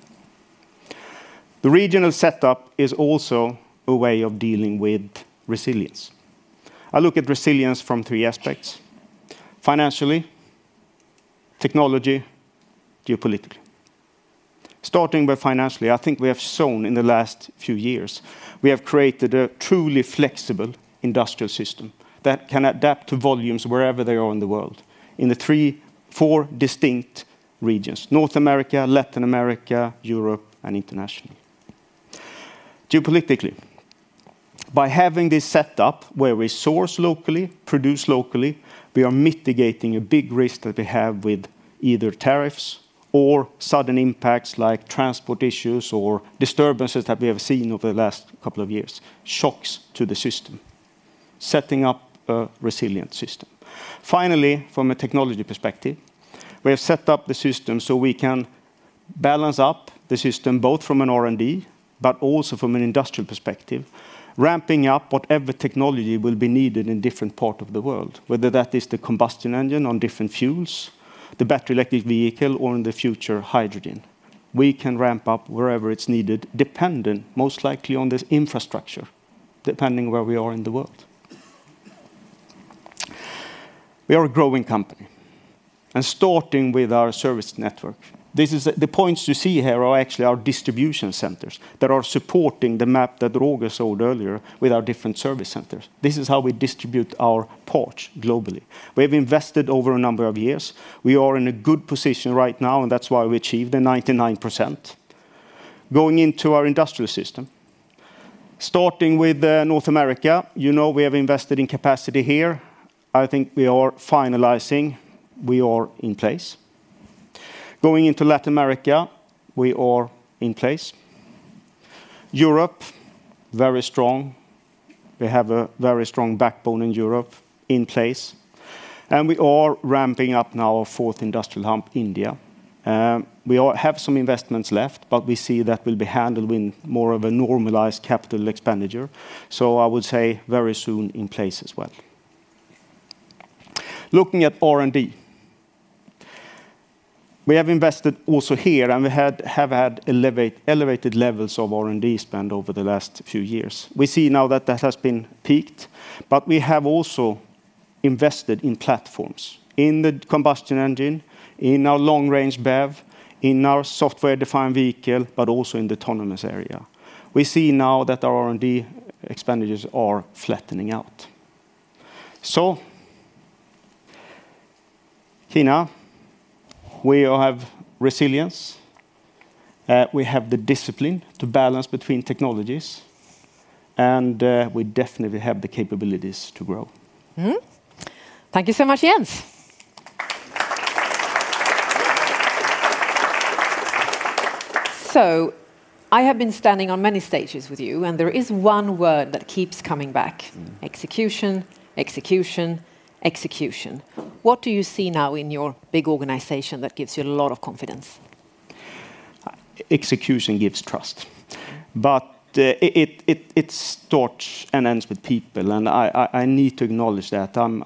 The regional setup is also a way of dealing with resilience. I look at resilience from three aspects: financially, technology, geopolitically. Starting with financially, I think we have shown in the last few years, we have created a truly flexible industrial system that can adapt to volumes wherever they are in the world, in the three, four distinct regions, North America, Latin America, Europe, and internationally. Geopolitically, by having this set up where we source locally, produce locally, we are mitigating a big risk that we have with either tariffs or sudden impacts like transport issues or disturbances that we have seen over the last couple of years, shocks to the system, setting up a resilient system. Finally, from a technology perspective, we have set up the system so we can balance up the system both from an R&D also from an industrial perspective, ramping up whatever technology will be needed in different part of the world, whether that is the combustion engine on different fuels, the battery electric vehicle, or in the future, hydrogen. We can ramp up wherever it's needed, dependent most likely on this infrastructure, depending where we are in the world. We are a growing company, starting with our service network. The points you see here are actually our distribution centers that are supporting the map that Roger showed earlier with our different service centers. This is how we distribute our parts globally. We have invested over a number of years. We are in a good position right now, and that's why we achieved the 99%. Going into our industrial system, starting with, North America, you know we have invested in capacity here. I think we are finalizing. We are in place. Going into Latin America, we are in place. Europe, very strong. We have a very strong backbone in Europe in place, we are ramping up now our fourth industrial hump, India. We have some investments left, we see that will be handled in more of a normalized capital expenditure. I would say very soon in place as well. Looking at R&D. We have invested also here, we have had elevated levels of R&D spend over the last few years. We see now that that has been peaked, we have also invested in platforms, in the combustion engine, in our long-range BEV, in our software-defined vehicle, also in the autonomous area. We see now that our R&D expenditures are flattening out. Kina, we have resilience. We have the discipline to balance between technologies, we definitely have the capabilities to grow. Thank you so much, Jens. I have been standing on many stages with you, there is one word that keeps coming back. Execution. What do you see now in your big organization that gives you a lot of confidence? Execution gives trust. It starts and ends with people, I need to acknowledge that. I'm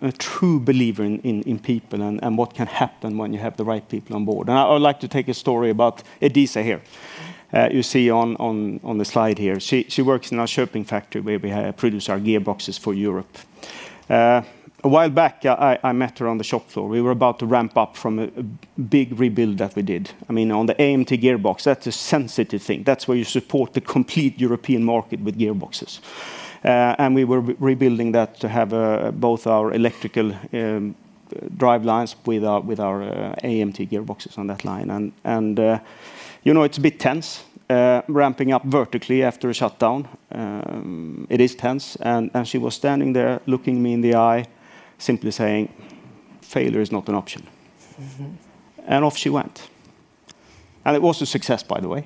a true believer in people and what can happen when you have the right people on board. I would like to take a story about Adisa here. You see on the slide here. She works in our shipping factory where we produce our gearboxes for Europe. A while back, I met her on the shop floor. We were about to ramp up from a big rebuild that we did. On the AMT gearbox, that's a sensitive thing. That's where you support the complete European market with gearboxes. We were rebuilding that to have both our electrical drivelines with our AMT gearboxes on that line. It's a bit tense ramping up vertically after a shutdown. It is tense, she was standing there looking me in the eye, simply saying, "Failure is not an option. Off she went. It was a success, by the way.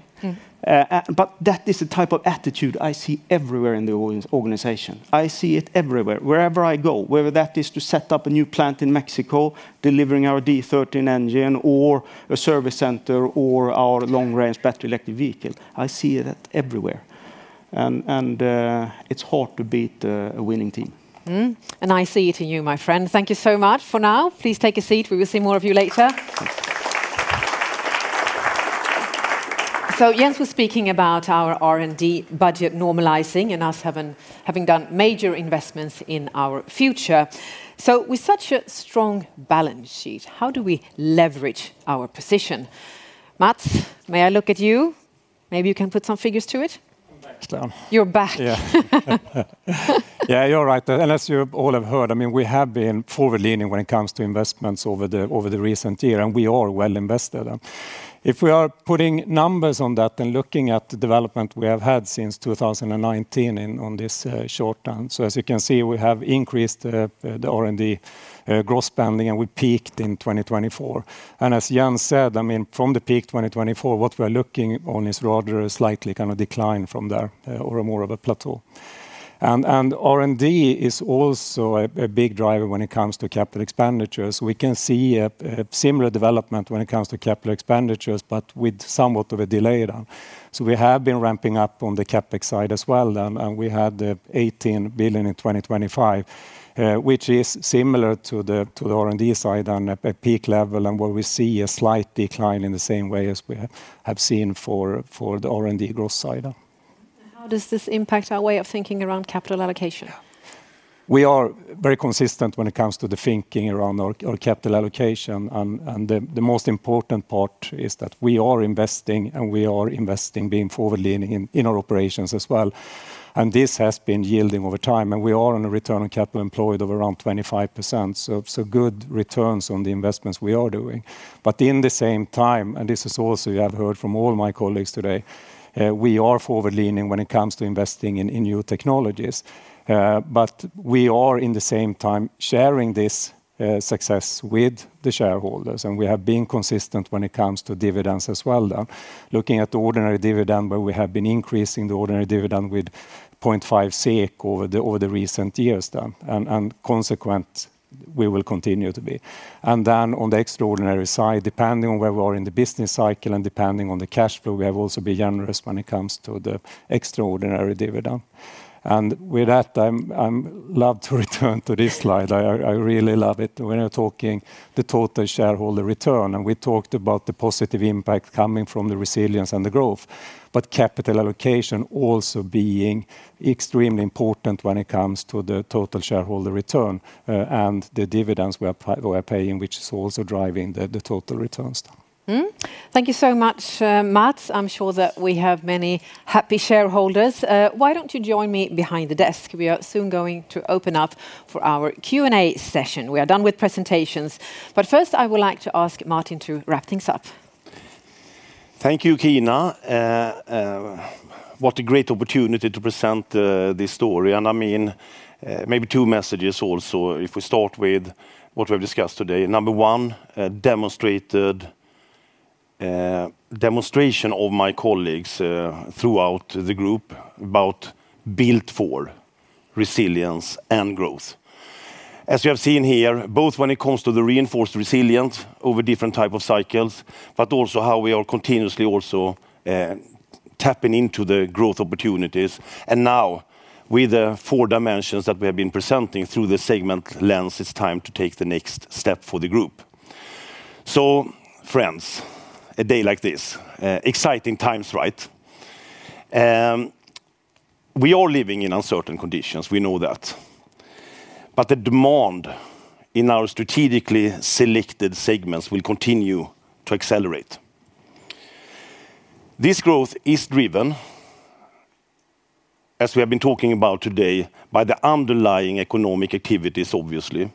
That is the type of attitude I see everywhere in the organization. I see it everywhere, wherever I go, whether that is to set up a new plant in Mexico, delivering our D13 engine, or a service center, or our long-range battery electric vehicle. I see that everywhere. It's hard to beat a winning team. I see it in you, my friend. Thank you so much for now. Please take a seat. We will see more of you later. Jens was speaking about our R&D budget normalizing and us having done major investments in our future. With such a strong balance sheet, how do we leverage our position? Mats, may I look at you? Maybe you can put some figures to it. I'm back. You're back. You're right. As you have all have heard, we have been forward-leaning when it comes to investments over the recent year, and we are well invested. If we are putting numbers on that and looking at the development we have had since 2019 on this short term. As you can see, we have increased the R&D gross spending, and we peaked in 2024. As Jens said, from the peak 2024, what we are looking on is rather a slightly decline from there or more of a plateau. R&D is also a big driver when it comes to capital expenditures. We can see a similar development when it comes to capital expenditures, but with somewhat of a delay around. We have been ramping up on the CapEx side as well, we had 18 billion in 2025, which is similar to the R&D side on a peak level, where we see a slight decline in the same way as we have seen for the R&D growth side. How does this impact our way of thinking around capital allocation? We are very consistent when it comes to the thinking around our capital allocation, and the most important part is that we are investing, and we are investing being forward-leaning in our operations as well. This has been yielding over time, and we are on a return on capital employed of around 25%, so good returns on the investments we are doing. In the same time, and this is also you have heard from all my colleagues today, we are forward-leaning when it comes to investing in new technologies. We are, in the same time, sharing this success with the shareholders, and we have been consistent when it comes to dividends as well. Looking at the ordinary dividend, but we have been increasing the ordinary dividend with 0.5 SEK over the recent years, and consequent we will continue to be. Then on the extraordinary side, depending on where we are in the business cycle and depending on the cash flow, we have also been generous when it comes to the extraordinary dividend. With that, I'd love to return to this slide. I really love it when we are talking the total shareholder return, and we talked about the positive impact coming from the resilience and the growth, but capital allocation also being extremely important when it comes to the total shareholder return, and the dividends we are paying, which is also driving the total returns. Thank you so much, Mats. I'm sure that we have many happy shareholders. Why don't you join me behind the desk? We are soon going to open up for our Q&A session. We are done with presentations. First, I would like to ask Martin to wrap things up. Thank you, Kina. What a great opportunity to present this story. Maybe two messages also, if we start with what we've discussed today. Number one, demonstrated A demonstration of my colleagues throughout the Volvo Group about built for resilience and growth. As you have seen here, both when it comes to the reinforced resilience over different type of cycles, but also how we are continuously also tapping into the growth opportunities. Now with the four dimensions that we have been presenting through the segment lens, it's time to take the next step for the Volvo Group. Friends, a day like this, exciting times, right? We are living in uncertain conditions, we know that. The demand in our strategically selected segments will continue to accelerate. This growth is driven, as we have been talking about today, by the underlying economic activities obviously,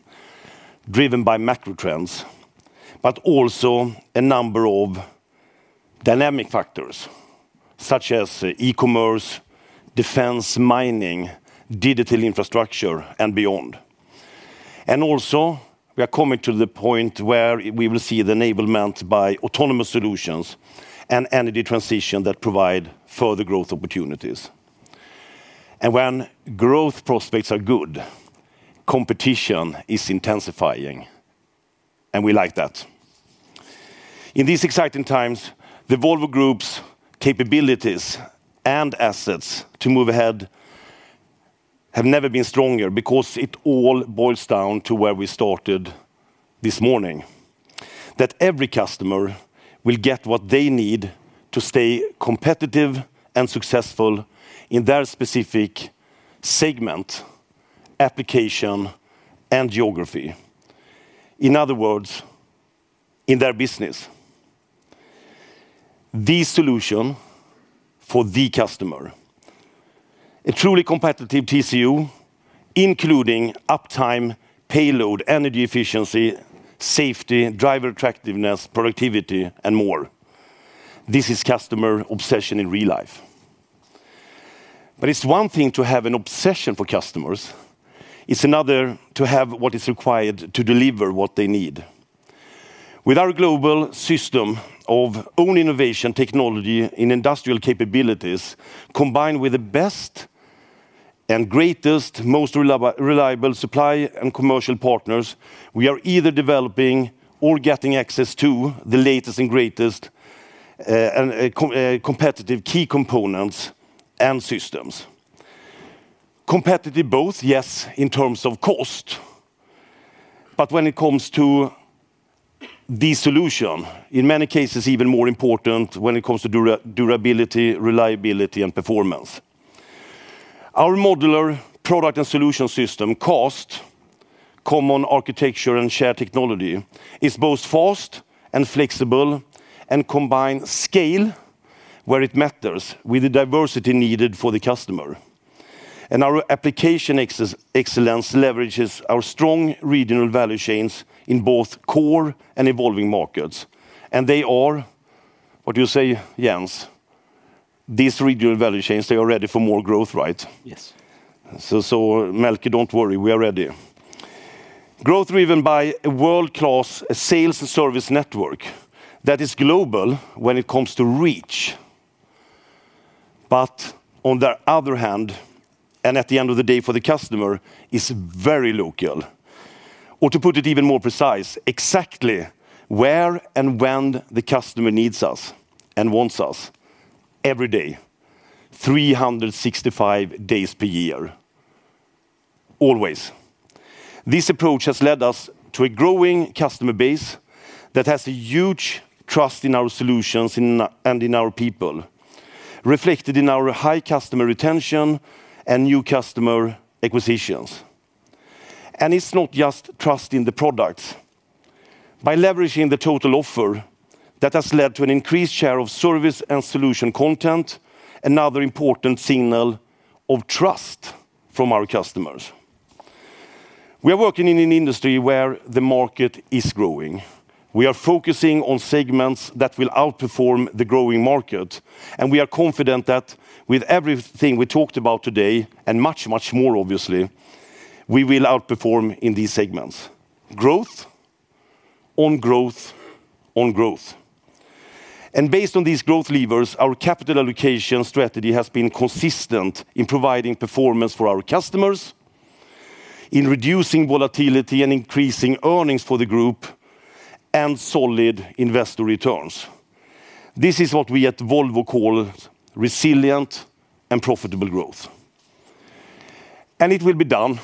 driven by macro trends, but also a number of dynamic factors such as e-commerce, defense, mining, digital infrastructure, and beyond. Also, we are coming to the point where we will see the enablement by autonomous solutions and energy transition that provide further growth opportunities. When growth prospects are good, competition is intensifying, and we like that. In these exciting times, the Volvo Group's capabilities and assets to move ahead have never been stronger because it all boils down to where we started this morning, that every customer will get what they need to stay competitive and successful in their specific segment, application, and geography. In other words, in their business. The solution for the customer. A truly competitive TCO, including uptime, payload, energy efficiency, safety, driver attractiveness, productivity and more. This is customer obsession in real life. It's one thing to have an obsession for customers, it's another to have what is required to deliver what they need. With our global system of own innovation technology in industrial capabilities, combined with the best and greatest, most reliable supply and commercial partners, we are either developing or getting access to the latest and greatest competitive key components and systems. Competitive both, yes, in terms of cost, but when it comes to the solution, in many cases even more important when it comes to durability, reliability, and performance. Our modular product and solution system, CAST, common architecture and shared technology, is both fast and flexible and combine scale where it matters with the diversity needed for the customer. Our application excellence leverages our strong regional value chains in both core and evolving markets. They are, what you say, Jens, these regional value chains, they are ready for more growth, right? Yes. Melker, don't worry, we are ready. Growth driven by a world-class sales service network that is global when it comes to reach, but on the other hand, and at the end of the day for the customer, is very local. To put it even more precise, exactly where and when the customer needs us and wants us every day, 365 days per year. Always. This approach has led us to a growing customer base that has a huge trust in our solutions and in our people, reflected in our high customer retention and new customer acquisitions. It's not just trust in the products. By leveraging the total offer, that has led to an increased share of service and solution content, another important signal of trust from our customers. We are working in an industry where the market is growing. We are focusing on segments that will outperform the growing market, we are confident that with everything we talked about today and much, much more obviously, we will outperform in these segments. Growth on growth on growth. Based on these growth levers, our capital allocation strategy has been consistent in providing performance for our customers, in reducing volatility and increasing earnings for the group, and solid investor returns. This is what we at Volvo call resilient and profitable growth. It will be done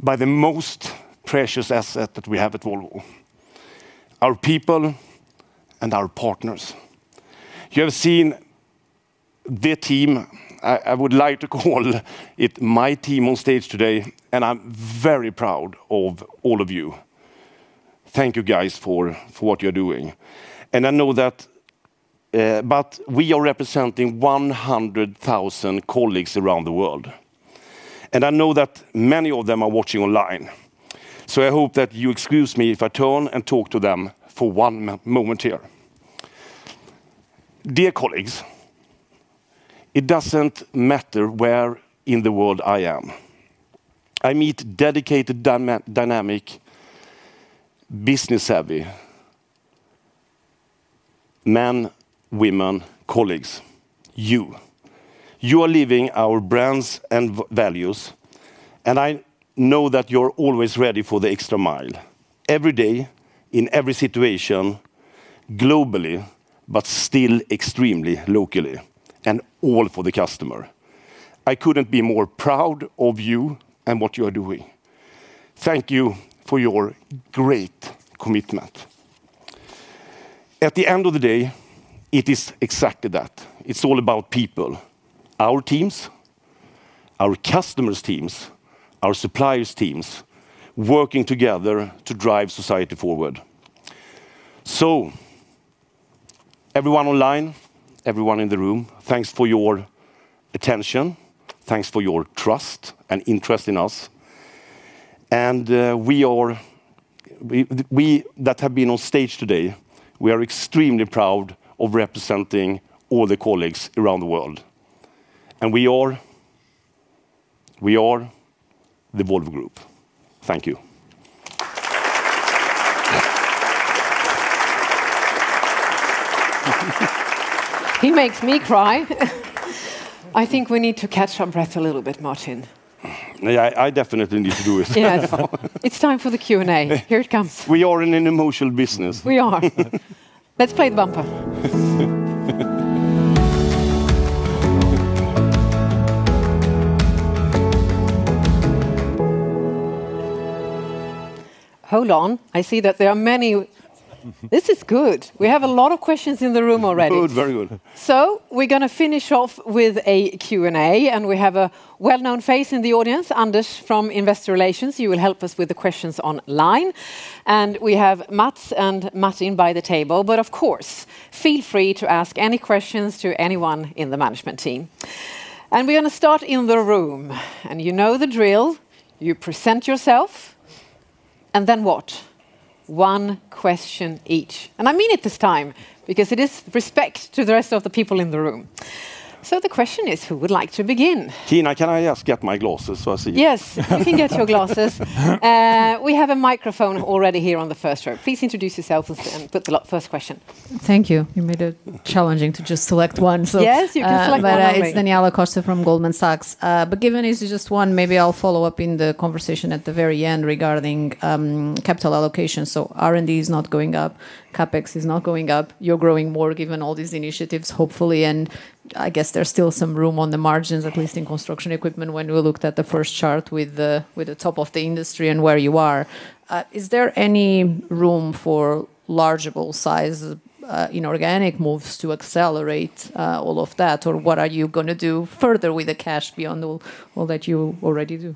by the most precious asset that we have at Volvo, our people and our partners. You have seen the team, I would like to call it my team on stage today, and I'm very proud of all of you. Thank you guys for what you're doing. We are representing 100,000 colleagues around the world. I know that many of them are watching online. I hope that you excuse me if I turn and talk to them for one moment here. Dear colleagues, it doesn't matter where in the world I am. I meet dedicated, dynamic, business savvy men, women, colleagues, you. You are living our brands and values, and I know that you're always ready for the extra mile every day, in every situation, globally, but still extremely locally, and all for the customer. I couldn't be more proud of you and what you are doing. Thank you for your great commitment. At the end of the day, it is exactly that. It's all about people, our teams, our customers' teams, our suppliers' teams, working together to drive society forward. Everyone online, everyone in the room, thanks for your attention. Thanks for your trust and interest in us. We that have been on stage today, we are extremely proud of representing all the colleagues around the world. We are the Volvo Group. Thank you. He makes me cry. I think we need to catch our breath a little bit, Martin. Yeah, I definitely need to do it. Yes. It's time for the Q&A. Here it comes. We are in an emotional business. We are. Let's play the bumper. Hold on. I see that there are many. This is good. We have a lot of questions in the room already. Good. Very good. We're going to finish off with a Q&A. We have a well-known face in the audience, Anders from Investor Relations, who will help us with the questions online. We have Mats and Martin by the table. Of course, feel free to ask any questions to anyone in the management team. We're going to start in the room. You know the drill. You present yourself, and then what? One question each. I mean it this time because it is respect to the rest of the people in the room. The question is, who would like to begin? Kina, can I just get my glasses so I can see? You can get your glasses. We have a microphone already here on the first row. Please introduce yourself and put the first question. Thank you. You made it challenging to just select one. You can select one only. It's Daniela Costa from Goldman Sachs. Given it's just one, maybe I'll follow up in the conversation at the very end regarding capital allocation. R&D is not going up, CapEx is not going up. You're growing more given all these initiatives, hopefully, and I guess there's still some room on the margins, at least in construction equipment when we looked at the first chart with the top of the industry and where you are. Is there any room for largeable size inorganic moves to accelerate all of that? What are you going to do further with the cash beyond all that you already do?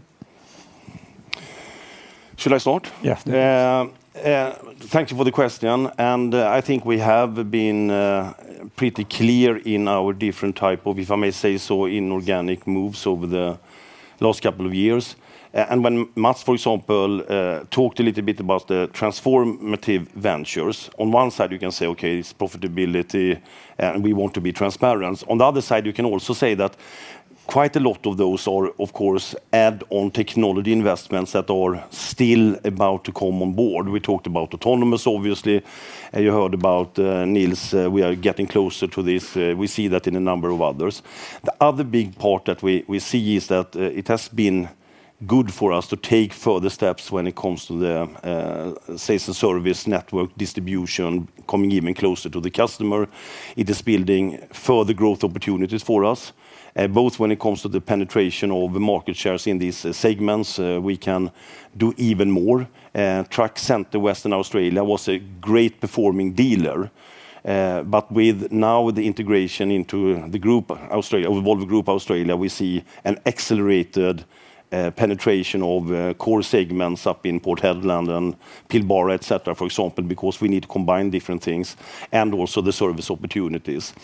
Shall I start? Yes, please. Thank you for the question. I think we have been pretty clear in our different type of, if I may say so, inorganic moves over the last couple of years. When Mats, for example, talked a little bit about the Transformational Ventures, on one side, you can say, okay, it's profitability and we want to be transparent. On the other side, you can also say that quite a lot of those are, of course, add-on technology investments that are still about to come on board. We talked about autonomous, obviously, you heard about Nils. We are getting closer to this. We see that in a number of others. The other big part that we see is that it has been good for us to take further steps when it comes to the sales and service network distribution, coming even closer to the customer. It is building further growth opportunities for us, both when it comes to the penetration of market shares in these segments, we can do even more. Truck Centre WA was a great performing dealer. With now the integration into the Volvo Group Australia, we see an accelerated penetration of core segments up in Port Hedland and Pilbara, et cetera, for example, because we need to combine different things and also the service opportunities.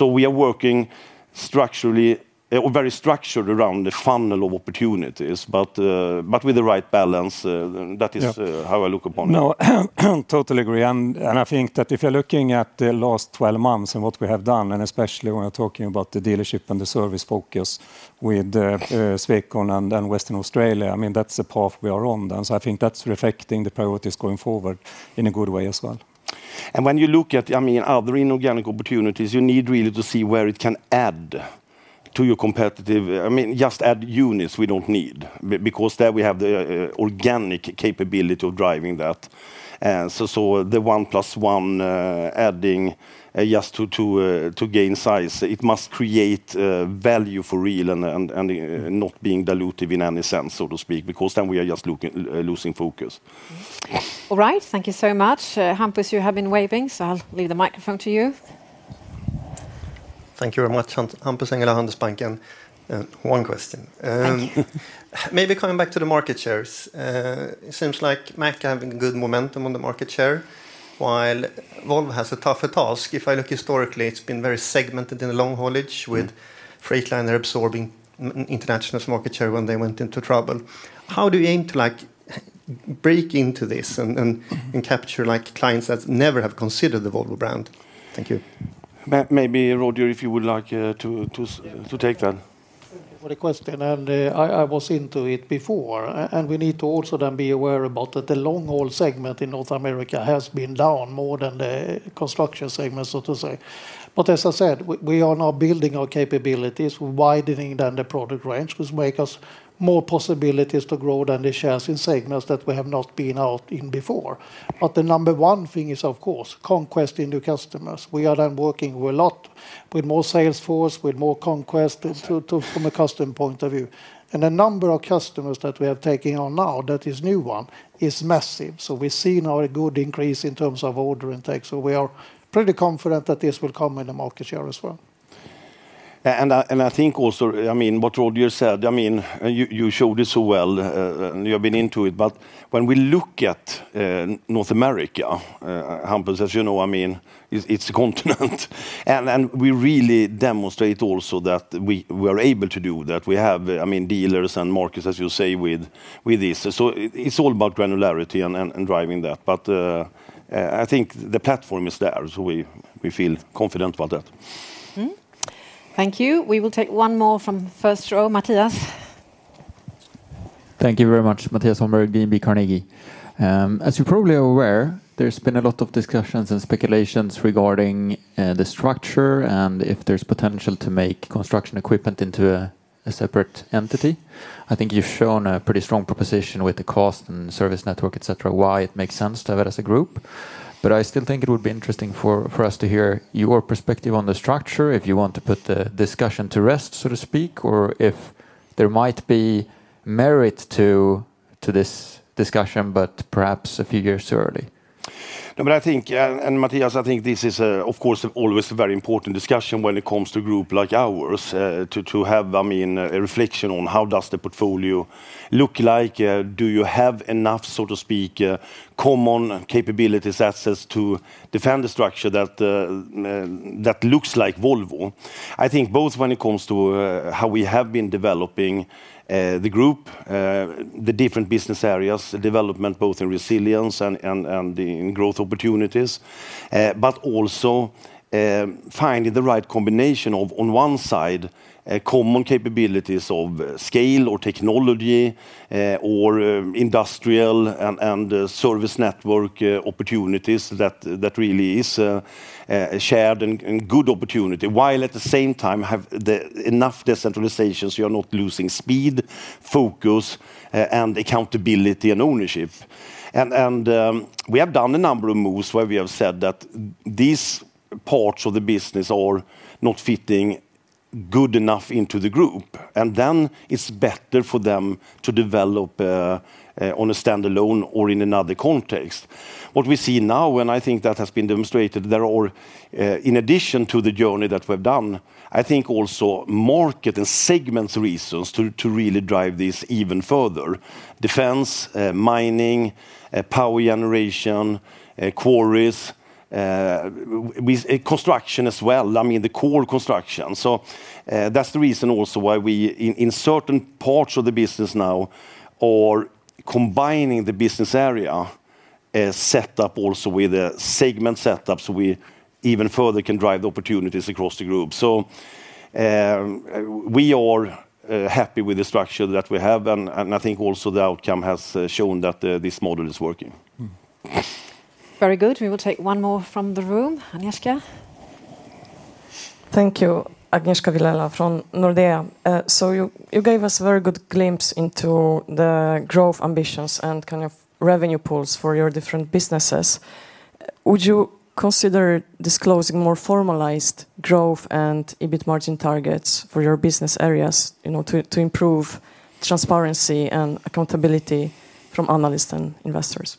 We are working very structured around the funnel of opportunities, but with the right balance. That is how I look upon it. No, totally agree. I think that if you're looking at the last 12 months and what we have done, especially when we are talking about the dealership and the service focus with Swecon and then Western Australia, that's the path we are on. I think that's reflecting the priorities going forward in a good way as well. When you look at other inorganic opportunities, you need really to see where it can add to your competitive Just add units we don't need, because there we have the organic capability of driving that. The one plus one adding just to gain size, it must create value for real and not being dilutive in any sense, so to speak, because then we are just losing focus. All right. Thank you so much. Hampus, you have been waving, I'll leave the microphone to you. Thank you very much. Hampus Engellau, Handelsbanken. One question. Thank you. Maybe coming back to the market shares. It seems like Mack having good momentum on the market share, while Volvo has a tougher task. If I look historically, it's been very segmented in the long haulage with Freightliner absorbing International's market share when they went into trouble. How do you aim to break into this and capture clients that never have considered the Volvo brand? Thank you. Maybe Roger, if you would like to take that. Thank you for the question. I was into it before. We need to also then be aware about that the long-haul segment in North America has been down more than the construction segment, so to say. As I said, we are now building our capabilities, widening down the product range, which make us more possibilities to grow than the shares in segments that we have not been out in before. The number one thing is, of course, conquest into customers. We are then working a lot with more sales force, with more conquest from a customer point of view. The number of customers that we are taking on now that is new one, is massive. We see now a good increase in terms of order intake. We are pretty confident that this will come in the market share as well. I think also, what Roger said, you showed it so well, and you have been into it. When we look at North America, Hampus, as you know, it's a continent. We really demonstrate also that we are able to do that. We have dealers and markets, as you say, with this. It's all about granularity and driving that. I think the platform is there, so we feel confident about that. Thank you. We will take one more from first row. Mattias. Thank you very much. Mattias Holmberg, DNB Carnegie. As you probably are aware, there's been a lot of discussions and speculations regarding the structure and if there's potential to make construction equipment into a separate entity. I think you've shown a pretty strong proposition with the cost and service network, et cetera, why it makes sense to have it as a group. I still think it would be interesting for us to hear your perspective on the structure, if you want to put the discussion to rest, so to speak, or if there might be merit to this discussion, but perhaps a few years too early. I think, Mattias, I think this is, of course, always a very important discussion when it comes to group like ours, to have a reflection on how does the portfolio look like. Do you have enough, so to speak, common capabilities, access to defend the structure that looks like Volvo? I think both when it comes to how we have been developing the group, the different business areas, the development, both in resilience and in growth opportunities, but also finding the right combination of, on one side, common capabilities of scale or technology, or industrial and service network opportunities that really is a shared and good opportunity, while at the same time have enough decentralizations you are not losing speed, focus, and accountability and ownership. We have done a number of moves where we have said that these parts of the business are not fitting good enough into the group, then it's better for them to develop on a standalone or in another context. What we see now, and I think that has been demonstrated, there are in addition to the journey that we've done, I think also market and segments reasons to really drive this even further. Defense, mining, power generation, quarries, construction as well, the core construction. That's the reason also why we, in certain parts of the business now, are combining the business area set up also with the segment set up, we even further can drive the opportunities across the group. We are happy with the structure that we have. I think also the outcome has shown that this model is working. Very good. We will take one more from the room. Agnieszka. Thank you. Agnieszka Vilela from Nordea. You gave us a very good glimpse into the growth ambitions and kind of revenue pools for your different businesses. Would you consider disclosing more formalized growth and EBIT margin targets for your business areas to improve transparency and accountability from analysts and investors?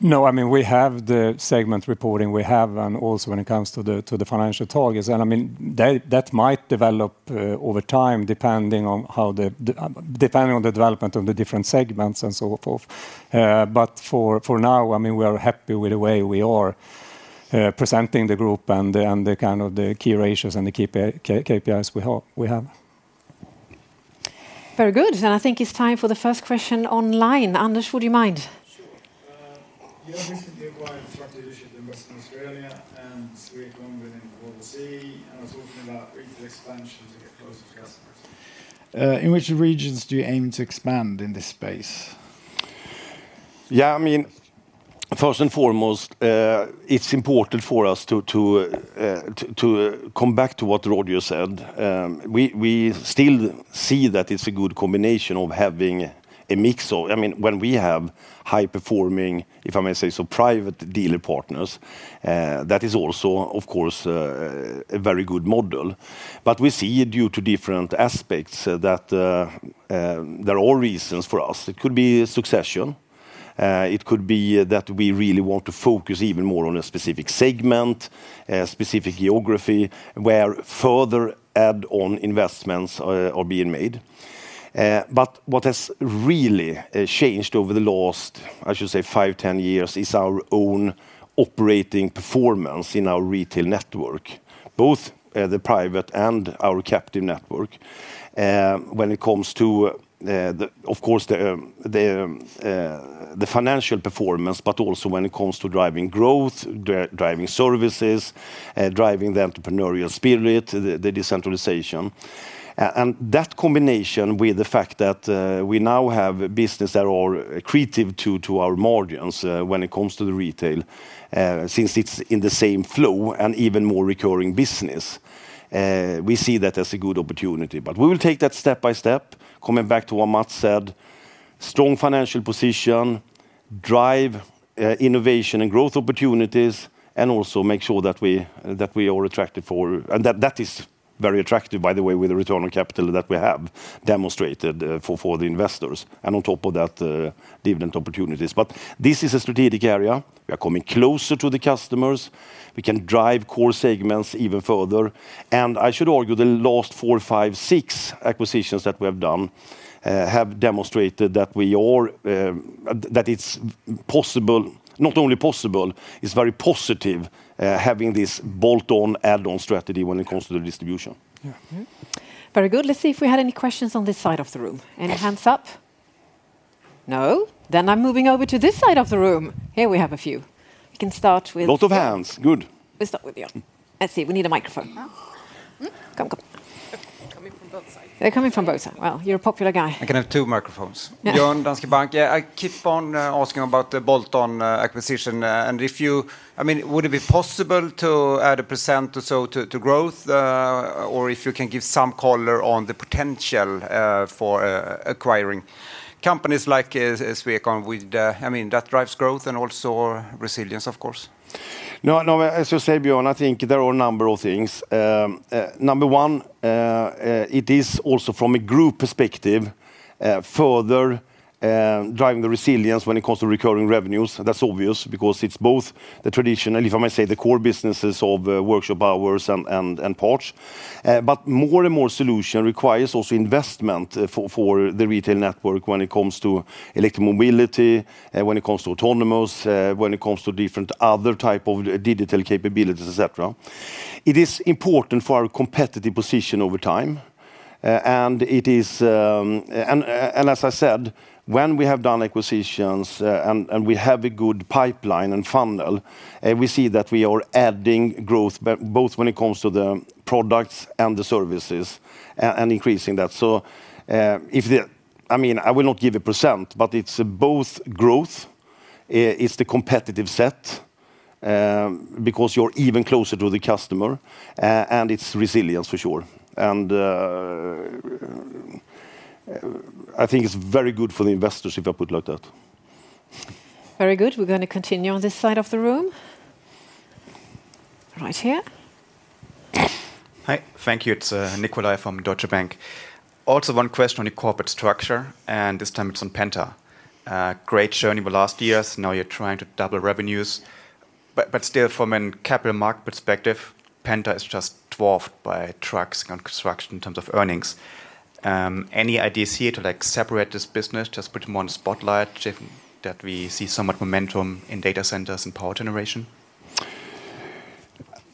No, we have the segment reporting. We have and also when it comes to the financial targets. That might develop over time, depending on the development of the different segments and so forth. For now, we are happy with the way we are presenting the group and the kind of the key ratios and the KPIs we have. Very good. I think it's time for the first question online. Anders, would you mind? Sure. You have recently acquired truck dealership in Western Australia and Sweden within Volvo CE, are talking about regional expansion to get closer to customers. In which regions do you aim to expand in this space? Yeah. First and foremost, it's important for us to come back to what Roger said. We still see that it's a good combination of having a mix of. When we have high-performing, if I may say so, private dealer partners, that is also, of course, a very good model. We see due to different aspects that there are reasons for us. It could be succession. It could be that we really want to focus even more on a specific segment, a specific geography, where further add-on investments are being made. What has really changed over the last, I should say five, 10 years, is our own operating performance in our retail network. Both the private and our captive network. When it comes to, of course, the financial performance, but also when it comes to driving growth, driving services, driving the entrepreneurial spirit, the decentralization. That combination with the fact that we now have business that are accretive to our margins when it comes to the retail, since it's in the same flow and even more recurring business, we see that as a good opportunity. We will take that step by step. Coming back to what Mats said, strong financial position, drive innovation and growth opportunities, also make sure that is very attractive, by the way, with the return on capital that we have demonstrated for the investors, on top of that, dividend opportunities. This is a strategic area. We are coming closer to the customers. We can drive core segments even further, I should argue the last four, five, six acquisitions that we have done have demonstrated that it's not only possible, it's very positive having this bolt-on, add-on strategy when it comes to the distribution. Yeah. Very good. Let's see if we had any questions on this side of the room. Yes. Any hands up? No. I'm moving over to this side of the room. Here we have a few. We can start with. A lot of hands. Good. We'll start with you. Let's see. We need a microphone. Come. Coming from both sides. They're coming from both sides. Well, you're a popular guy. I can have two microphones. Yeah. Björn, Danske Bank. I keep on asking about the bolt-on acquisition. Would it be possible to add 1% or so to growth? If you can give some color on the potential for acquiring companies like Swecon. That drives growth and also resilience, of course. No, as you say, Björn, I think there are a number of things. Number one, it is also from a group perspective, further driving the resilience when it comes to recurring revenues. That's obvious because it's both the traditional, if I may say, the core businesses of workshop hours and parts. More and more solution requires also investment for the retail network when it comes to electric mobility, when it comes to autonomous, when it comes to different other type of digital capabilities, et cetera. It is important for our competitive position over time. As I said, when we have done acquisitions, and we have a good pipeline and funnel, we see that we are adding growth, both when it comes to the products and the services, and increasing that. I will not give a percentage, it's both growth, it's the competitive set, because you're even closer to the customer, and it's resilience for sure. I think it's very good for the investors if I put it like that. Very good. We're going to continue on this side of the room. Right here. Hi. Thank you. It's Nicolai from Deutsche Bank. Also one question on your corporate structure, and this time it's on Penta. Great journey over the last years. Now you're trying to double revenues. Still from a capital market perspective, Penta is just dwarfed by trucks and construction in terms of earnings. Any ideas here to separate this business, just put them on a spotlight that we see somewhat momentum in data centers and power generation?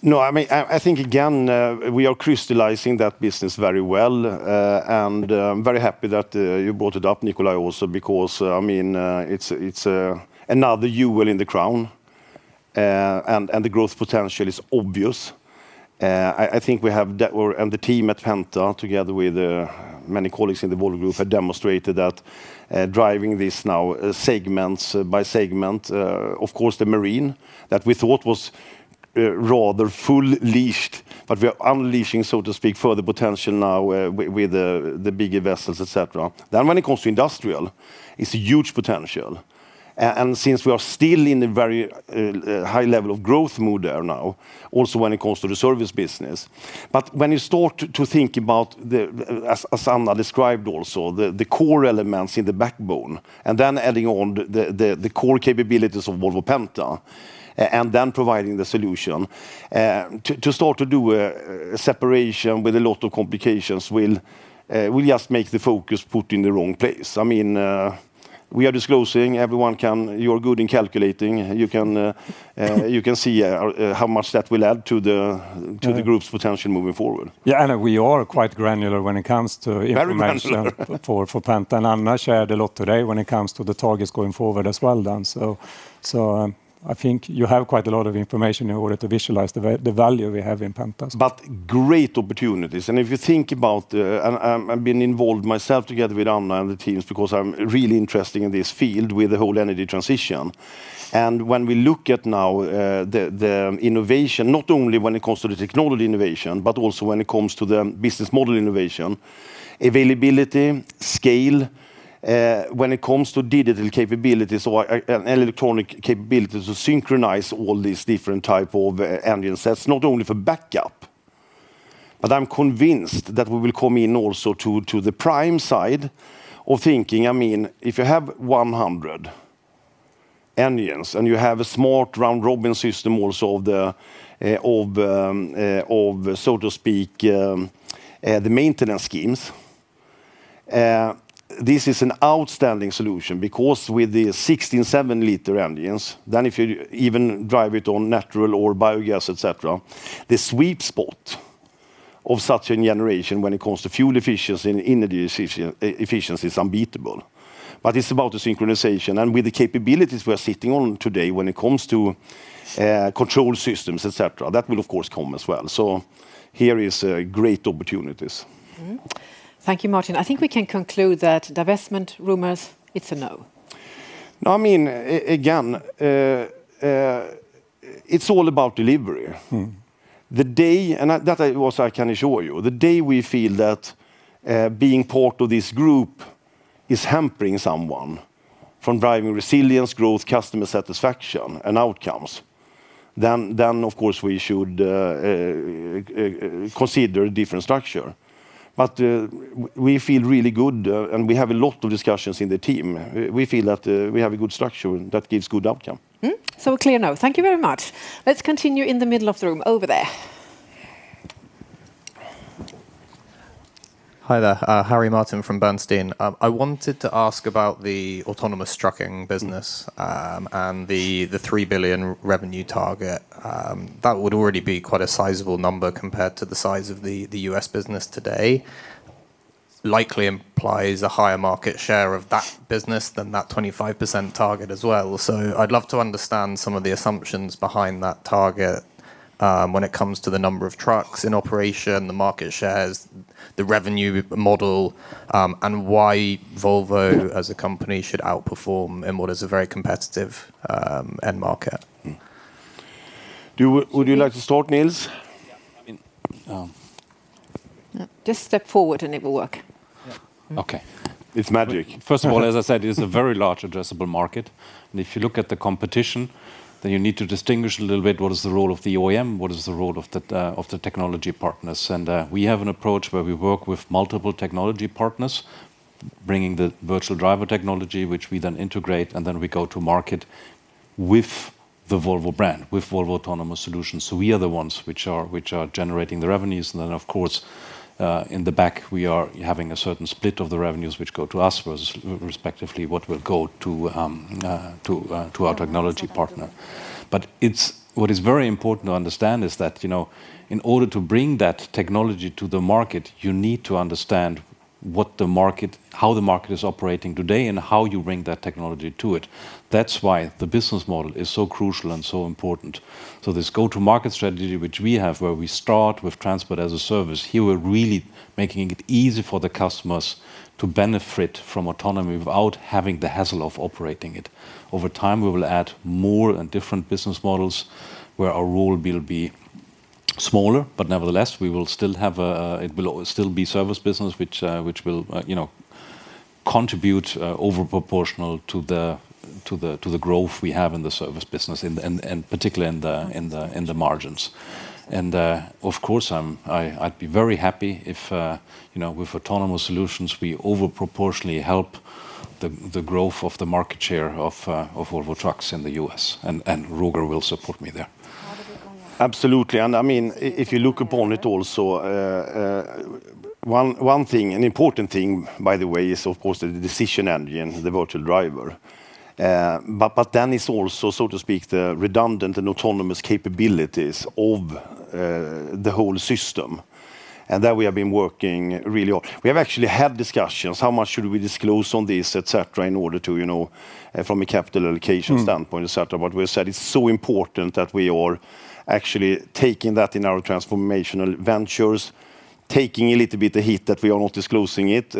No. I think again, we are crystallizing that business very well. I'm very happy that you brought it up, Nicolai, also because it's another jewel in the crown. The growth potential is obvious. I think we have, and the team at Penta, together with many colleagues in the Volvo Group, have demonstrated that driving this now segment by segment, of course, the marine that we thought was rather full-leased, but we are unleashing, so to speak, further potential now with the bigger vessels, et cetera. When it comes to industrial, it's a huge potential. Since we are still in a very high level of growth mode there now, also when it comes to the service business. When you start to think about, as Anna described also, the core elements in the backbone, and then adding on the core capabilities of Volvo Penta, and then providing the solution. To start to do a separation with a lot of complications will just make the focus put in the wrong place. We are disclosing, everyone can You are good in calculating. See how much that will add to the group's potential moving forward. Yeah, we are quite granular when it comes to information. Very granular for Penta. Anna shared a lot today when it comes to the targets going forward as well, Dan. I think you have quite a lot of information in order to visualize the value we have in Penta. Great opportunities. If you think about the I've been involved myself together with Anna and the teams, because I'm really interested in this field with the whole energy transition. When we look at now, the innovation, not only when it comes to the technology innovation, but also when it comes to the business model innovation, availability, scale, when it comes to digital capabilities or electronic capabilities to synchronize all these different type of engine sets, not only for backup. I'm convinced that we will come in also to the prime side of thinking. If you have 100 engines, and you have a smart round-robin system also of the maintenance schemes. This is an outstanding solution because with the 16 seven-liter engines, then if you even drive it on natural or biogas, et cetera, the sweet spot of such a generation when it comes to fuel efficiency and energy efficiency is unbeatable. It's about the synchronization and with the capabilities we're sitting on today when it comes to control systems, et cetera, that will of course come as well. Here is great opportunities. Thank you, Martin. I think we can conclude that divestment rumors, it's a no. Again, it's all about delivery. That I also can assure you. The day we feel that being part of this group is hampering someone from driving resilience, growth, customer satisfaction, and outcomes, then of course we should consider a different structure. We feel really good, and we have a lot of discussions in the team. We feel that we have a good structure that gives good outcome. A clear no. Thank you very much. Let's continue in the middle of the room, over there. Hi there. Harry Martin from Bernstein. I wanted to ask about the autonomous trucking business, and the $3 billion revenue target. That would already be quite a sizable number compared to the size of the U.S. business today. Likely implies a higher market share of that business than that 25% target as well. I'd love to understand some of the assumptions behind that target, when it comes to the number of trucks in operation, the market shares, the revenue model, and why Volvo as a company should outperform in what is a very competitive end market. Would you like to start, Nils? Just step forward and it will work. Okay. It's magic. First of all, as I said, it is a very large addressable market, and if you look at the competition, then you need to distinguish a little bit what is the role of the OEM, what is the role of the technology partners. We have an approach where we work with multiple technology partners, bringing the virtual driver technology, which we then integrate, and then we go to market with the Volvo brand, with Volvo Autonomous Solutions. We are the ones which are generating the revenues, and then, of course, in the back we are having a certain split of the revenues which go to us versus respectively what will go to our technology partner. What is very important to understand is that in order to bring that technology to the market, you need to understand how the market is operating today and how you bring that technology to it. That's why the business model is so crucial and so important. This go-to-market strategy, which we have, where we start with transport as a service, here we're really making it easy for the customers to benefit from autonomy without having the hassle of operating it. Over time, we will add more and different business models where our role will be smaller, but nevertheless, it will still be service business, which will contribute overproportional to the growth we have in the service business, and particularly in the margins. Of course, I'd be very happy if with autonomous solutions, we over proportionally help the growth of the market share of Volvo Trucks in the U.S. Roger will support me there. How are we going there? Absolutely. If you look upon it also, one important thing, by the way, is of course the decision engine, the virtual driver. It's also, so to speak, the redundant and autonomous capabilities of the whole system, and that we have been working really on. We have actually had discussions, how much should we disclose on this, et cetera, in order to, from a capital allocation standpoint, et cetera. We have said it's so important that we are actually taking that in our Transformational Ventures, taking a little bit of heat that we are not disclosing it,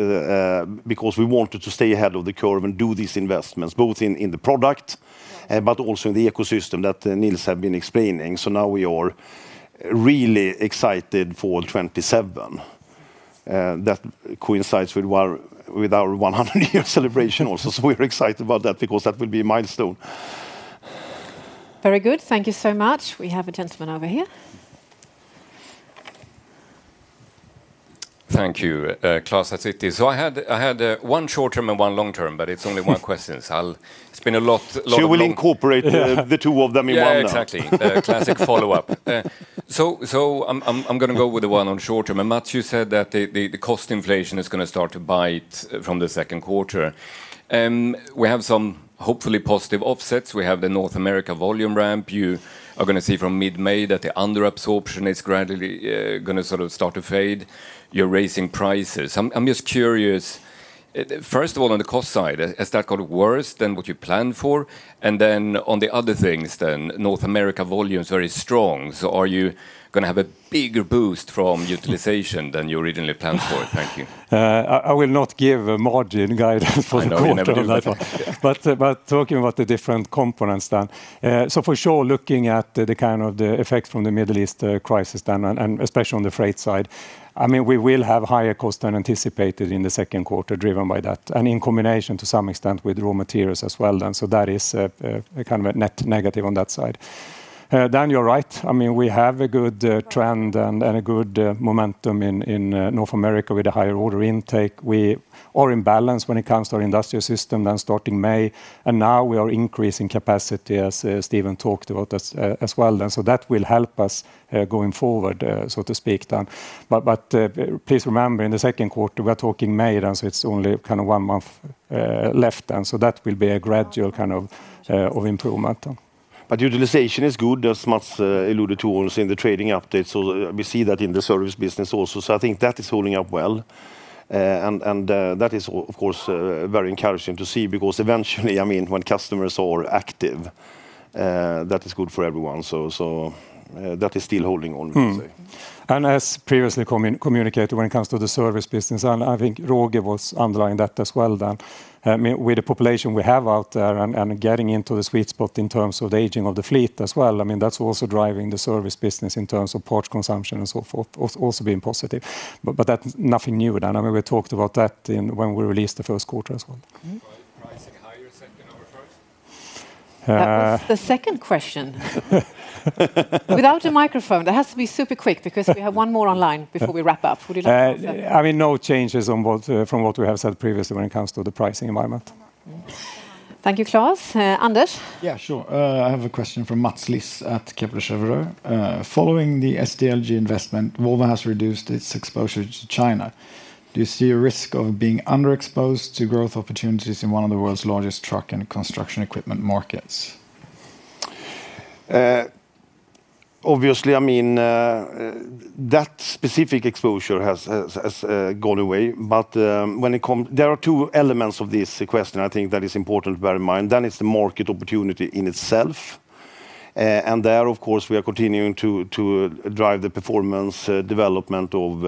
because we wanted to stay ahead of the curve and do these investments, both in the product but also in the ecosystem that Nils have been explaining. Now we are really excited for 2027. That coincides with our 100-year celebration also. We're excited about that because that will be a milestone. Very good. Thank you so much. We have a gentleman over here. Thank you. Klas at Citi. I had one short term and one long term, but it's only one question, so it's been a lot. You will incorporate the two of them in one now. I'm going to go with the one on short term. Mats, you said that the cost inflation is going to start to bite from the second quarter. We have some hopefully positive offsets. We have the North America volume ramp. You are going to see from mid-May that the under absorption is gradually going to start to fade. You're raising prices. I'm just curious, first of all, on the cost side, has that got worse than what you planned for? On the other things, North America volume is very strong, are you going to have a bigger boost from utilization than you originally planned for? Thank you. I will not give a margin guidance for the quarter- I know, you never do that Talking about the different components. For sure, looking at the kind of the effect from the Middle East crisis, especially on the freight side, we will have higher cost than anticipated in the second quarter driven by that, in combination to some extent with raw materials as well. That is a kind of a net negative on that side. Dan, you're right. We have a good trend and a good momentum in North America with a higher order intake. We are in balance when it comes to our industrial system than starting May. Now we are increasing capacity, as Stephen talked about as well. That will help us going forward, so to speak, Dan. Please remember, in the second quarter, we are talking May, it's only one month left, that will be a gradual kind of improvement. Utilization is good, as Mats alluded to also in the trading update. We see that in the service business also. I think that is holding up well, and that is, of course, very encouraging to see because eventually, when customers are active, that is good for everyone. That is still holding on, I'd say. As previously communicated, when it comes to the service business, and I think Roger was underlying that as well, Dan, with the population we have out there and getting into the sweet spot in terms of the aging of the fleet as well, that's also driving the service business in terms of parts consumption and so forth, also being positive. That's nothing new, Dan. We talked about that when we released the first quarter as well. Pricing higher second quarter? That was the second question. Without a microphone, that has to be super quick because we have one more online before we wrap up. Would you like to answer? No changes from what we have said previously when it comes to the pricing environment. Thank you, Klas. Anders? Yeah, sure. I have a question from Mats Liss at Kepler Cheuvreux. Following the SDLG investment, Volvo has reduced its exposure to China. Do you see a risk of being underexposed to growth opportunities in one of the world's largest truck and construction equipment markets? Obviously, that specific exposure has gone away. There are two elements of this question, I think, that is important to bear in mind. One is the market opportunity in itself. There, of course, we are continuing to drive the performance development of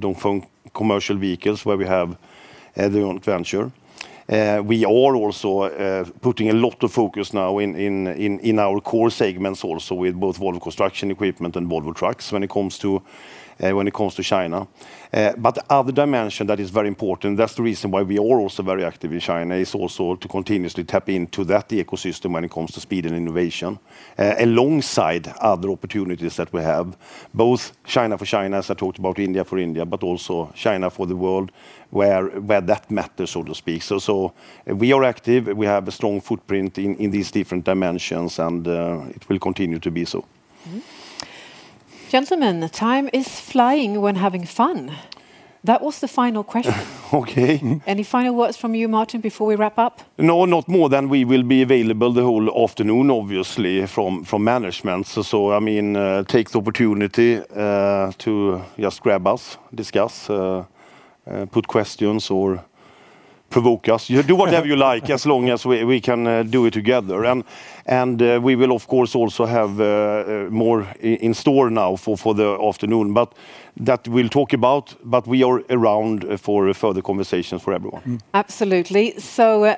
Dongfeng Commercial Vehicles, where we have the venture. We are also putting a lot of focus now in our core segments also with both Volvo Construction Equipment and Volvo Trucks when it comes to China. The other dimension that is very important, that's the reason why we are also very active in China, is also to continuously tap into that ecosystem when it comes to speed and innovation, alongside other opportunities that we have, both China for China, as I talked about India for India, but also China for the world, where that matters, so to speak. We are active. We have a strong footprint in these different dimensions, and it will continue to be so. Mm-hmm. Gentlemen, time is flying when having fun. That was the final question. Okay. Any final words from you, Martin, before we wrap up? No, not more than we will be available the whole afternoon, obviously, from management. Take the opportunity to just grab us, discuss, put questions, or provoke us. Do whatever you like as long as we can do it together. We will, of course, also have more in store now for the afternoon. That, we'll talk about, but we are around for further conversations for everyone. Absolutely.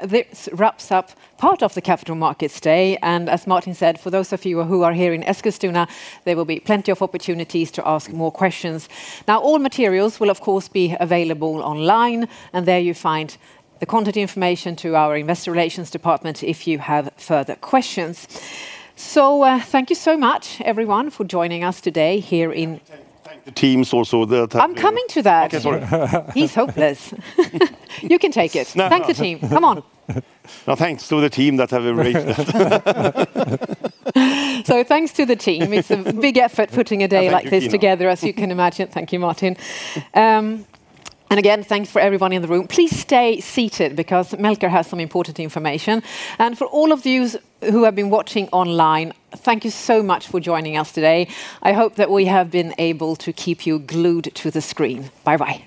This wraps up part of the Capital Markets Day. As Martin said, for those of you who are here in Eskilstuna, there will be plenty of opportunities to ask more questions. All materials will, of course, be available online, and there you find the contact information to our Investor Relations Department if you have further questions. Thank you so much, everyone, for joining us today here in- Thank the teams also that have- I'm coming to that. Sorry. He's hopeless. You can take it. Snap. Thank the team. Come on. No, thanks to the team that have arranged that. Thanks to the team. It's a big effort putting a day like this together. Thank you, Kina. As you can imagine. Thank you, Martin. Again, thanks for everyone in the room. Please stay seated because Melker has some important information. For all of you who have been watching online, thank you so much for joining us today. I hope that we have been able to keep you glued to the screen. Bye-bye.